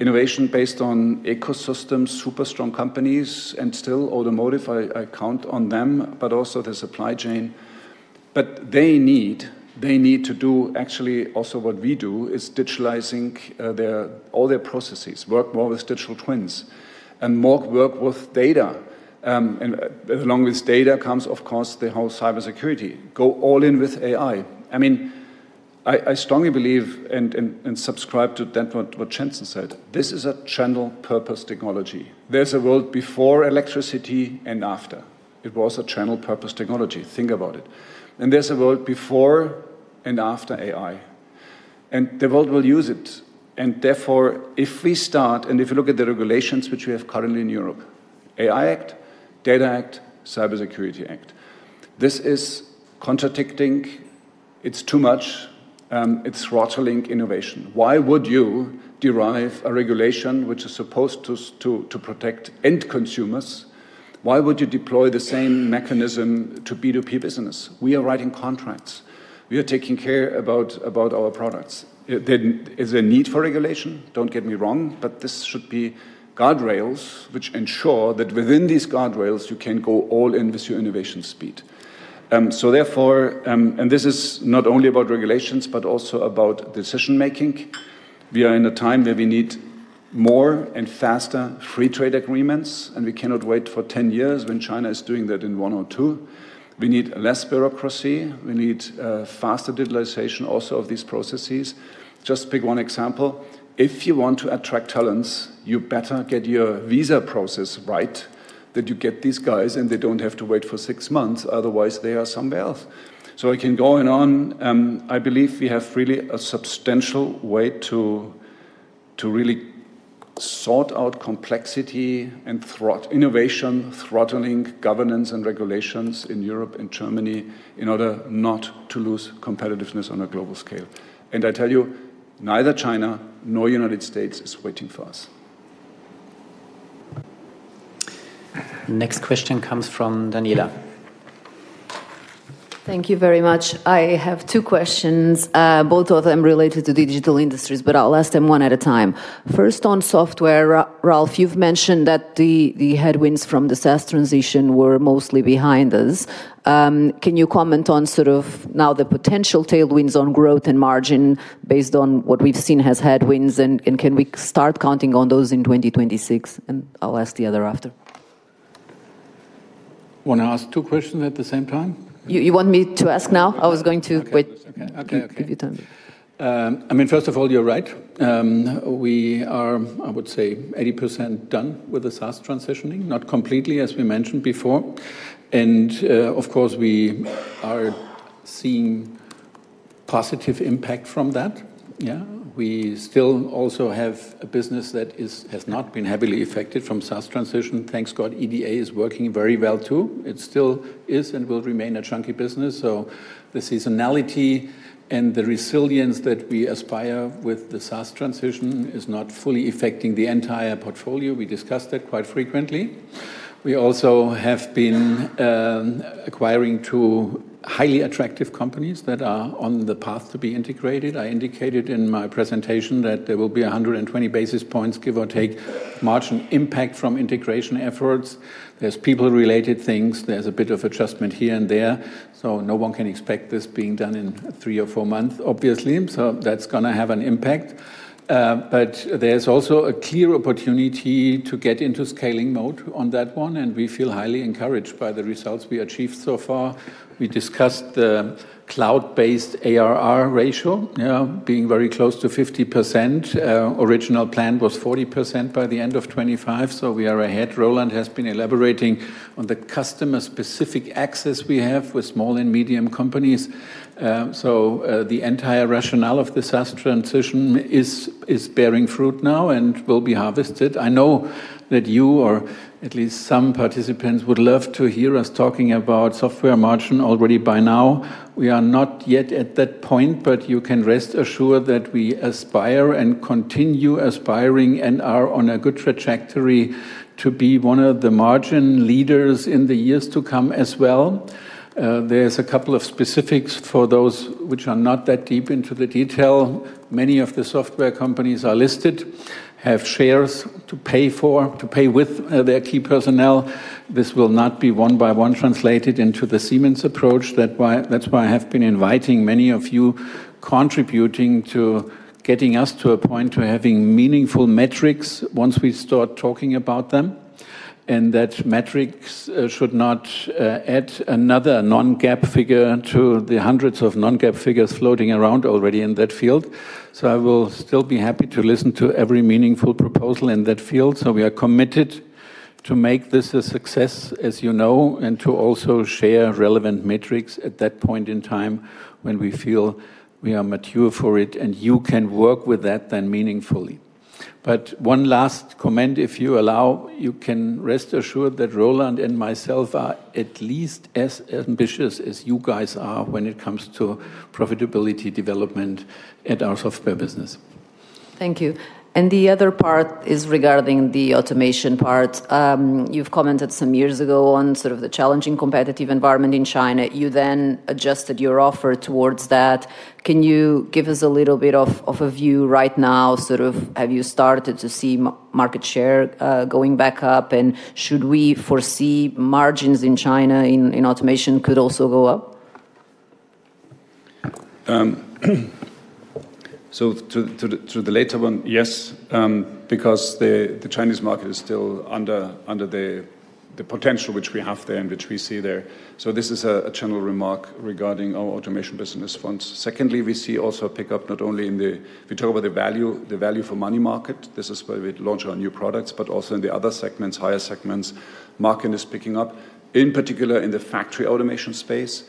Innovation based on ecosystems, super strong companies, and still automotive. I count on them, but also the supply chain. They need to do actually also what we do is digitalizing all their processes, work more with digital twins, and more work with data. Along with data comes, of course, the whole cybersecurity. Go all in with AI. I mean, I strongly believe and subscribe to what Jensen said. This is a general-purpose technology. There is a world before electricity and after. It was a general-purpose technology. Think about it. There is a world before and after AI. The world will use it. If we start, and if you look at the regulations which we have currently in Europe: AI Act, Data Act, Cybersecurity Act. This is contradicting. It's too much. It's throttling innovation. Why would you derive a regulation which is supposed to protect end consumers? Why would you deploy the same mechanism to B2P business? We are writing contracts. We are taking care about our products. Is there a need for regulation? Don't get me wrong, but this should be guardrails which ensure that within these guardrails, you can go all in with your innovation speed. This is not only about regulations, but also about decision-making. We are in a time where we need more and faster free trade agreements, and we cannot wait for 10 years when China is doing that in one or two. We need less bureaucracy. We need faster digitalization also of these processes. Just pick one example. If you want to attract talents, you better get your visa process right, that you get these guys and they do not have to wait for six months. Otherwise, they are somewhere else. I can go on. I believe we have really a substantial way to really sort out complexity and innovation, throttling governance and regulations in Europe and Germany in order not to lose competitiveness on a global scale. I tell you, neither China nor the United States is waiting for us. Next question comes from Daniela. Thank you very much. I have two questions, both of them related to digital industries, but I will ask them one at a time. First, on software, Ralf, you have mentioned that the headwinds from the SaaS transition were mostly behind us. Can you comment on sort of now the potential tailwinds on growth and margin based on what we've seen as headwinds? Can we start counting on those in 2026? I'll ask the other after. Want to ask two questions at the same time? You want me to ask now? I was going to wait. Okay. I'll give you time. I mean, first of all, you're right. We are, I would say, 80% done with the SaaS transition, not completely, as we mentioned before. Of course, we are seeing positive impact from that. Yeah? We still also have a business that has not been heavily affected from SaaS transition. Thank God EDA is working very well too. It still is and will remain a chunky business. The seasonality and the resilience that we aspire with the SaaS transition is not fully affecting the entire portfolio. We discuss that quite frequently. We also have been acquiring two highly attractive companies that are on the path to be integrated. I indicated in my presentation that there will be 120 basis points, give or take, margin impact from integration efforts. There's people-related things. There's a bit of adjustment here and there. No one can expect this being done in three or four months, obviously. That is going to have an impact. There is also a clear opportunity to get into scaling mode on that one. We feel highly encouraged by the results we achieved so far. We discussed the cloud-based ARR ratio being very close to 50%. Original plan was 40% by the end of 2025. We are ahead. Roland has been elaborating on the customer-specific access we have with small and medium companies. The entire rationale of the SaaS transition is bearing fruit now and will be harvested. I know that you, or at least some participants, would love to hear us talking about software margin already by now. We are not yet at that point, but you can rest assured that we aspire and continue aspiring and are on a good trajectory to be one of the margin leaders in the years to come as well. There are a couple of specifics for those which are not that deep into the detail. Many of the software companies are listed, have shares to pay with their key personnel. This will not be one by one translated into the Siemens approach. That is why I have been inviting many of you, contributing to getting us to a point to having meaningful metrics once we start talking about them. That metrics should not add another non-GAAP figure to the hundreds of non-GAAP figures floating around already in that field. I will still be happy to listen to every meaningful proposal in that field. We are committed to make this a success, as you know, and to also share relevant metrics at that point in time when we feel we are mature for it and you can work with that then meaningfully. One last comment, if you allow, you can rest assured that Roland and myself are at least as ambitious as you guys are when it comes to profitability development at our software business. Thank you. The other part is regarding the automation part. You've commented some years ago on sort of the challenging competitive environment in China. You then adjusted your offer towards that. Can you give us a little bit of a view right now? Sort of have you started to see market share going back up? Should we foresee margins in China in automation could also go up? To the later one, yes, because the Chinese market is still under the potential which we have there and which we see there. This is a general remark regarding our automation business funds. Secondly, we see also a pickup not only in the, if you talk about the value for money market, this is where we launch our new products, but also in the other segments, higher segments, market is picking up, in particular in the factory automation space.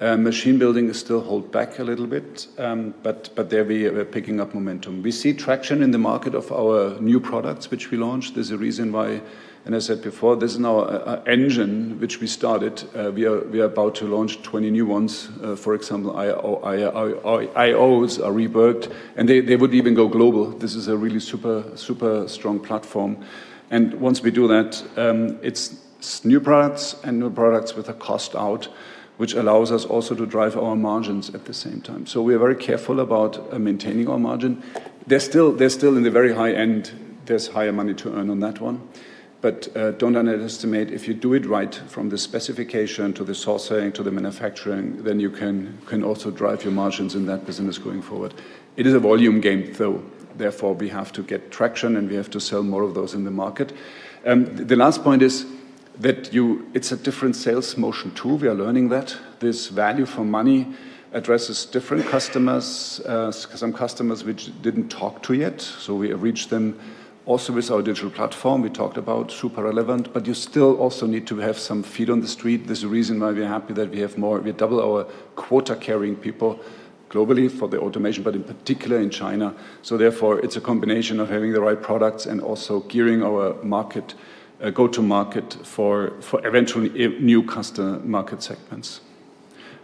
Machine building is still held back a little bit, but there we are picking up momentum. We see traction in the market of our new products which we launched. There's a reason why, and I said before, this is now an engine which we started. We are about to launch 20 new ones. For example, IOs are reworked, and they would even go global. This is a really super strong platform. Once we do that, it's new products and new products with a cost out, which allows us also to drive our margins at the same time. We are very careful about maintaining our margin. There's still in the very high end, there's higher money to earn on that one. Do not underestimate, if you do it right from the specification to the sourcing to the manufacturing, then you can also drive your margins in that business going forward. It is a volume game, though. Therefore, we have to get traction and we have to sell more of those in the market. The last point is that it's a different sales motion too. We are learning that. This value for money addresses different customers, some customers which we didn't talk to yet. So we have reached them also with our digital platform. We talked about super relevant, but you still also need to have some feet on the street. There's a reason why we're happy that we have more. We double our quota carrying people globally for the automation, but in particular in China. Therefore, it's a combination of having the right products and also gearing our market, go-to-market for eventually new customer market segments.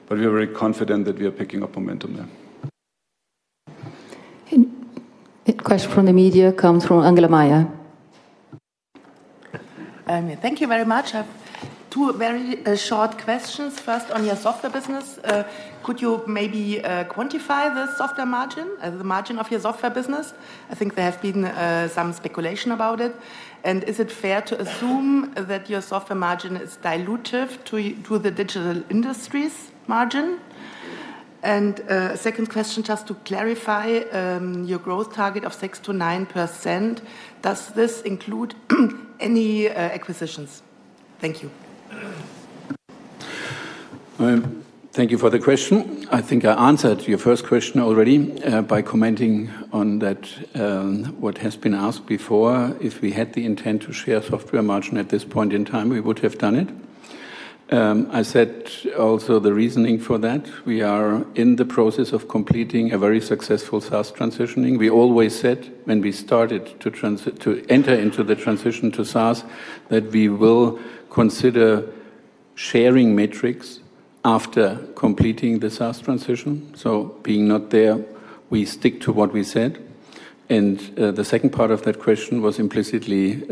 We are very confident that we are picking up momentum there. Question from the media comes from Angela Meyer. Thank you very much. Two very short questions. First, on your software business, could you maybe quantify the software margin, the margin of your software business? I think there has been some speculation about it. Is it fair to assume that your software margin is dilutive to the Digital Industries' margin? Second question, just to clarify, your growth target of 6%-9%, does this include any acquisitions? Thank you. Thank you for the question. I think I answered your first question already by commenting on what has been asked before. If we had the intent to share software margin at this point in time, we would have done it. I said also the reasoning for that. We are in the process of completing a very successful SaaS transition. We always said when we started to enter into the transition to SaaS that we will consider sharing metrics after completing the SaaS transition. Being not there, we stick to what we said. The second part of that question was implicitly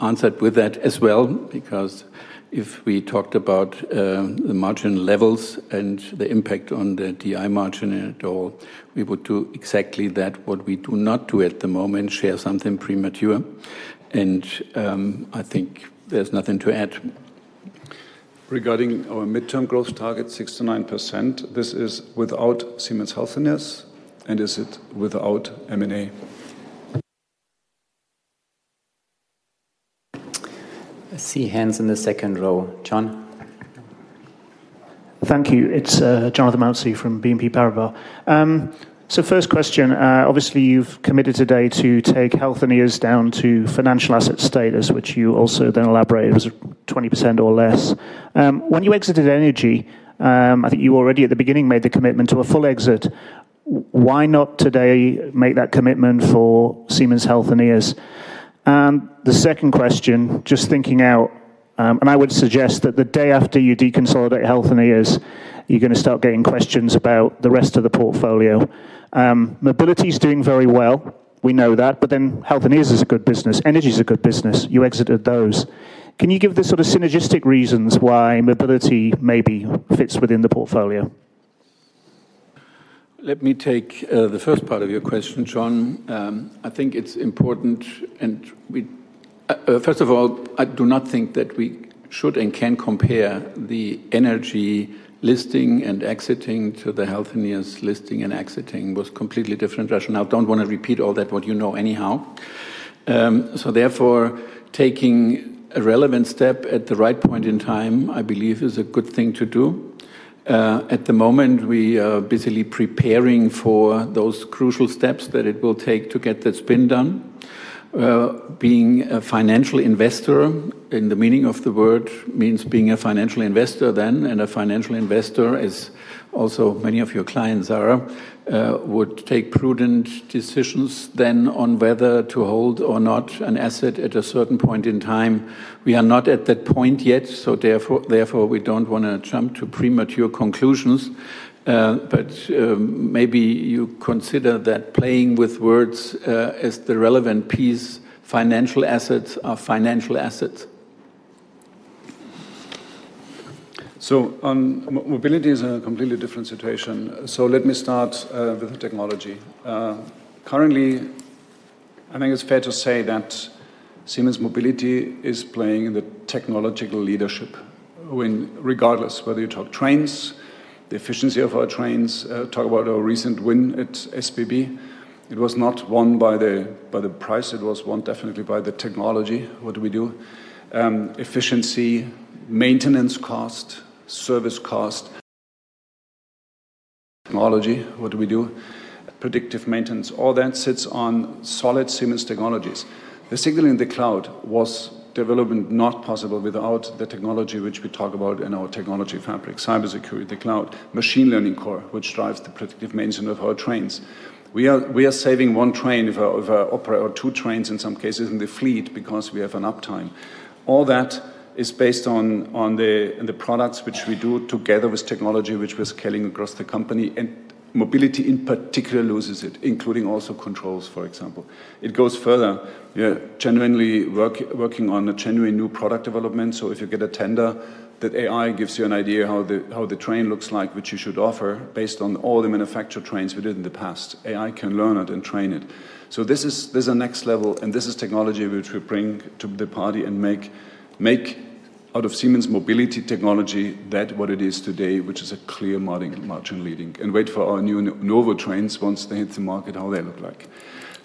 answered with that as well, because if we talked about the margin levels and the impact on the DI margin and all, we would do exactly that, what we do not do at the moment, share something premature. I think there's nothing to add. Regarding our midterm growth target, 6%-9%, this is without Siemens Healthineers, and is it without M&A? I see hands in the second row. John? Thank you. It's Jonathan Mounsey from BNP Paribas. First question, obviously you've committed today to take Healthineers down to financial asset status, which you also then elaborated was 20% or less. When you exited energy, I think you already at the beginning made the commitment to a full exit. Why not today make that commitment for Siemens Healthineers? The second question, just thinking out, I would suggest that the day after you deconsolidate Healthineers, you're going to start getting questions about the rest of the portfolio. Mobility is doing very well. We know that. Healthineers is a good business. Energy is a good business. You exited those. Can you give the sort of synergistic reasons why mobility maybe fits within the portfolio? Let me take the first part of your question, John. I think it's important. First of all, I do not think that we should and can compare the energy listing and exiting to the Healthineers listing and exiting. It was completely different rationale. I don't want to repeat all that, what you know anyhow. Therefore, taking a relevant step at the right point in time, I believe, is a good thing to do. At the moment, we are busily preparing for those crucial steps that it will take to get that spin done. Being a financial investor, in the meaning of the word, means being a financial investor then. And a financial investor, as also many of your clients are, would take prudent decisions then on whether to hold or not an asset at a certain point in time. We are not at that point yet. Therefore, we do not want to jump to premature conclusions. Maybe you consider that playing with words as the relevant piece, financial assets are financial assets. Mobility is a completely different situation. Let me start with the technology. Currently, I think it is fair to say that Siemens Mobility is playing the technological leadership, regardless whether you talk trains, the efficiency of our trains, talk about our recent win at SBB. It was not won by the price. It was won definitely by the technology. What do we do? Efficiency, maintenance cost, service cost, technology, what do we do? Predictive maintenance, all that sits on solid Siemens technologies. The signal in the cloud was development not possible without the technology which we talk about in our technology fabric, cybersecurity, the cloud, machine learning core, which drives the predictive maintenance of our trains. We are saving one train of our opera or two trains in some cases in the fleet because we have an uptime. All that is based on the products which we do together with technology which we're scaling across the company. Mobility in particular loses it, including also controls, for example. It goes further. We are genuinely working on a genuine new product development. If you get a tender, that AI gives you an idea how the train looks like, which you should offer based on all the manufactured trains we did in the past. AI can learn it and train it. This is a next level, and this is technology which we bring to the party and make out of Siemens Mobility technology that what it is today, which is a clear margin leading. Wait for our new novo trains once they hit the market, how they look like.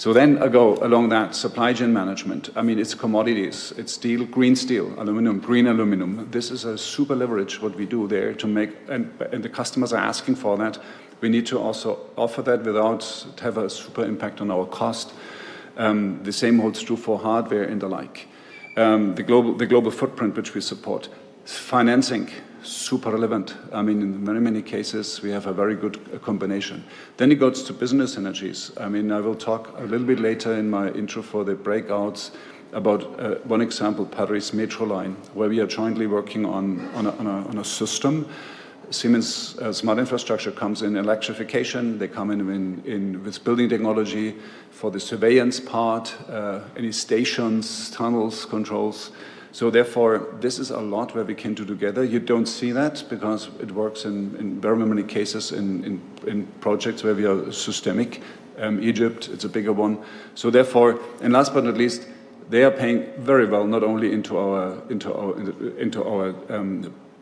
I go along that supply chain management. I mean, it's commodities. It's steel, green steel, aluminum, green aluminum. This is a super leverage what we do there to make, and the customers are asking for that. We need to also offer that without having a super impact on our cost. The same holds true for hardware and the like. The global footprint which we support, financing, super relevant. I mean, in very many cases, we have a very good combination. It goes to business energies. I mean, I will talk a little bit later in my intro for the breakouts about one example, Paris Metro Line, where we are jointly working on a system. Siemens Smart Infrastructure comes in electrification. They come in with building technology for the surveillance part, any stations, tunnels, controls. Therefore, this is a lot where we can do together. You do not see that because it works in very many cases in projects where we are systemic. Egypt, it is a bigger one. Therefore, and last but not least, they are paying very well, not only into our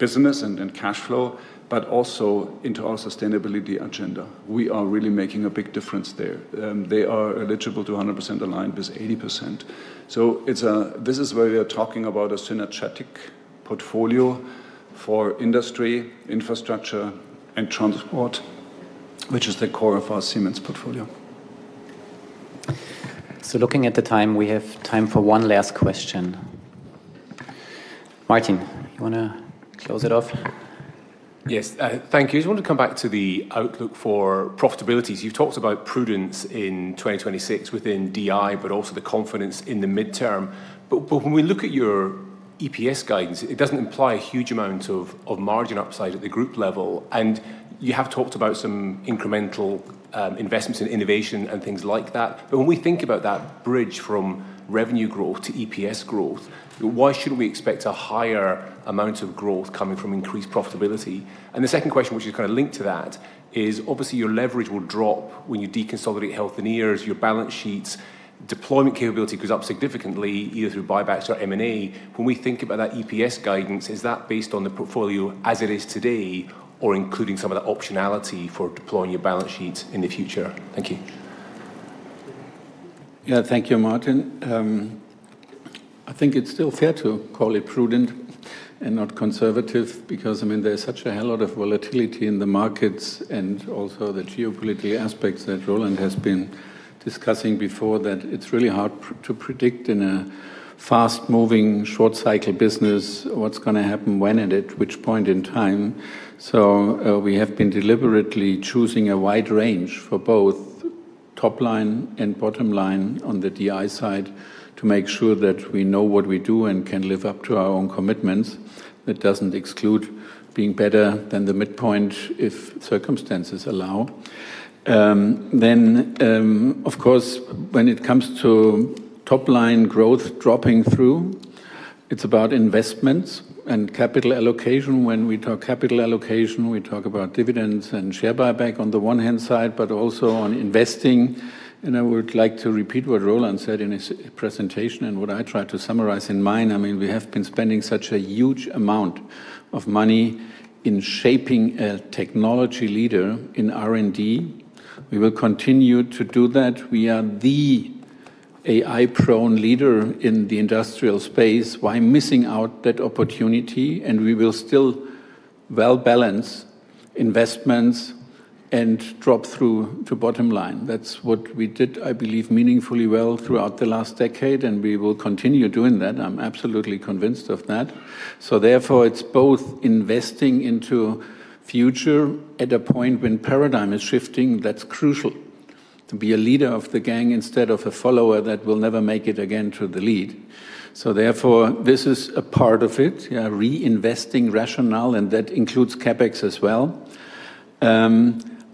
business and cash flow, but also into our sustainability agenda. We are really making a big difference there. They are eligible to 100% aligned with 80%. This is where we are talking about a synergetic portfolio for industry, infrastructure, and transport, which is the core of our Siemens portfolio. Looking at the time, we have time for one last question. Martin, you want to close it off? Yes, thank you. I just want to come back to the outlook for profitability. You've talked about prudence in 2026 within DI, but also the confidence in the midterm. When we look at your EPS guidance, it does not imply a huge amount of margin upside at the group level. You have talked about some incremental investments in innovation and things like that. When we think about that bridge from revenue growth to EPS growth, why should we expect a higher amount of growth coming from increased profitability? The second question, which is kind of linked to that, is obviously your leverage will drop when you deconsolidate Healthineers, your balance sheet's deployment capability goes up significantly, either through buybacks or M&A. When we think about that EPS guidance, is that based on the portfolio as it is today or including some of the optionality for deploying your balance sheet in the future? Thank you. Yeah, thank you, Martin. I think it's still fair to call it prudent and not conservative because, I mean, there's such a hell lot of volatility in the markets and also the geopolitical aspects that Roland has been discussing before that it's really hard to predict in a fast-moving, short-cycle business what's going to happen when and at which point in time. We have been deliberately choosing a wide range for both top line and bottom line on the DI side to make sure that we know what we do and can live up to our own commitments. It does not exclude being better than the midpoint if circumstances allow. Of course, when it comes to top line growth dropping through, it is about investments and capital allocation. When we talk capital allocation, we talk about dividends and share buyback on the one hand side, but also on investing. I would like to repeat what Roland said in his presentation and what I tried to summarize in mine. I mean, we have been spending such a huge amount of money in shaping a technology leader in R&D. We will continue to do that. We are the AI-prone leader in the industrial space. Why missing out that opportunity? We will still well balance investments and drop through to bottom line. That is what we did, I believe, meaningfully well throughout the last decade, and we will continue doing that. I am absolutely convinced of that. Therefore, it is both investing into future at a point when paradigm is shifting. That is crucial to be a leader of the gang instead of a follower that will never make it again to the lead. Therefore, this is a part of it, reinvesting rationale, and that includes CapEx as well.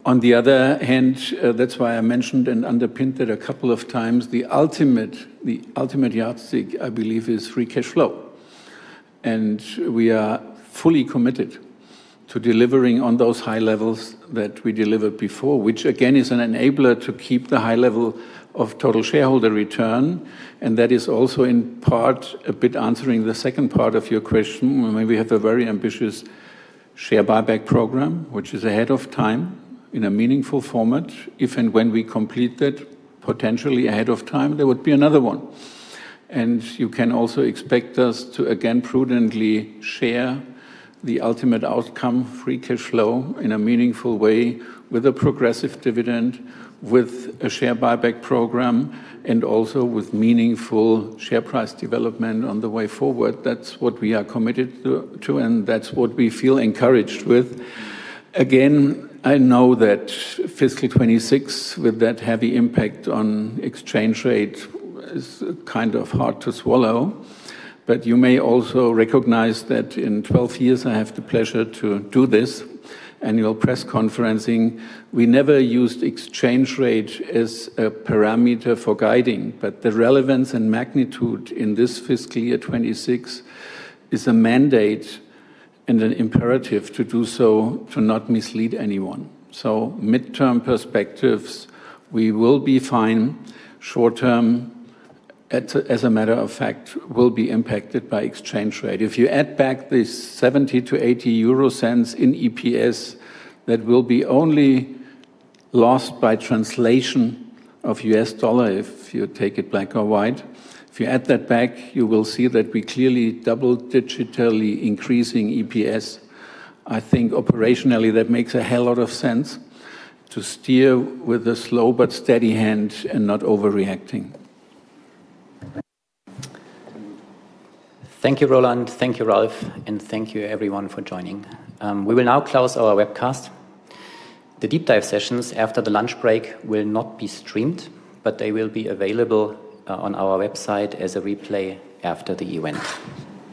On the other hand, that is why I mentioned and underpinned it a couple of times. The ultimate yardstick, I believe, is free cash flow. We are fully committed to delivering on those high levels that we delivered before, which again is an enabler to keep the high level of total shareholder return. That is also in part a bit answering the second part of your question. We have a very ambitious share buyback program, which is ahead of time in a meaningful format. If and when we complete that, potentially ahead of time, there would be another one. You can also expect us to again prudently share the ultimate outcome, free cash flow in a meaningful way with a progressive dividend, with a share buyback program, and also with meaningful share price development on the way forward. That is what we are committed to, and that is what we feel encouraged with. Again, I know that fiscal 2026 with that heavy impact on exchange rate is kind of hard to swallow. You may also recognize that in 12 years, I have the pleasure to do this annual press conferencing. We never used exchange rate as a parameter for guiding, but the relevance and magnitude in this fiscal year 2026 is a mandate and an imperative to do so to not mislead anyone. Midterm perspectives, we will be fine. Short term, as a matter of fact, will be impacted by exchange rate. If you add back this 0.70-0.80 euro in EPS, that will be only lost by translation of U.S. dollar, if you take it black or white. If you add that back, you will see that we clearly double digitally increasing EPS. I think operationally, that makes a hell lot of sense to steer with a slow but steady hand and not overreacting. Thank you, Roland. Thank you, Ralf, and thank you everyone for joining. We will now close our webcast. The deep dive sessions after the lunch break will not be streamed, but they will be available on our website as a replay after the event.